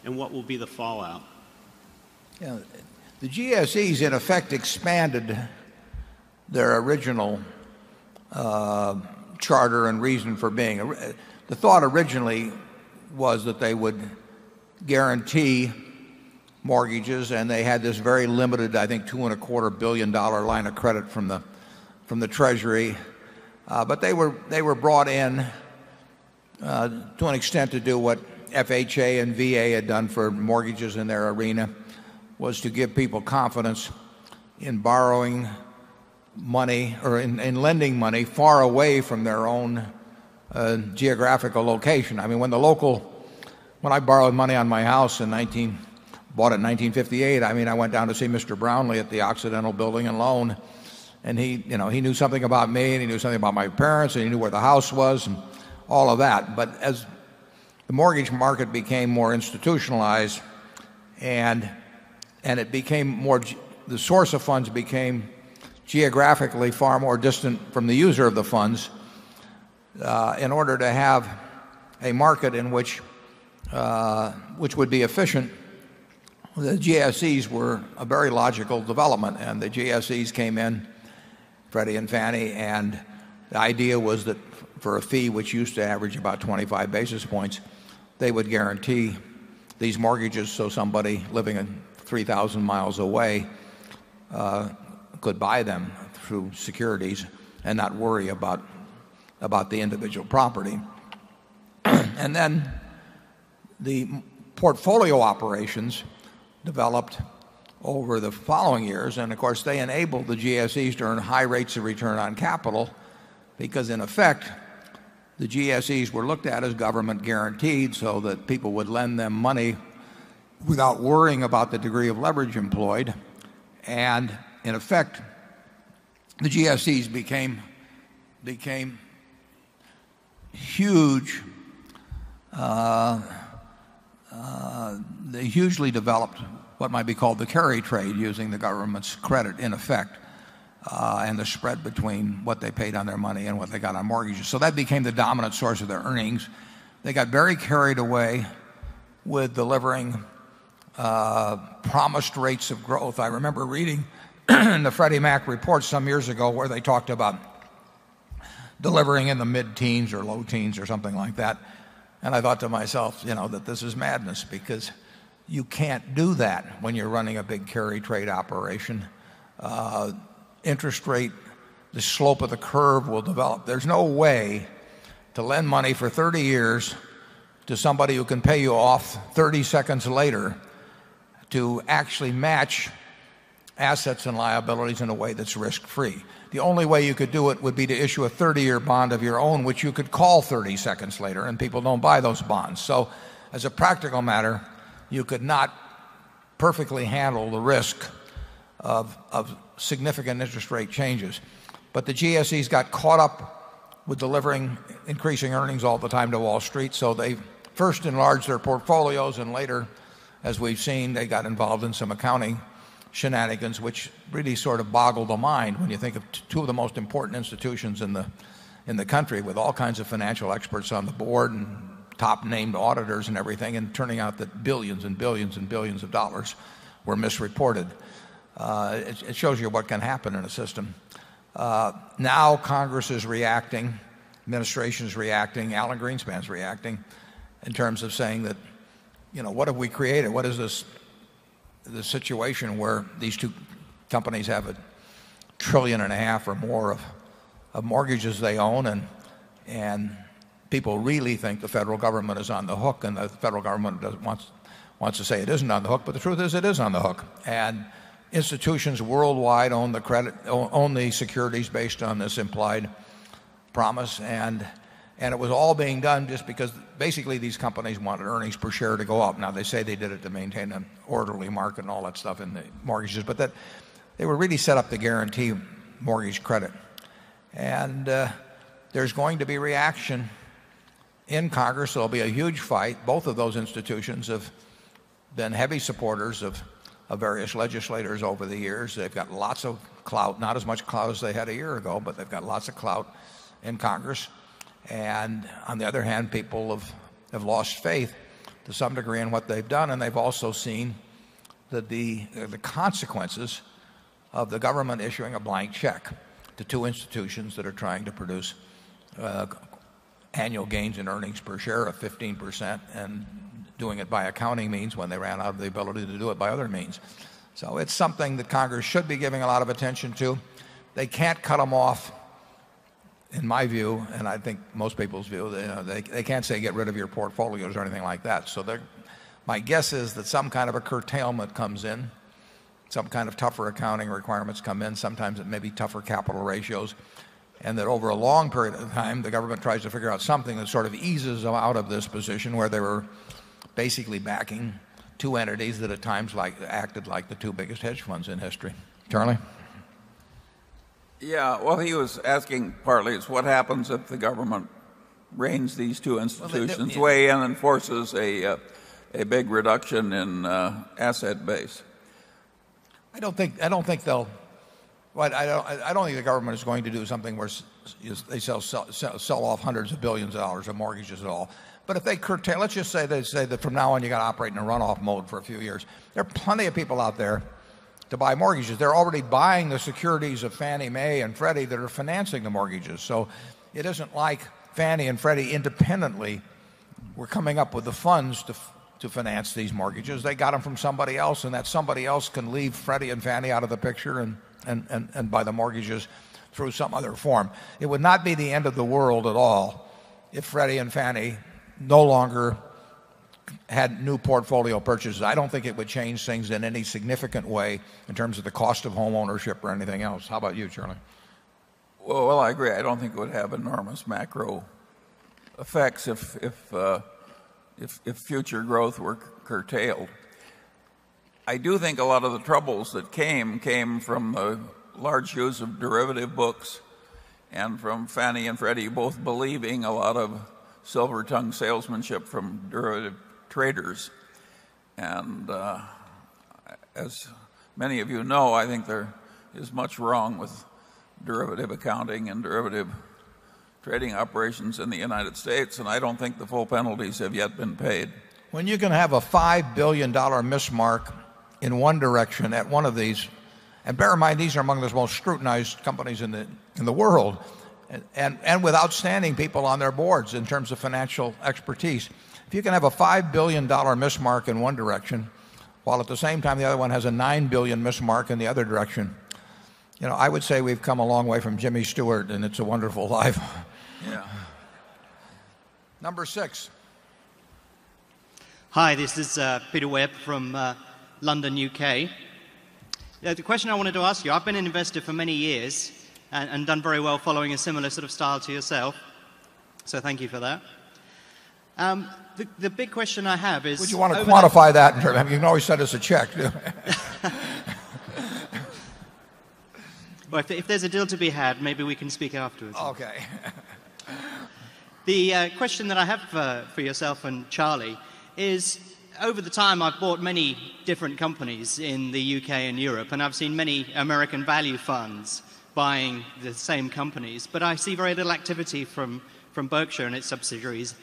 And what will be the fallout? The GSEs, in effect, expanded their original charter and reason for being. The thought originally was that they would guarantee mortgages and they had this very limited, I think, $2,250,000,000 line of credit from the treasury. But they were brought in to an extent to do what FHA and VA had done for mortgages in their arena was to give people confidence in borrowing money or in lending money far away from their own geographical location. I mean when the local, when I borrowed money on my house in 19, bought it in 1958, I mean, I went down to see Mr. Brownlee at the Occidental Building and Loan and he, you know, he knew something about me and he knew something about my parents and he knew where the house was and all of that. But as the mortgage market became more institutionalized and it became more the source of funds became geographically far more distant from the user of the funds in order to have a market in which which would be efficient, the GSEs were a very logical development and the GSEs came in, Freddie and Fannie, and the idea was that for a fee which used to average about 25 basis points, they would guarantee these mortgages so somebody living 3,000 miles away could buy them through securities and not worry about the individual property. And then the portfolio operations developed over the following years and of course they enabled the GSEs to earn high rates of return on capital because in effect the GSEs were looked at as government guaranteed so that people would lend them money without worrying about the degree of leverage employed. And in effect, the GSEs became huge, They hugely developed what might be called the carry trade using the government's credit in effect and the spread between what they paid on their money and what they got on mortgages. So that became the dominant source of their earnings. They got very carried away with delivering promised rates of growth. I remember reading the Freddie Mac report some years ago where they talked about delivering in the mid teens or low teens or something like that. And I thought to myself, you know, that this is madness because you can't do that when you're running a big carry trade operation. Interest rate, the slope of the curve will develop. There's no way to lend money for 30 years to somebody who can pay you off 30 seconds later to actually match assets and liabilities in a way that's risk free. The only way you could do it would be to issue a 30 year bond of your own, which you could call 30 seconds later, and people don't buy those bonds. So as a practical matter, you could not perfectly handle the risk of significant interest rate changes. But the GSEs got caught up with delivering increasing earnings all the time to Wall Street. So they first enlarged their portfolios and later as we've seen they got involved in some accounting shenanigans which really sort of boggle the mind when you think of 2 of the most important institutions in the country with all kinds of financial experts on the board and top named auditors and everything and turning out that 1,000,000,000 and 1,000,000,000 and 1,000,000,000 of dollars were misreported. It shows you what can happen in a system. Now Congress is reacting. Administration is reacting. Alan Greenspan is reacting in terms of saying that, what have we created? What is this situation where these two companies have a 1,000,000,000,000 and a half or more of mortgages they own and people really think the federal government is on the hook and the federal government wants to say it isn't on the hook, but the truth is it is on the hook. And institutions worldwide own the credit, own the securities based on this implied promise. And it was all being done just because basically these companies wanted earnings per share to go up. Now they say they did it to maintain an orderly market and all that stuff in mortgages. But that they were really set up to guarantee mortgage credit. And, there's going to be reaction in Congress. There'll be a huge fight. Both of those institutions have been heavy supporters of various legislators over the years. They've got lots of clout, not as much clout as they had a year ago, but they've got lots of clout in Congress. And on the other hand, people have lost faith to some degree in what they've done. And they've also seen that the consequences of the government issuing a blank check to 2 institutions that are trying to produce annual gains and earnings per share of 15% and doing it by accounting means when they ran out of the ability to do it by other means. So it's something that Congress should be giving a lot of attention to. They can't cut them off, in my view and I think most people's view. They can't say get rid of your portfolios or anything like that. So my guess is that some kind of a curtailment comes in, some kind of tougher accounting requirements come in, sometimes it may be tougher capital ratios, and that over a long period of time, the government tries to figure out something that sort of eases them out of this position where they were basically backing 2 entities that at times position where they were basically backing 2 entities that at times acted like the 2 biggest hedge funds in history. Charlie? Yeah. Well, he was asking partly is what happens if the government reins these 2 institutions, weigh in and forces a big reduction in asset base? I don't think they'll I don't think the government is going to do something where they sell off 100 of 1,000,000,000 of dollars of mortgages at all. But if they curtail let's just say they say that from now on, you got to operate in a runoff mode for a few years. There are plenty of people out there to buy mortgages. They're already buying the securities of Fannie Mae and Freddie that are financing the mortgages. So it isn't like Fannie and Freddie independently were coming up with the funds to finance these mortgages. They got them from somebody else and that somebody else can leave Freddie and Fannie out of the picture and buy the mortgages through some other form. It would not be the end of the world at all if Freddie and Fannie no longer had new portfolio purchases. I don't think it would change things in any significant way in terms of the cost of home ownership or anything else. How about you, Charlie? Well, I agree. I don't think it would have enormous macro effects if future growth were curtailed. I do think a lot of the troubles that came, came from large use of derivative books and from Fannie and Freddie both believing a lot of silver tongue salesmanship from derivative traders. And as many of you know I think there is much wrong with derivative accounting and derivative trading operations in the United States and I don't think the full penalties have yet been paid. When you can have a $5,000,000,000 miss mark in one direction at one of these, and bear in mind these are among the most scrutinized companies in the world, and with outstanding people on their boards in terms of financial expertise. If you can have a $5,000,000,000 miss mark in one direction, while at the same time the other one has a $9,000,000,000 miss mark in the other direction, I would say we've come a long way from Jimmy Stewart and it's a wonderful life. Number 6. Hi. This is Peter Webb from London, UK. The question I wanted to ask you, I've been an investor for many years and done very well following a similar sort of style to yourself. So thank you for that. The big question I have is Would you want to quantify that? You know, you send us a check. But if there's a deal to be had, maybe we can speak afterwards. Okay. The question that I have for yourself and Charlie is over the time I've bought many different companies in the UK and Europe and I've seen many American value funds buying the same companies. But I see very little activity from Berkshire and its subsidiaries.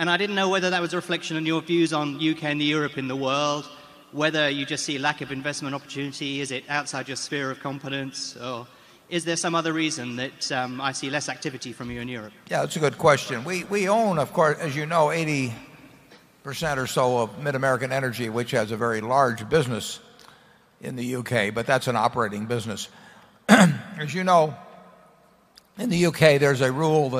And I didn't know whether that was a reflection on your views on U. K. And Europe and the world, whether you just see lack of investment opportunity. Is it outside your sphere of confidence? Or is there some other reason that, I see less activity from you in Europe? Yeah, it's a good question. We own, of course, as you know, 80% or so of Mid American Energy, which has a very large business in the UK, but that's an operating business. As you know, in the UK, there's a rule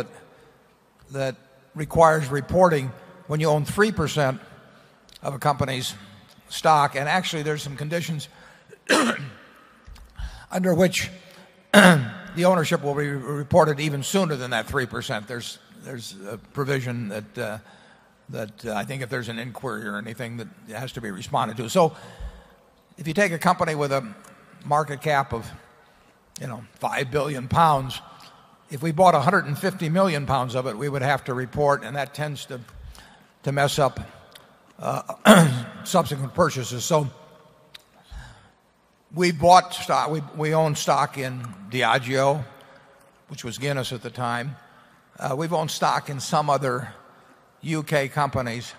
that requires reporting when you own 3% of a company's stock and actually there's some conditions under which the ownership will be reported even sooner than that 3%. There's a provision that I think if there's an inquiry or anything that has to be responded to. So if you take a company with a market cap of £5,000,000,000 if we bought £150,000,000 of it, we would have to report and that tends to mess up subsequent purchases. So we bought stock we own stock in Diageo, which was Guinness at the time. We've owned stock in some other UK companies,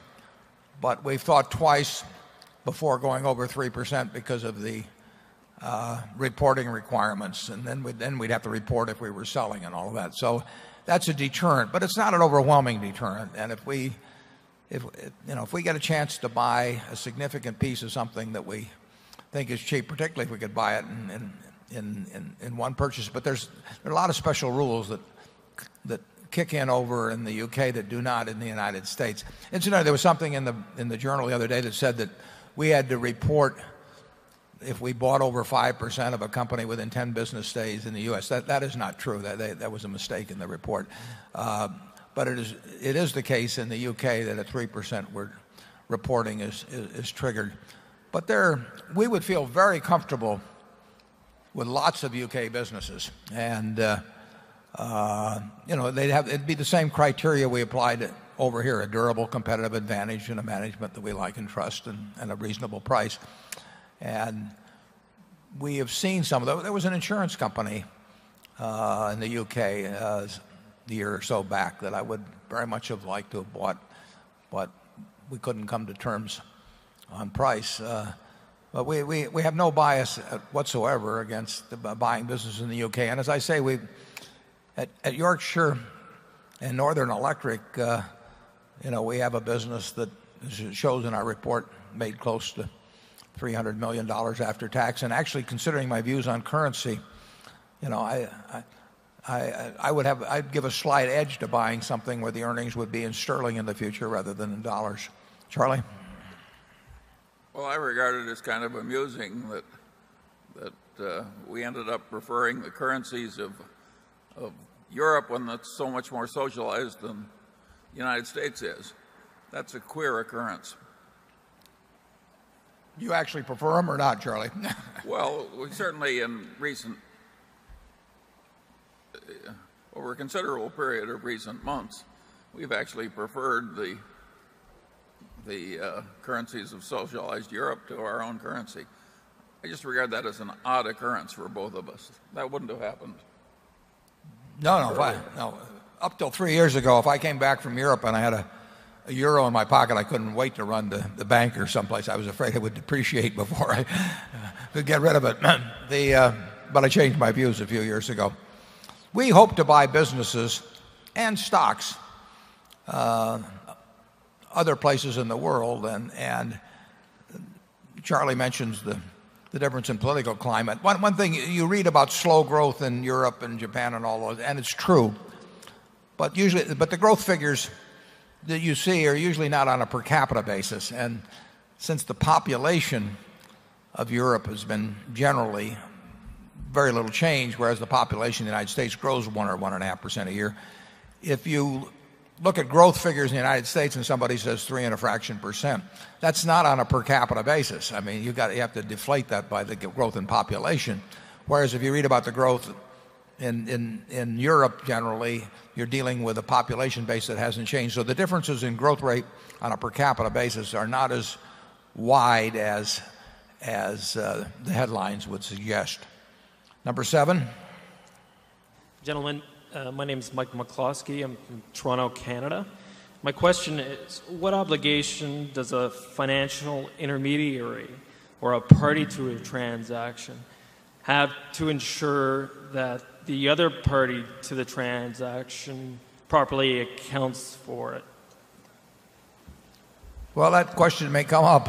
but we've thought twice before going over 3% because of the reporting requirements. And then we'd have to report if we were selling and all that. So that's a deterrent. But it's not an overwhelming deterrent. And if we get a chance to buy a significant piece of something that we think is cheap, particularly if we could buy it in one purchase. But there's a lot of special rules that kick in over in the U. K. That do not in the United States. And there was something in the journal the other day that said that we had to report if we bought over 5% of a company within 10 business days in the U. S. That is not true. That was a mistake in the report. But it is the case in the U. K. That a 3% we're reporting is triggered. But there we would feel very comfortable with lots of U. K. Businesses. And they'd have it'd be the same criteria we applied over here, a durable competitive advantage and a management that we like and trust and a reasonable price. And we have seen some of those. There was an insurance company in the UK a year or so back that I would very much have liked to have bought, but we couldn't come to terms on price. But we have no bias whatsoever against buying business in the UK. And as I say, at Yorkshire and Northern Electric, we have a business that shows in our report made close to $300,000,000 after tax. And actually, considering my views on currency, I would have I'd give a slight edge to buying something where the earnings would be in sterling in the future rather than in dollars. Charlie? Well, I regard it as kind of amusing that we ended up referring the currencies of Europe when that's so much more socialized than United States is. That's a queer occurrence. You actually prefer them or not, Charlie? Well, certainly in recent over a considerable period of recent months, we've actually preferred the currencies of socialized Europe to our own currency. I just regard that as an odd occurrence for both of us. That wouldn't have happened. No, no. Up till 3 years ago, if I came back from Europe and I had a euro in my pocket, I couldn't wait to run the bank or someplace. I was afraid it would depreciate before I could get rid of it. But I changed my views a few years ago. We hope to buy businesses and stocks other places in the world. And Charlie mentions the difference in political climate. One thing you read about slow growth in Europe Japan and all those, and it's true. But usually, but the growth figures that you see are usually not on a per capita basis. And since the population of Europe has been generally very little change, whereas the population of the United States grows 1% or 1.5% a year. If you look at growth figures in the United States and somebody says 3% and a fraction percent, that's not on a per capita basis. I mean, you've got to you have to deflate that by the growth in population. Whereas if you read about the growth in Europe generally, you're dealing with a population base that hasn't changed. So the differences in growth rate on a per capita basis are not as wide as the headlines would suggest. Number 7. Gentlemen, my name is Mike McCloskey. I'm from Toronto, Canada. My question is, what obligation does a financial intermediary or a party to a transaction have to ensure that the other party to the transaction properly accounts for it? Well, that question may come up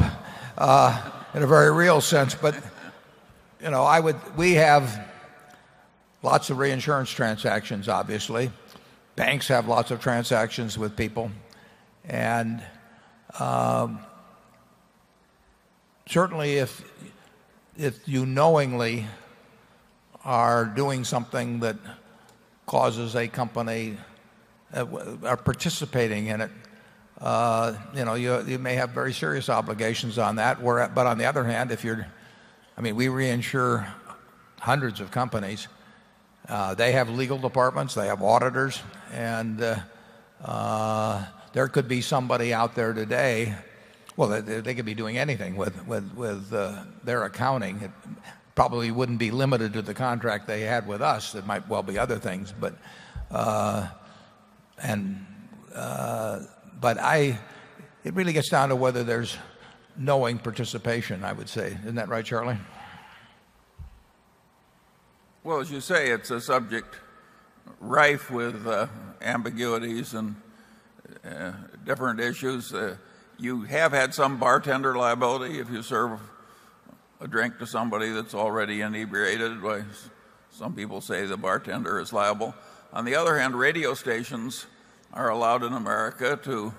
in a very real sense. But I would we have lots of reinsurance transactions, obviously. Banks have lots of transactions with people. And certainly if if you knowingly are doing something that causes a company are participating in it, you know, you may have very serious obligations on that. But on the other hand, if you're I mean, we reinsure hundreds of companies. They have legal departments. They have auditors. And there could be somebody out there today. Well, they could be doing anything with their accounting. It probably wouldn't be limited to the contract they had with us. It might well be other things. But it really gets down to whether there's knowing participation, I would say. Isn't that right, Charlie? Well, as you say, it's a subject rife with ambiguities and different issues. You have had some bartender liability if you serve a drink to somebody that's already inebriated. Some people say the bartender is liable. On the other hand, radio stations are allowed in America to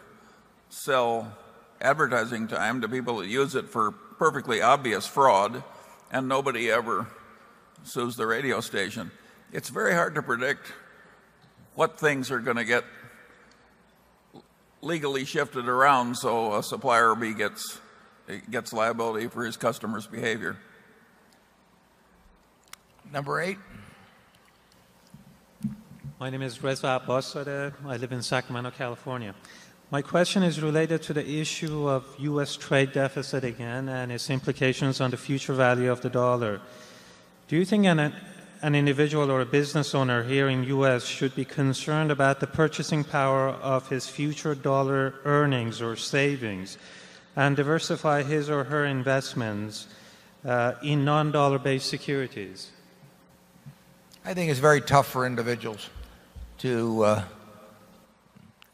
sell advertising time to people that use it for perfectly obvious fraud and nobody ever sues the radio station. It's very hard to predict what things are going to get legally shifted around so a supplier B gets liability for his customers' behavior. Number 8? My name is Reza Abbassador. I live in Sacramento, California. My question is related to the issue of U. S. Trade deficit again and its implications on the future value of the dollar. Do you think an individual or a business owner here in U. S. Should be concerned about the purchasing power of his future dollar earnings or savings and diversify his or her investments in non dollar based securities? I think it's very tough for individuals to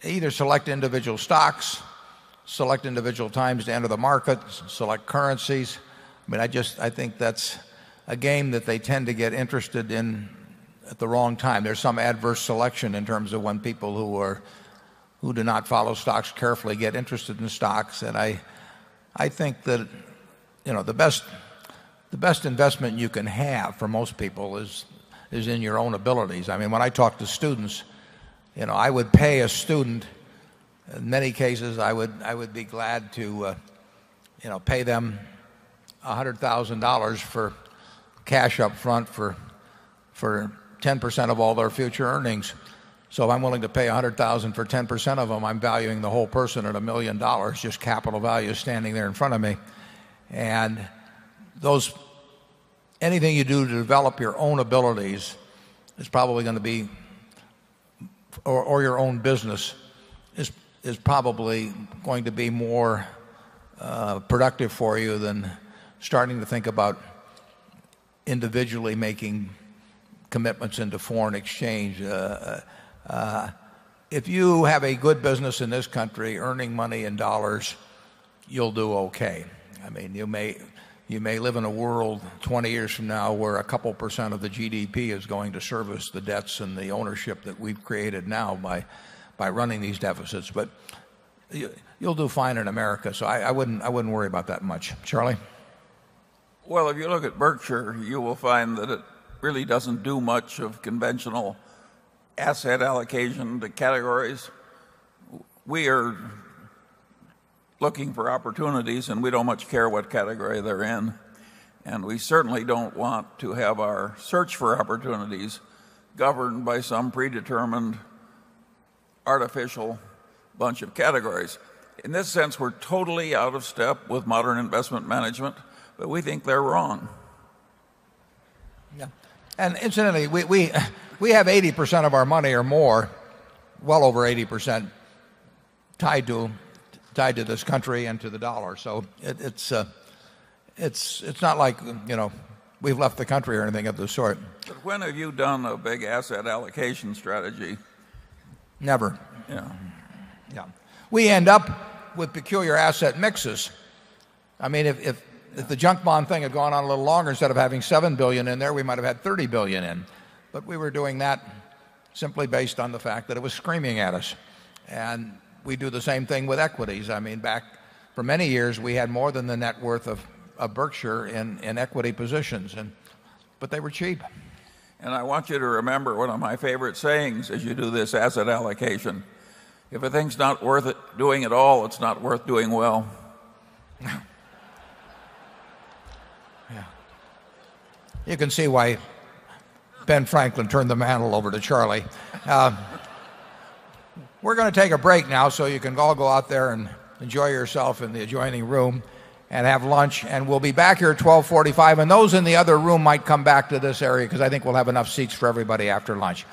either select individual stocks, select individual times to enter the market, select currencies. But I just I think that's a game that they tend to get interested in at the wrong time. There's some adverse selection in terms of when people who are who do not follow stocks carefully get interested in stocks. And I think that the best investment you can have for most people is in your own abilities. I mean, when I talk to students, I would pay a student. In many cases, I would be glad to you know, pay them $100,000 for cash upfront for for 10% of all their future earnings. So I'm willing to pay 100,000 for 10% of them. I'm valuing the whole person at $1,000,000 just capital value standing there in front of me. And those anything you do to develop your own abilities is probably going to be or your own business is probably going to be more productive for you than starting to think about individually making commitments into foreign exchange. If you have a good business in this country earning money in dollars, you'll do okay. I mean you may live in a world 20 years from now where a couple percent of the GDP is going to service the debts and the ownership that we've created now by running these deficits. But you'll do fine in America. So I wouldn't worry about that much. Charlie? Well, if you look at Berkshire, you will find that it really doesn't do much of conventional asset allocation to categories. We are looking for opportunities and we don't much care what category they're in. And we certainly don't want to have our search for opportunities governed by some predetermined artificial bunch of categories. In this sense, we're totally out of step with modern investment management, but we think they're wrong. Yeah. And incidentally, we have 80% of our money or more, well over 80% tied to this country and to the dollar. So it's not like, you know, we've left the country or anything of this sort. When have you done a big asset allocation strategy? Never. Yeah. Yeah. We end up with peculiar asset mixes. I mean, if the junk bond thing had gone on a little longer, instead of having $7,000,000,000 in there, we might have had $30,000,000,000 in. But we were doing that simply based on the fact that it was screaming at us. And we do the same thing with equities. I mean, back for many years, we had more than the net worth of Berkshire in equity positions. But they were cheap. And I want you to remember one of my favorite sayings as you do this asset allocation. If a thing's not worth doing at all, it's not worth doing well. You can see why Ben Franklin turned the mantle over to Charlie. We're going to take a break now so you can all go out there and enjoy yourself in the adjoining room and have lunch, and we'll be back here at 12:45. And those in the other room might come back to this area because I think we'll have enough seats for everybody after lunch.